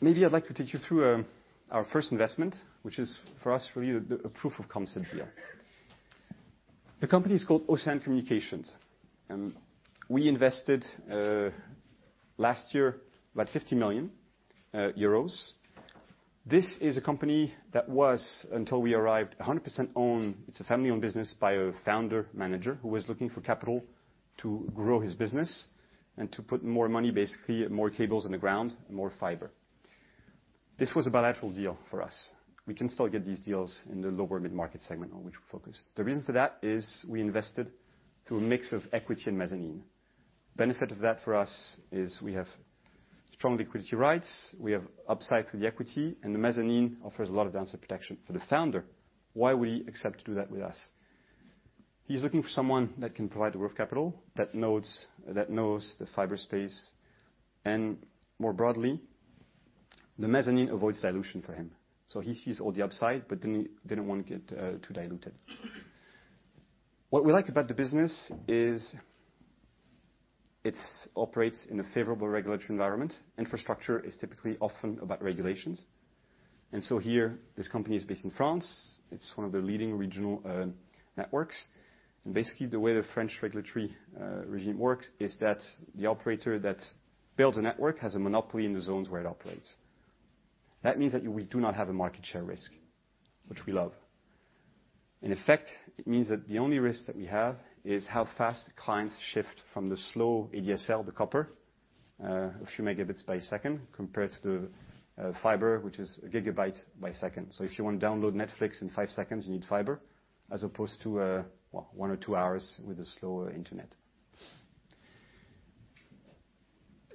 Maybe I'd like to take you through our first investment, which is for us, for you, a proof of concept here. The company is called Océan-Net Communications. We invested last year about 50 million euros. This is a company that was, until we arrived, 100% owned. It's a family-owned business by a founder manager who was looking for capital to grow his business and to put more money, basically, more cables in the ground and more fiber. This was a bilateral deal for us. We can still get these deals in the lower mid-market segment on which we're focused. The reason for that is we invested through a mix of equity and mezzanine. Benefit of that for us is we have strong liquidity rights, we have upside through the equity, and the mezzanine offers a lot of downside protection for the founder. Why would he accept to do that with us? He's looking for someone that can provide worth capital, that knows the fiber space, and more broadly, the mezzanine avoids dilution for him. He sees all the upside but didn't want to get too diluted. What we like about the business is it operates in a favorable regulatory environment. Infrastructure is typically often about regulations. So here, this company is based in France. It's one of the leading regional networks. Basically, the way the French regulatory regime works is that the operator that builds a network has a monopoly in the zones where it operates. That means that we do not have a market share risk, which we love. In effect, it means that the only risk that we have is how fast clients shift from the slow ADSL, the copper, a few megabits by second, compared to fiber, which is a gigabyte by second. If you want to download Netflix in five seconds, you need fiber, as opposed to one or two hours with a slower internet.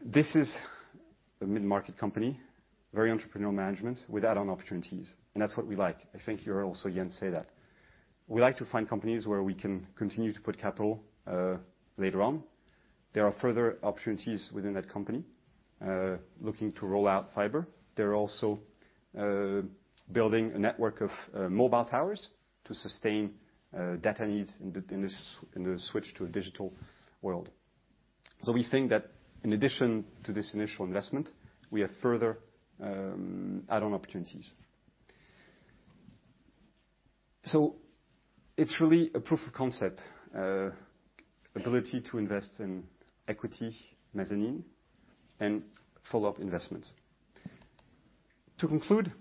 This is a mid-market company, very entrepreneurial management with add-on opportunities, and that's what we like. I think you heard also Jens say that. We like to find companies where we can continue to put capital later on. There are further opportunities within that company looking to roll out fiber. They're also building a network of mobile towers to sustain data needs in the switch to a digital world. We think that in addition to this initial investment, we have further add-on opportunities. It's really a proof of concept, ability to invest in equity, mezzanine, and follow-up investments. To conclude,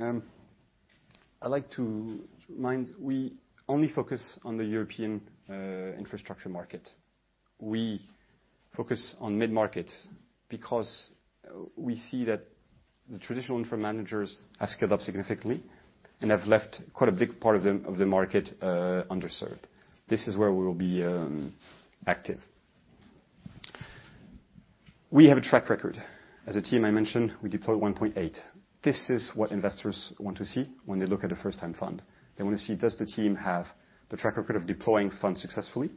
I like to remind we only focus on the European infrastructure market. We focus on mid-market because we see that the traditional infra managers have scaled up significantly and have left quite a big part of the market underserved. This is where we will be active. We have a track record. As a team, I mentioned we deployed 1.8 billion. This is what investors want to see when they look at a first-time fund. They want to see, does the team have the track record of deploying funds successfully?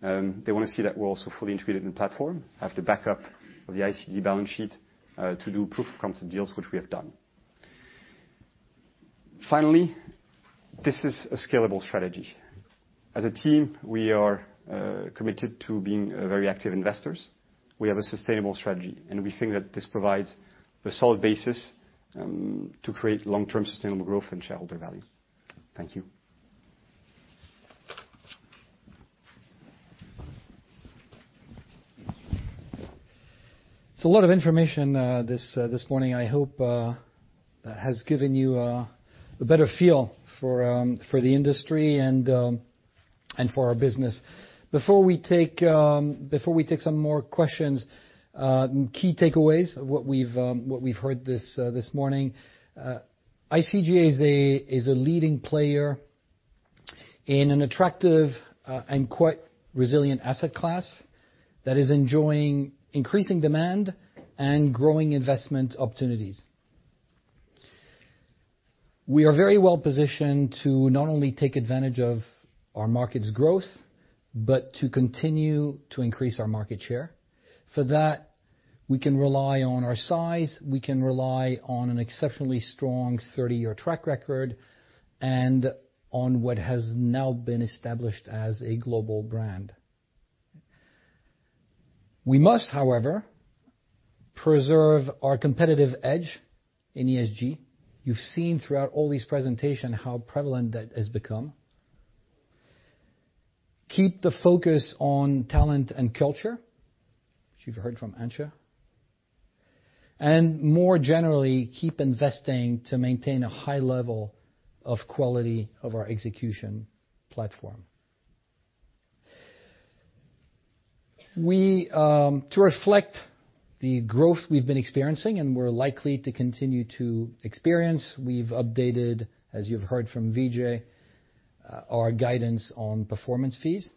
They want to see that we're also fully integrated in the platform, have the backup of the ICG balance sheet to do proof of concept deals, which we have done. Finally, this is a scalable strategy. As a team, we are committed to being very active investors. We have a sustainable strategy, and we think that this provides a solid basis to create long-term sustainable growth and shareholder value. Thank you It's a lot of information this morning. I hope it has given you a better feel for the industry and for our business. Before we take some more questions, key takeaways of what we've heard this morning. ICG is a leading player in an attractive and quite resilient asset class that is enjoying increasing demand and growing investment opportunities. We are very well positioned to not only take advantage of our market's growth, but to continue to increase our market share. For that, we can rely on our size, we can rely on an exceptionally strong 30-year track record, and on what has now been established as a global brand. We must, however, preserve our competitive edge in ESG. You've seen throughout all these presentation how prevalent that has become. Keep the focus on talent and culture, which you've heard from Antje. More generally, keep investing to maintain a high level of quality of our execution platform. To reflect the growth we've been experiencing, and we're likely to continue to experience, we've updated, as you've heard from Vijay, our guidance on performance fees.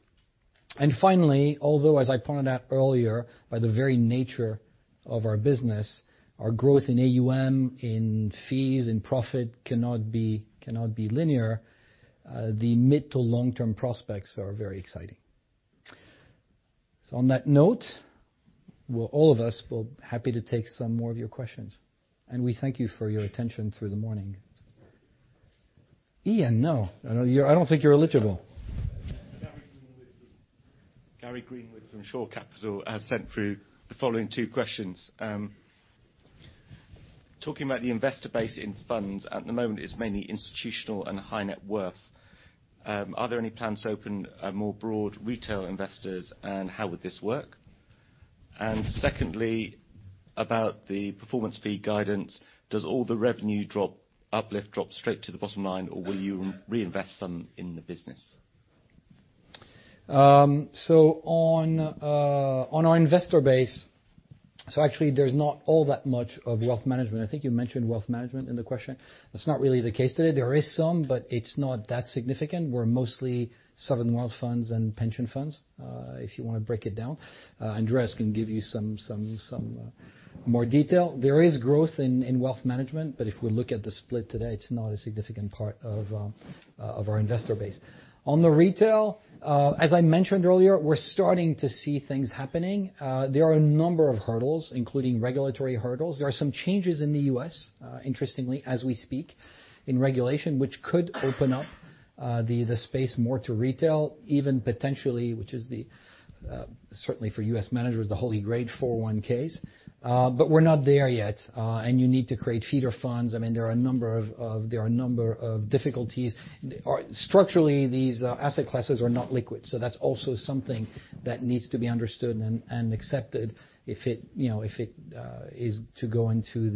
Finally, although, as I pointed out earlier, by the very nature of our business, our growth in AUM, in fees, in profit cannot be linear, the mid to long-term prospects are very exciting. On that note, all of us will happy to take some more of your questions. We thank you for your attention through the morning. Ian, no. I don't think you're eligible. Gary Greenwood from Shore Capital has sent through the following two questions. Talking about the investor base in funds, at the moment, it's mainly institutional and high net worth. Are there any plans to open a more broad retail investors, and how would this work? Secondly, about the performance fee guidance, does all the revenue uplift drop straight to the bottom line, or will you reinvest some in the business? On our investor base, so actually there's not all that much of wealth management. I think you mentioned wealth management in the question. That's not really the case today. There is some, but it's not that significant. We're mostly sovereign wealth funds and pension funds, if you want to break it down. Andreas can give you some more detail. There is growth in wealth management, but if we look at the split today, it's not a significant part of our investor base. On the retail, as I mentioned earlier, we're starting to see things happening. There are a number of hurdles, including regulatory hurdles. There are some changes in the U.S., interestingly, as we speak, in regulation, which could open up the space more to retail, even potentially, which is the, certainly for U.S. managers, the holy grail 401(k)s. We're not there yet. You need to create feeder funds. There are a number of difficulties. Structurally, these asset classes are not liquid, so that's also something that needs to be understood and accepted if it is to go into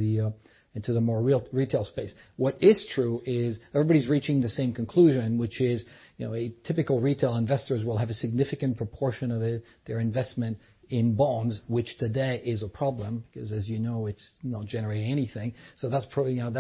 the more real retail space. What is true is everybody's reaching the same conclusion, which is, typical retail investors will have a significant proportion of their investment in bonds, which today is a problem because as you know, it's not generating anything. That's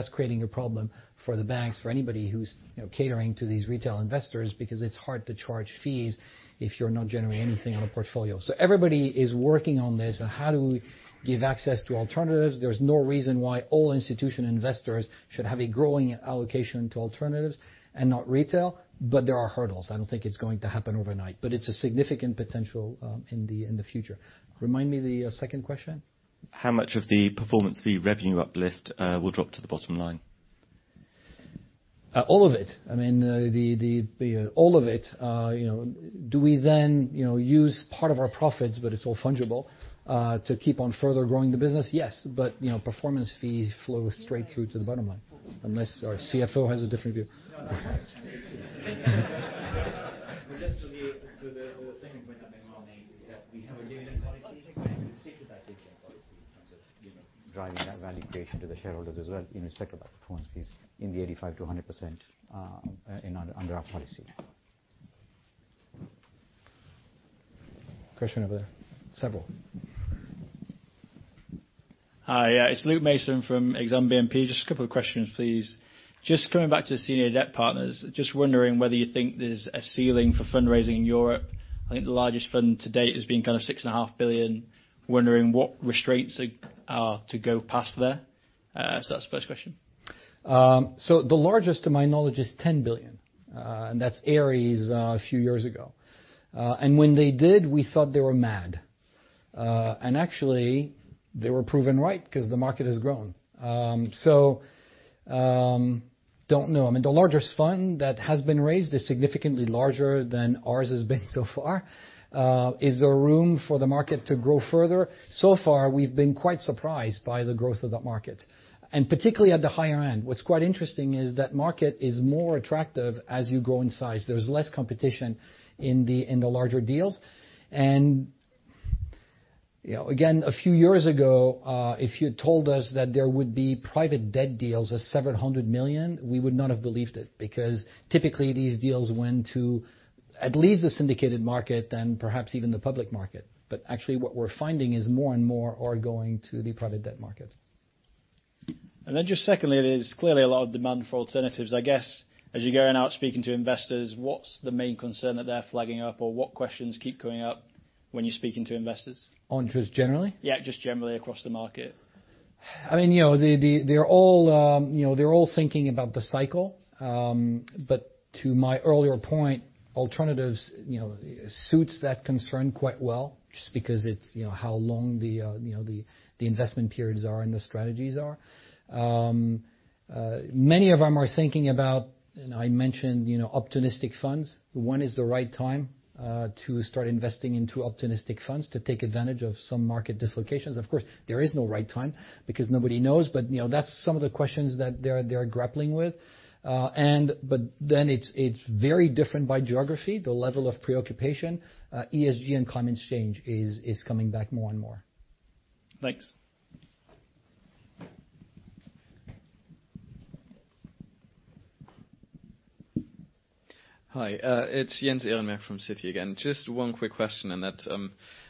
creating a problem for the banks, for anybody who's catering to these retail investors because it's hard to charge fees if you're not generating anything on a portfolio. Everybody is working on this, on how do we give access to alternatives. There's no reason why all institutional investors should have a growing allocation to alternatives and not retail, but there are hurdles. I don't think it's going to happen overnight, but it's a significant potential in the future. Remind me the second question. How much of the performance fee revenue uplift will drop to the bottom line? All of it. All of it. Do we then use part of our profits, but it's all fungible, to keep on further growing the business? Yes. Performance fees flow straight through to the bottom line, unless our CFO has a different view. Just to the second point that was made, is that we have a dividend policy, and we stick to that dividend policy in terms of driving that value creation to the shareholders as well. We stick to that performance fees in the 85%-100% under our policy. Question over several. Hi, it's Luke Mason from Exane BNP. Just a couple of questions, please. Just coming back to Senior Debt Partners, just wondering whether you think there's a ceiling for fundraising in Europe. I think the largest fund to date has been kind of 6.5 billion. Wondering what restraints are to go past there. That's the first question. The largest, to my knowledge, is 10 billion. That's Ares a few years ago. When they did, we thought they were mad. Actually, they were proven right because the market has grown. Don't know. The largest fund that has been raised is significantly larger than ours has been so far. Is there room for the market to grow further? So far, we've been quite surprised by the growth of that market, and particularly at the higher end. What's quite interesting is that market is more attractive as you grow in size. There's less competition in the larger deals, and. Again, a few years ago, if you had told us that there would be private debt deals of 700 million, we would not have believed it. Typically these deals went to at least the syndicated market and perhaps even the public market. Actually what we're finding is more and more are going to the private debt market. Just secondly, there's clearly a lot of demand for alternatives. I guess, as you're going out speaking to investors, what's the main concern that they're flagging up or what questions keep coming up when you're speaking to investors? On just generally? Yeah, just generally across the market. They're all thinking about the cycle. To my earlier point, alternatives suits that concern quite well, just because it's how long the investment periods are and the strategies are. Many of them are thinking about, and I mentioned opportunistic funds. When is the right time to start investing into opportunistic funds to take advantage of some market dislocations? Of course, there is no right time because nobody knows, but that's some of the questions that they are grappling with. It's very different by geography, the level of preoccupation. ESG and climate change is coming back more and more. Thanks. Hi, it's Jens Ehrenberg from Citi again. Just one quick question, and that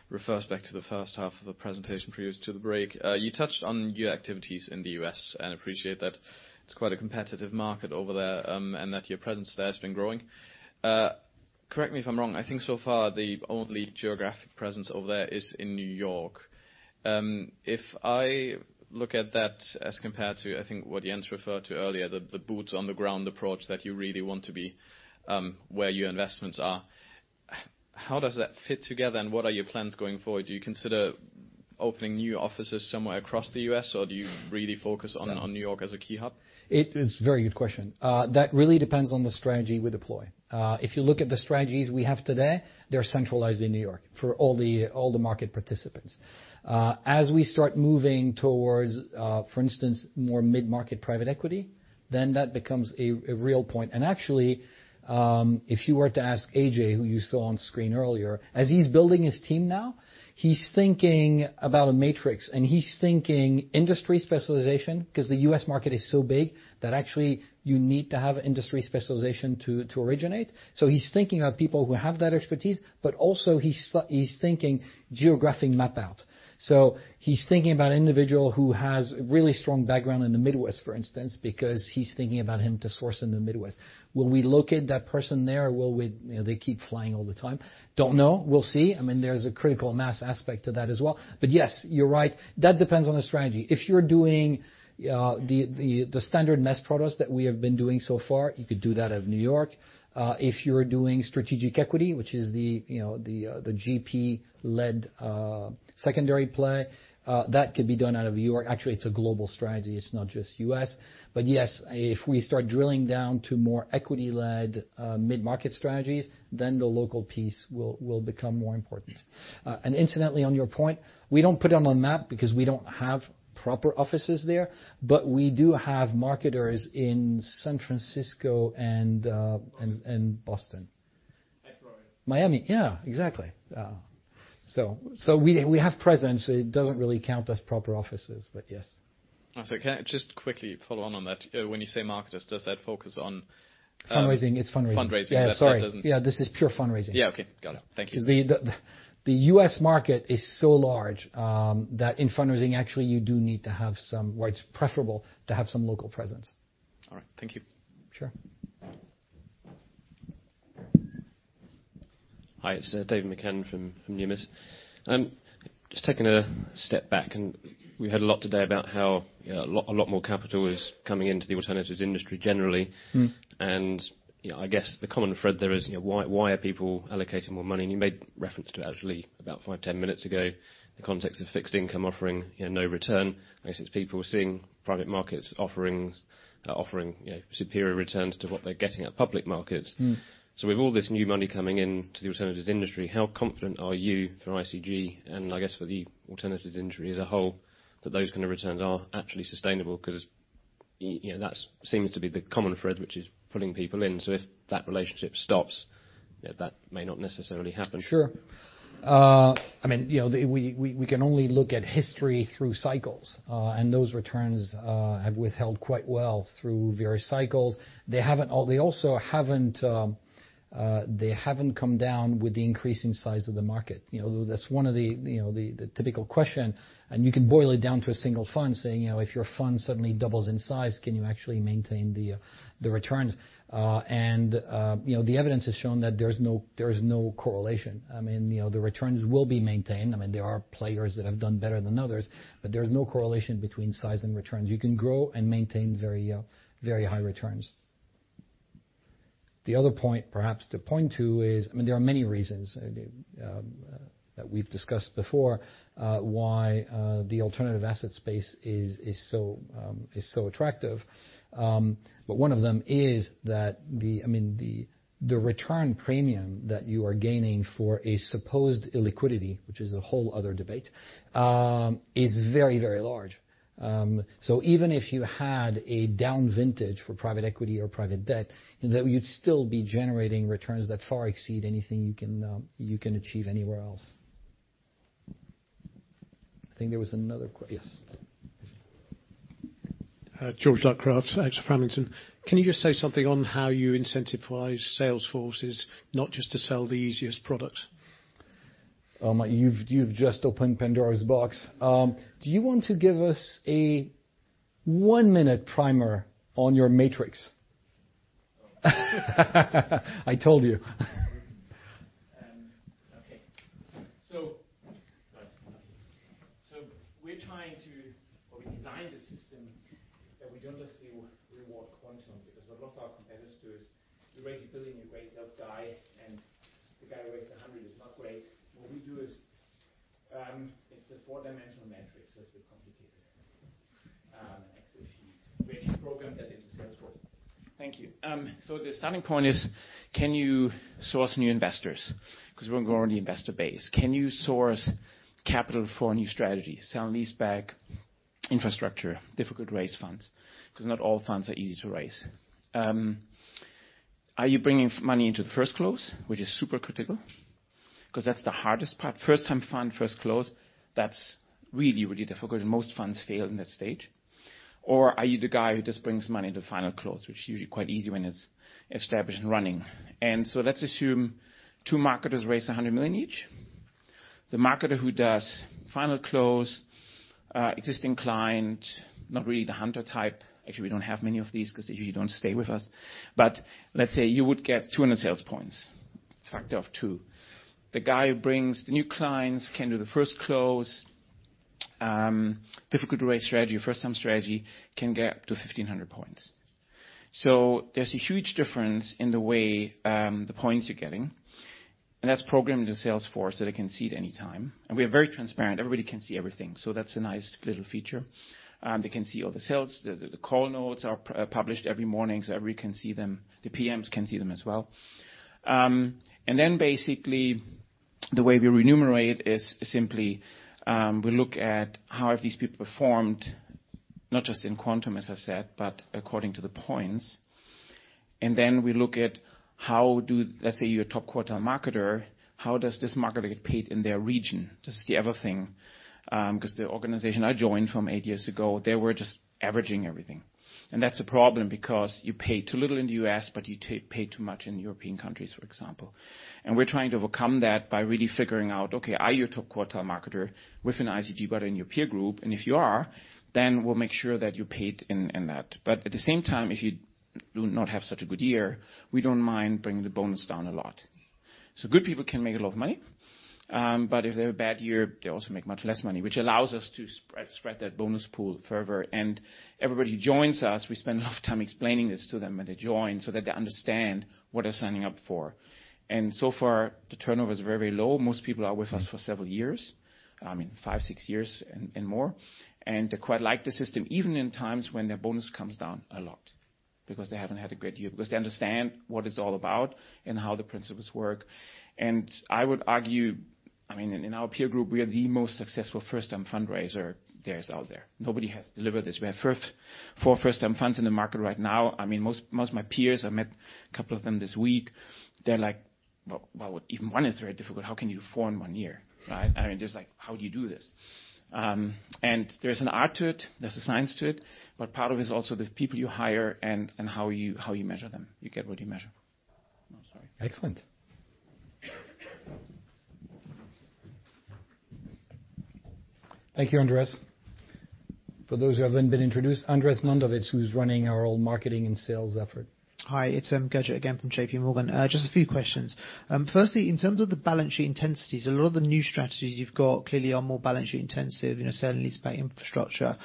refers back to the first half of the presentation previous to the break. You touched on your activities in the U.S., and appreciate that it's quite a competitive market over there, and that your presence there has been growing. Correct me if I'm wrong. I think so far the only geographic presence over there is in New York. If I look at that as compared to, I think what Jens referred to earlier, the boots on the ground approach that you really want to be, where your investments are. How does that fit together, and what are your plans going forward? Do you consider opening new offices somewhere across the U.S., or do you really focus on New York as a key hub? It is a very good question. That really depends on the strategy we deploy. If you look at the strategies we have today, they're centralized in New York for all the market participants. As we start moving towards, for instance, more mid-market private equity, that becomes a real point. Actually, if you were to ask AJ, who you saw on screen earlier, as he's building his team now, he's thinking about a matrix, and he's thinking industry specialization, because the U.S. market is so big that actually you need to have industry specialization to originate. He's thinking of people who have that expertise, but also he's thinking geographic map out. He's thinking about an individual who has a really strong background in the Midwest, for instance, because he's thinking about him to source in the Midwest. Will we locate that person there? Will they keep flying all the time? Don't know. We'll see. There's a critical mass aspect to that as well. Yes, you're right. That depends on the strategy. If you're doing the standard mass products that we have been doing so far, you could do that out of New York. If you're doing strategic equity, which is the GP-led secondary play, that could be done out of New York. Actually, it's a global strategy. It's not just U.S. Yes, if we start drilling down to more equity-led mid-market strategies, then the local piece will become more important. Incidentally, on your point, we don't put them on map because we don't have proper offices there. We do have marketers in San Francisco and Boston. Florida? Miami. Yeah, exactly. We have presence. It doesn't really count as proper offices, but yes. Can I just quickly follow on on that? When you say marketers, does that focus on. Fundraising. It's fundraising. Fundraising. Yeah, sorry. Yeah, this is pure fundraising. Yeah, okay. Got it. Thank you. The U.S. market is so large, that in fundraising, actually, you do need to have some, where it's preferable to have some local presence. All right. Thank you. Sure. Hi, it's David McCann from Numis. Just taking a step back, we heard a lot today about how a lot more capital is coming into the alternatives industry generally. I guess the common thread there is why are people allocating more money? You made reference to it actually about five, 10 minutes ago, the context of fixed income offering no return. I guess it's people seeing private markets offering superior returns to what they're getting at public markets. With all this new money coming in to the alternatives industry, how confident are you for ICG and I guess for the alternatives industry as a whole, that those kind of returns are actually sustainable? That seems to be the common thread which is pulling people in. If that relationship stops, that may not necessarily happen. Sure. We can only look at history through cycles, and those returns have withstood quite well through various cycles. They also haven't come down with the increasing size of the market. That's one of the typical question, and you can boil it down to a single fund saying, if your fund suddenly doubles in size, can you actually maintain the returns? The evidence has shown that there's no correlation. The returns will be maintained. There are players that have done better than others, but there is no correlation between size and returns. You can grow and maintain very high returns. The other point, perhaps to point to is, there are many reasons that we've discussed before, why the alternative asset space is so attractive. One of them is that the return premium that you are gaining for a supposed illiquidity, which is a whole other debate, is very large. Even if you had a down vintage for private equity or private debt, you'd still be generating returns that far exceed anything you can achieve anywhere else. I think there was another. Yes. George Luckraft, AXA Framlington. Can you just say something on how you incentivize sales forces not just to sell the easiest product? You've just opened Pandora's box. Do you want to give us a one-minute primer on your matrix? I told you. Okay. We designed a system that we don't just reward quantum, because a lot of our competitors do is you raise 1 billion, you raise sales guy, and the guy who raises 100 million is not great. What we do is, it's a four-dimensional matrix, so it's a bit complicated. Actually, we programmed that into Salesforce. Thank you. The starting point is, can you source new investors? We want to grow the investor base. Can you source capital for a new strategy, sale and lease back, infrastructure, difficult to raise funds, because not all funds are easy to raise. Are you bringing money into the first close, which is super critical? That's the hardest part. First-time fund, first close, that's really, really difficult, and most funds fail in that stage. Are you the guy who just brings money into final close, which is usually quite easy when it's established and running. Let's assume two marketers raise 100 million each. The marketer who does final close, existing client, not really the hunter type, actually, we don't have many of these because they usually don't stay with us. Let's say you would get 200 sales points, a factor of two. The guy who brings the new clients, can do the first close, difficult to raise strategy, first time strategy, can get up to 1,500 points. There's a huge difference in the way the points you're getting. That's programmed into Salesforce, so they can see it any time. We are very transparent. Everybody can see everything. That's a nice little feature. They can see all the sales. The call notes are published every morning, everybody can see them. The PMs can see them as well. Basically, the way we remunerate is simply, we look at how have these people performed, not just in quantum, as I said, but according to the points. We look at how do, let's say, your top quartile marketer, how does this marketer get paid in their region? This is the other thing. The organization I joined from eight years ago, they were just averaging everything. That's a problem because you pay too little in the U.S., you pay too much in European countries, for example. We're trying to overcome that by really figuring out, okay, are you a top quartile marketer within ICG, in your peer group? If you are, we'll make sure that you're paid in that. At the same time, if you do not have such a good year, we don't mind bringing the bonus down a lot. Good people can make a lot of money. If they have a bad year, they also make much less money, which allows us to spread that bonus pool further. Everybody who joins us, we spend a lot of time explaining this to them when they join so that they understand what they're signing up for. So far, the turnover is very low. Most people are with us for several years, I mean, five, six years and more. They quite like the system, even in times when their bonus comes down a lot because they haven't had a great year. They understand what it's all about and how the principles work. I would argue, I mean, in our peer group, we are the most successful first-time fundraiser there is out there. Nobody has delivered this. We have four first-time funds in the market right now. I mean, most of my peers, I met a couple of them this week, they're like, "Well, even one is very difficult. How can you do four in one year?" Right? I mean, just like, how do you do this? There's an art to it, there's a science to it, but part of it is also the people you hire and how you measure them. You get what you measure. I'm sorry. Excellent. Thank you, Andreas. For those who haven't been introduced, Andreas Mondovits, who's running our all marketing and sales effort. Hi, it's Gurjit again from JPMorgan. Just a few questions. Firstly, in terms of the balance sheet intensities, a lot of the new strategies you've got clearly are more balance sheet intensive, certainly it's by infrastructure.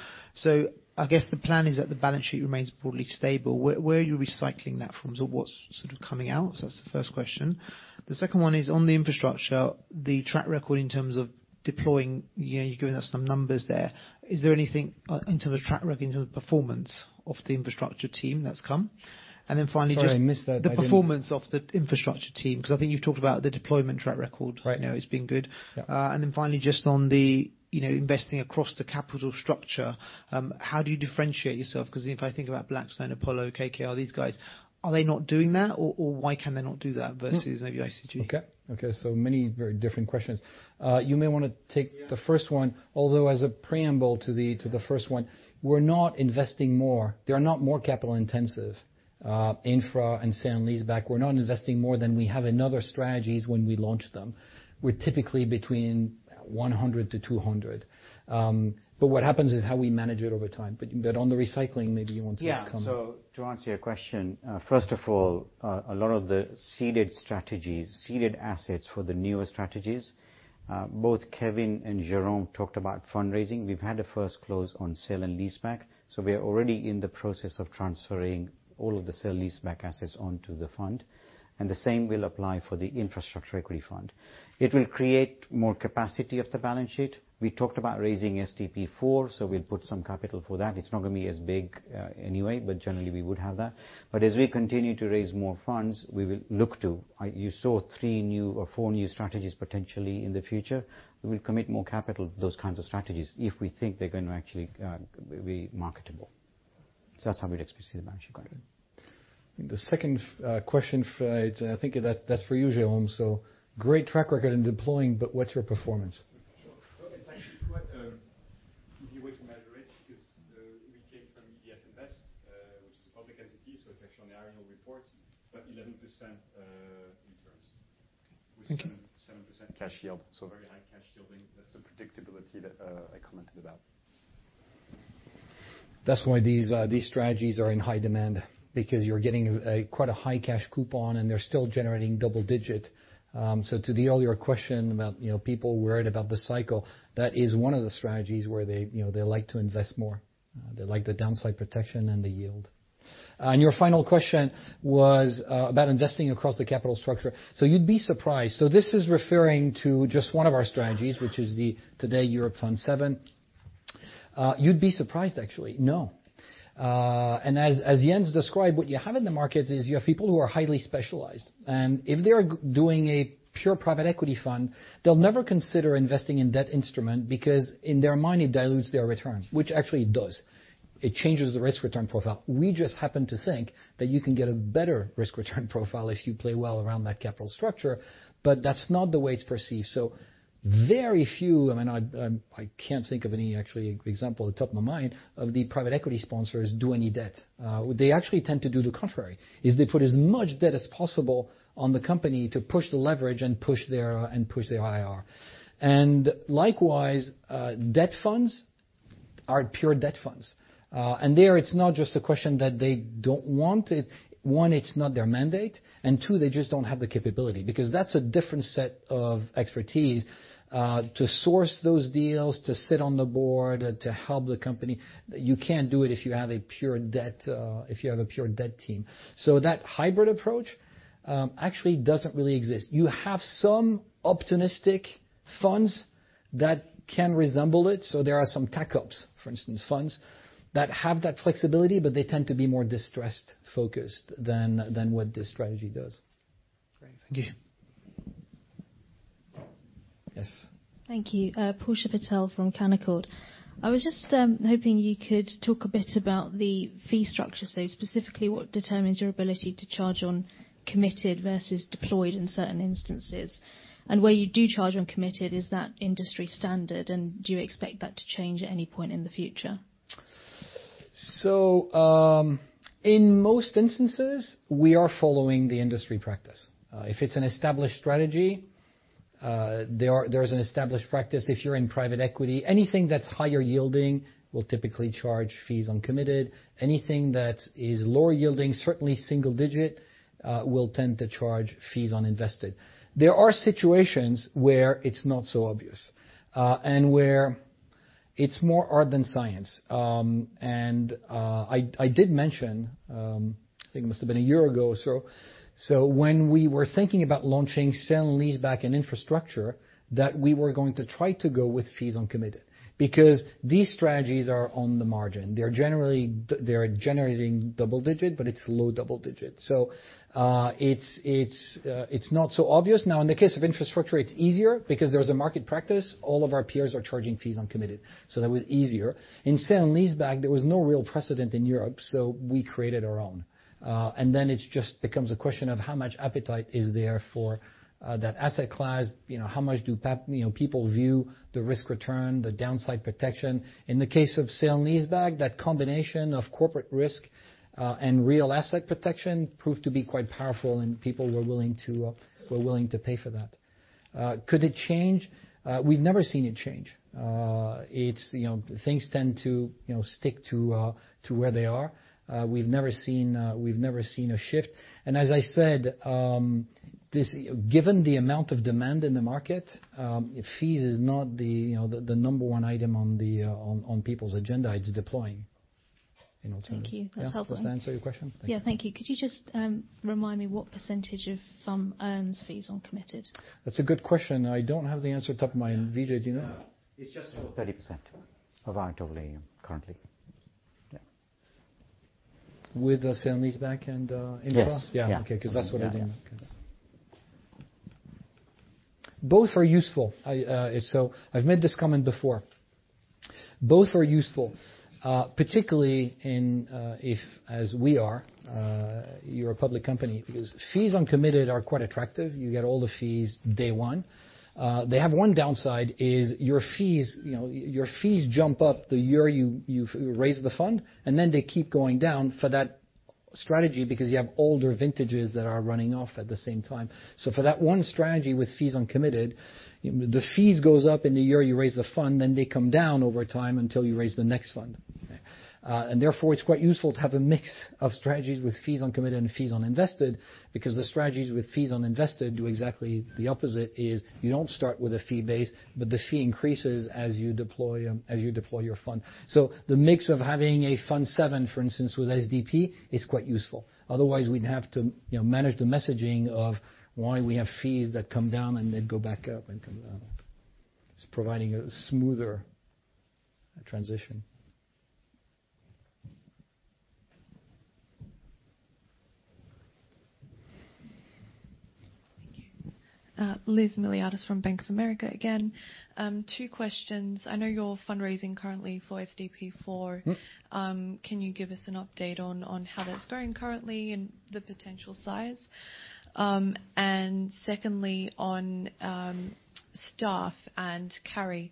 I guess the plan is that the balance sheet remains broadly stable. Where are you recycling that from? What's sort of coming out? That's the first question. The second one is on the infrastructure, the track record in terms of deploying, you're giving us some numbers there. Is there anything in terms of track record, in terms of performance of the infrastructure team that's come? Sorry, I missed that. The performance of the infrastructure team, because I think you've talked about the deployment track record right now has been good. Finally, just on the investing across the capital structure, how do you differentiate yourself? If I think about Blackstone, Apollo, KKR, these guys, are they not doing that? Why can they not do that versus maybe ICG? Okay. Many very different questions. You may want to take the first one, although as a preamble to the first one, we're not investing more. They are not more capital intensive. Infra and sale and lease back, we're not investing more than we have in other strategies when we launch them. We're typically between 100 million to 200 million. What happens is how we manage it over time. On the recycling, maybe you want to come. Yeah. To answer your question, first of all, a lot of the seeded strategies, seeded assets for the newer strategies, both Kevin and Jérôme talked about fundraising. We've had a first close on sale and lease back, so we are already in the process of transferring all of the sale and lease back assets onto the fund, and the same will apply for the infrastructure equity fund. It will create more capacity of the balance sheet. We talked about raising SDP IV, so we'll put some capital for that. It's not going to be as big anyway, but generally we would have that. As we continue to raise more funds, we will look to You saw three new or four new strategies potentially in the future. We will commit more capital to those kinds of strategies if we think they're going to actually be marketable. That's how we'd expect to see the margin go. The second question, I think that's for you, Jérôme. Great track record in deploying, but what's your performance? Sure. It's actually quite an easy way to measure it, because we came from EDF Invest, which is a public entity, so it's actually on the annual reports. It's about 11% returns, with 7% cash yield. Very high cash yielding. That's the predictability that I commented about. That's why these strategies are in high demand, because you're getting quite a high cash coupon, and they're still generating double-digit. To the earlier question about people worried about the cycle, that is one of the strategies where they like to invest more. They like the downside protection and the yield. Your final question was about investing across the capital structure. You'd be surprised. This is referring to just one of our strategies, which is the ICG Europe Fund VII. You'd be surprised actually, no. As Jens described, what you have in the markets is you have people who are highly specialized, and if they're doing a pure private equity fund, they'll never consider investing in debt instrument because in their mind, it dilutes their return, which actually it does. It changes the risk-return profile. We just happen to think that you can get a better risk-return profile if you play well around that capital structure. That's not the way it's perceived. Very few, I can't think of any actual example at the top of my mind, of the private equity sponsors do any debt. They actually tend to do the contrary, is they put as much debt as possible on the company to push the leverage and push their IRR. Likewise, debt funds are pure debt funds. There it's not just a question that they don't want it. One, it's not their mandate, and two, they just don't have the capability, because that's a different set of expertise to source those deals, to sit on the board, to help the company. You can't do it if you have a pure debt team. That hybrid approach actually doesn't really exist. You have some opportunistic funds that can resemble it. There are some tac opps, for instance, funds, that have that flexibility, but they tend to be more distressed focused than what this strategy does. Great. Thank you. Yes. Thank you. Portia Patel from Canaccord. I was just hoping you could talk a bit about the fee structure. Specifically, what determines your ability to charge on committed versus deployed in certain instances? Where you do charge on committed, is that industry standard, and do you expect that to change at any point in the future? In most instances, we are following the industry practice. If it's an established strategy, there's an established practice. If you're in private equity, anything that's higher yielding will typically charge fees on committed. Anything that is lower yielding, certainly single digit, will tend to charge fees on invested. There are situations where it's not so obvious, and where it's more art than science. I did mention, I think it must've been a year ago or so, when we were thinking about launching sale and lease back in infrastructure, that we were going to try to go with fees on committed, because these strategies are on the margin. They're generating double digit, but it's low double digit. It's not so obvious. In the case of infrastructure, it's easier because there is a market practice. All of our peers are charging fees on committed, so that was easier. In sale and lease back, there was no real precedent in Europe. We created our own. It just becomes a question of how much appetite is there for that asset class. How much do people view the risk return, the downside protection? In the case of sale and lease back, that combination of corporate risk, and real asset protection proved to be quite powerful, and people were willing to pay for that. Could it change? We've never seen it change. Things tend to stick to where they are. We've never seen a shift. As I said, given the amount of demand in the market, fees is not the number 1 item on people's agenda. It's deploying in alternatives. Thank you. That's helpful. Does that answer your question? Yeah. Thank you. Could you just remind me what percentage of fund earns fees on committed? That's a good question. I don't have the answer off the top of my Vijay, do you know? It's just over 30% of our total currently. Yeah. With the sale and lease back and infra? Yes. Okay, because that's what I think. Both are useful. I've made this comment before. Both are useful, particularly in if, as we are, you're a public company, because fees on committed are quite attractive. You get all the fees day one. They have one downside is your fees jump up the year you raise the fund, and then they keep going down for that strategy because you have older vintages that are running off at the same time. For that one strategy with fees on committed, the fees goes up in the year you raise the fund, then they come down over time until you raise the next fund. Therefore, it's quite useful to have a mix of strategies with fees on committed and fees on invested because the strategies with fees on invested do exactly the opposite, is you don't start with a fee base, but the fee increases as you deploy your fund. The mix of having a Fund VII, for instance, with SDP is quite useful. Otherwise, we'd have to manage the messaging of why we have fees that come down and then go back up and come down. It's providing a smoother transition. Liz Miliatis from Bank of America again. Two questions. I know you're fundraising currently for SDP 4. Can you give us an update on how that's going currently and the potential size? Secondly, on staff and carry.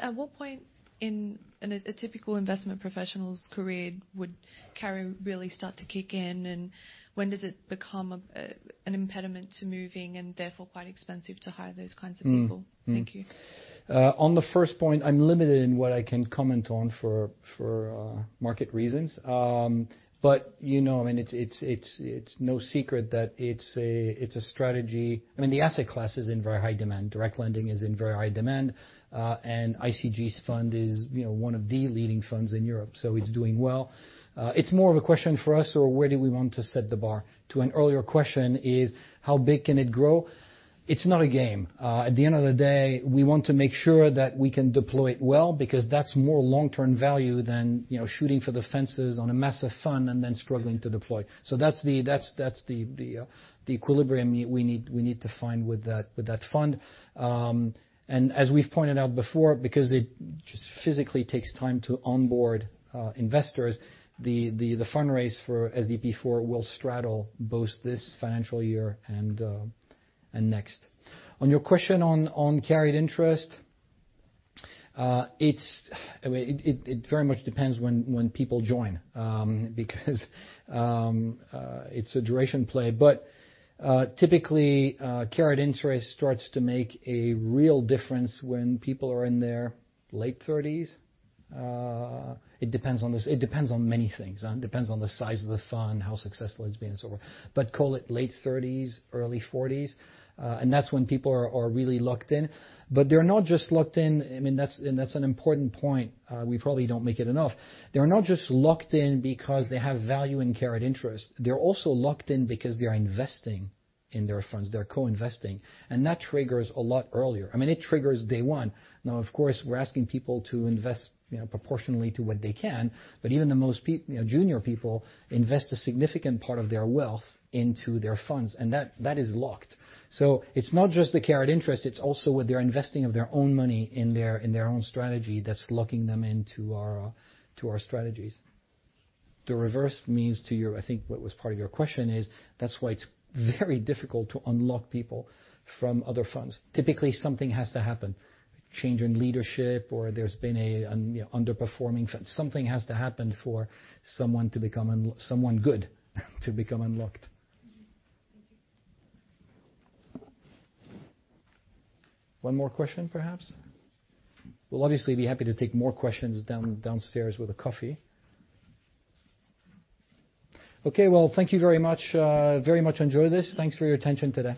At what point in a typical investment professional's career would carry really start to kick in, and when does it become an impediment to moving, and therefore quite expensive to hire those kinds of people? Thank you. On the first point, I'm limited in what I can comment on for market reasons. It's no secret that it's a strategy. The asset class is in very high demand. Direct lending is in very high demand. ICG's fund is one of the leading funds in Europe, so it's doing well. It's more of a question for us or where do we want to set the bar. To an earlier question is, how big can it grow? It's not a game. At the end of the day, we want to make sure that we can deploy it well because that's more long-term value than shooting for the fences on a massive fund and then struggling to deploy. That's the equilibrium we need to find with that fund. As we've pointed out before, because it just physically takes time to onboard investors, the fundraise for SDP 4 will straddle both this financial year and next. On your question on carried interest, it very much depends when people join, because it's a duration play. Typically, carried interest starts to make a real difference when people are in their late 30s. It depends on many things. Depends on the size of the fund, how successful it's been, and so on. Call it late 30s, early 40s, and that's when people are really locked in. They're not just locked in, and that's an important point. We probably don't make it enough. They're not just locked in because they have value in carried interest. They're also locked in because they're investing in their funds. They're co-investing. That triggers a lot earlier. It triggers day one. Of course, we're asking people to invest proportionally to what they can. Even the most junior people invest a significant part of their wealth into their funds, and that is locked. It's not just the carried interest, it's also with their investing of their own money in their own strategy that's locking them into our strategies. The reverse means to your, I think, what was part of your question is that's why it's very difficult to unlock people from other funds. Typically, something has to happen, change in leadership, or there's been an underperforming fund. Something has to happen for someone good to become unlocked. Mm-hmm. Thank you. One more question, perhaps? We'll obviously be happy to take more questions downstairs with a coffee. Okay. Well, thank you very much. Very much enjoy this. Thanks for your attention today.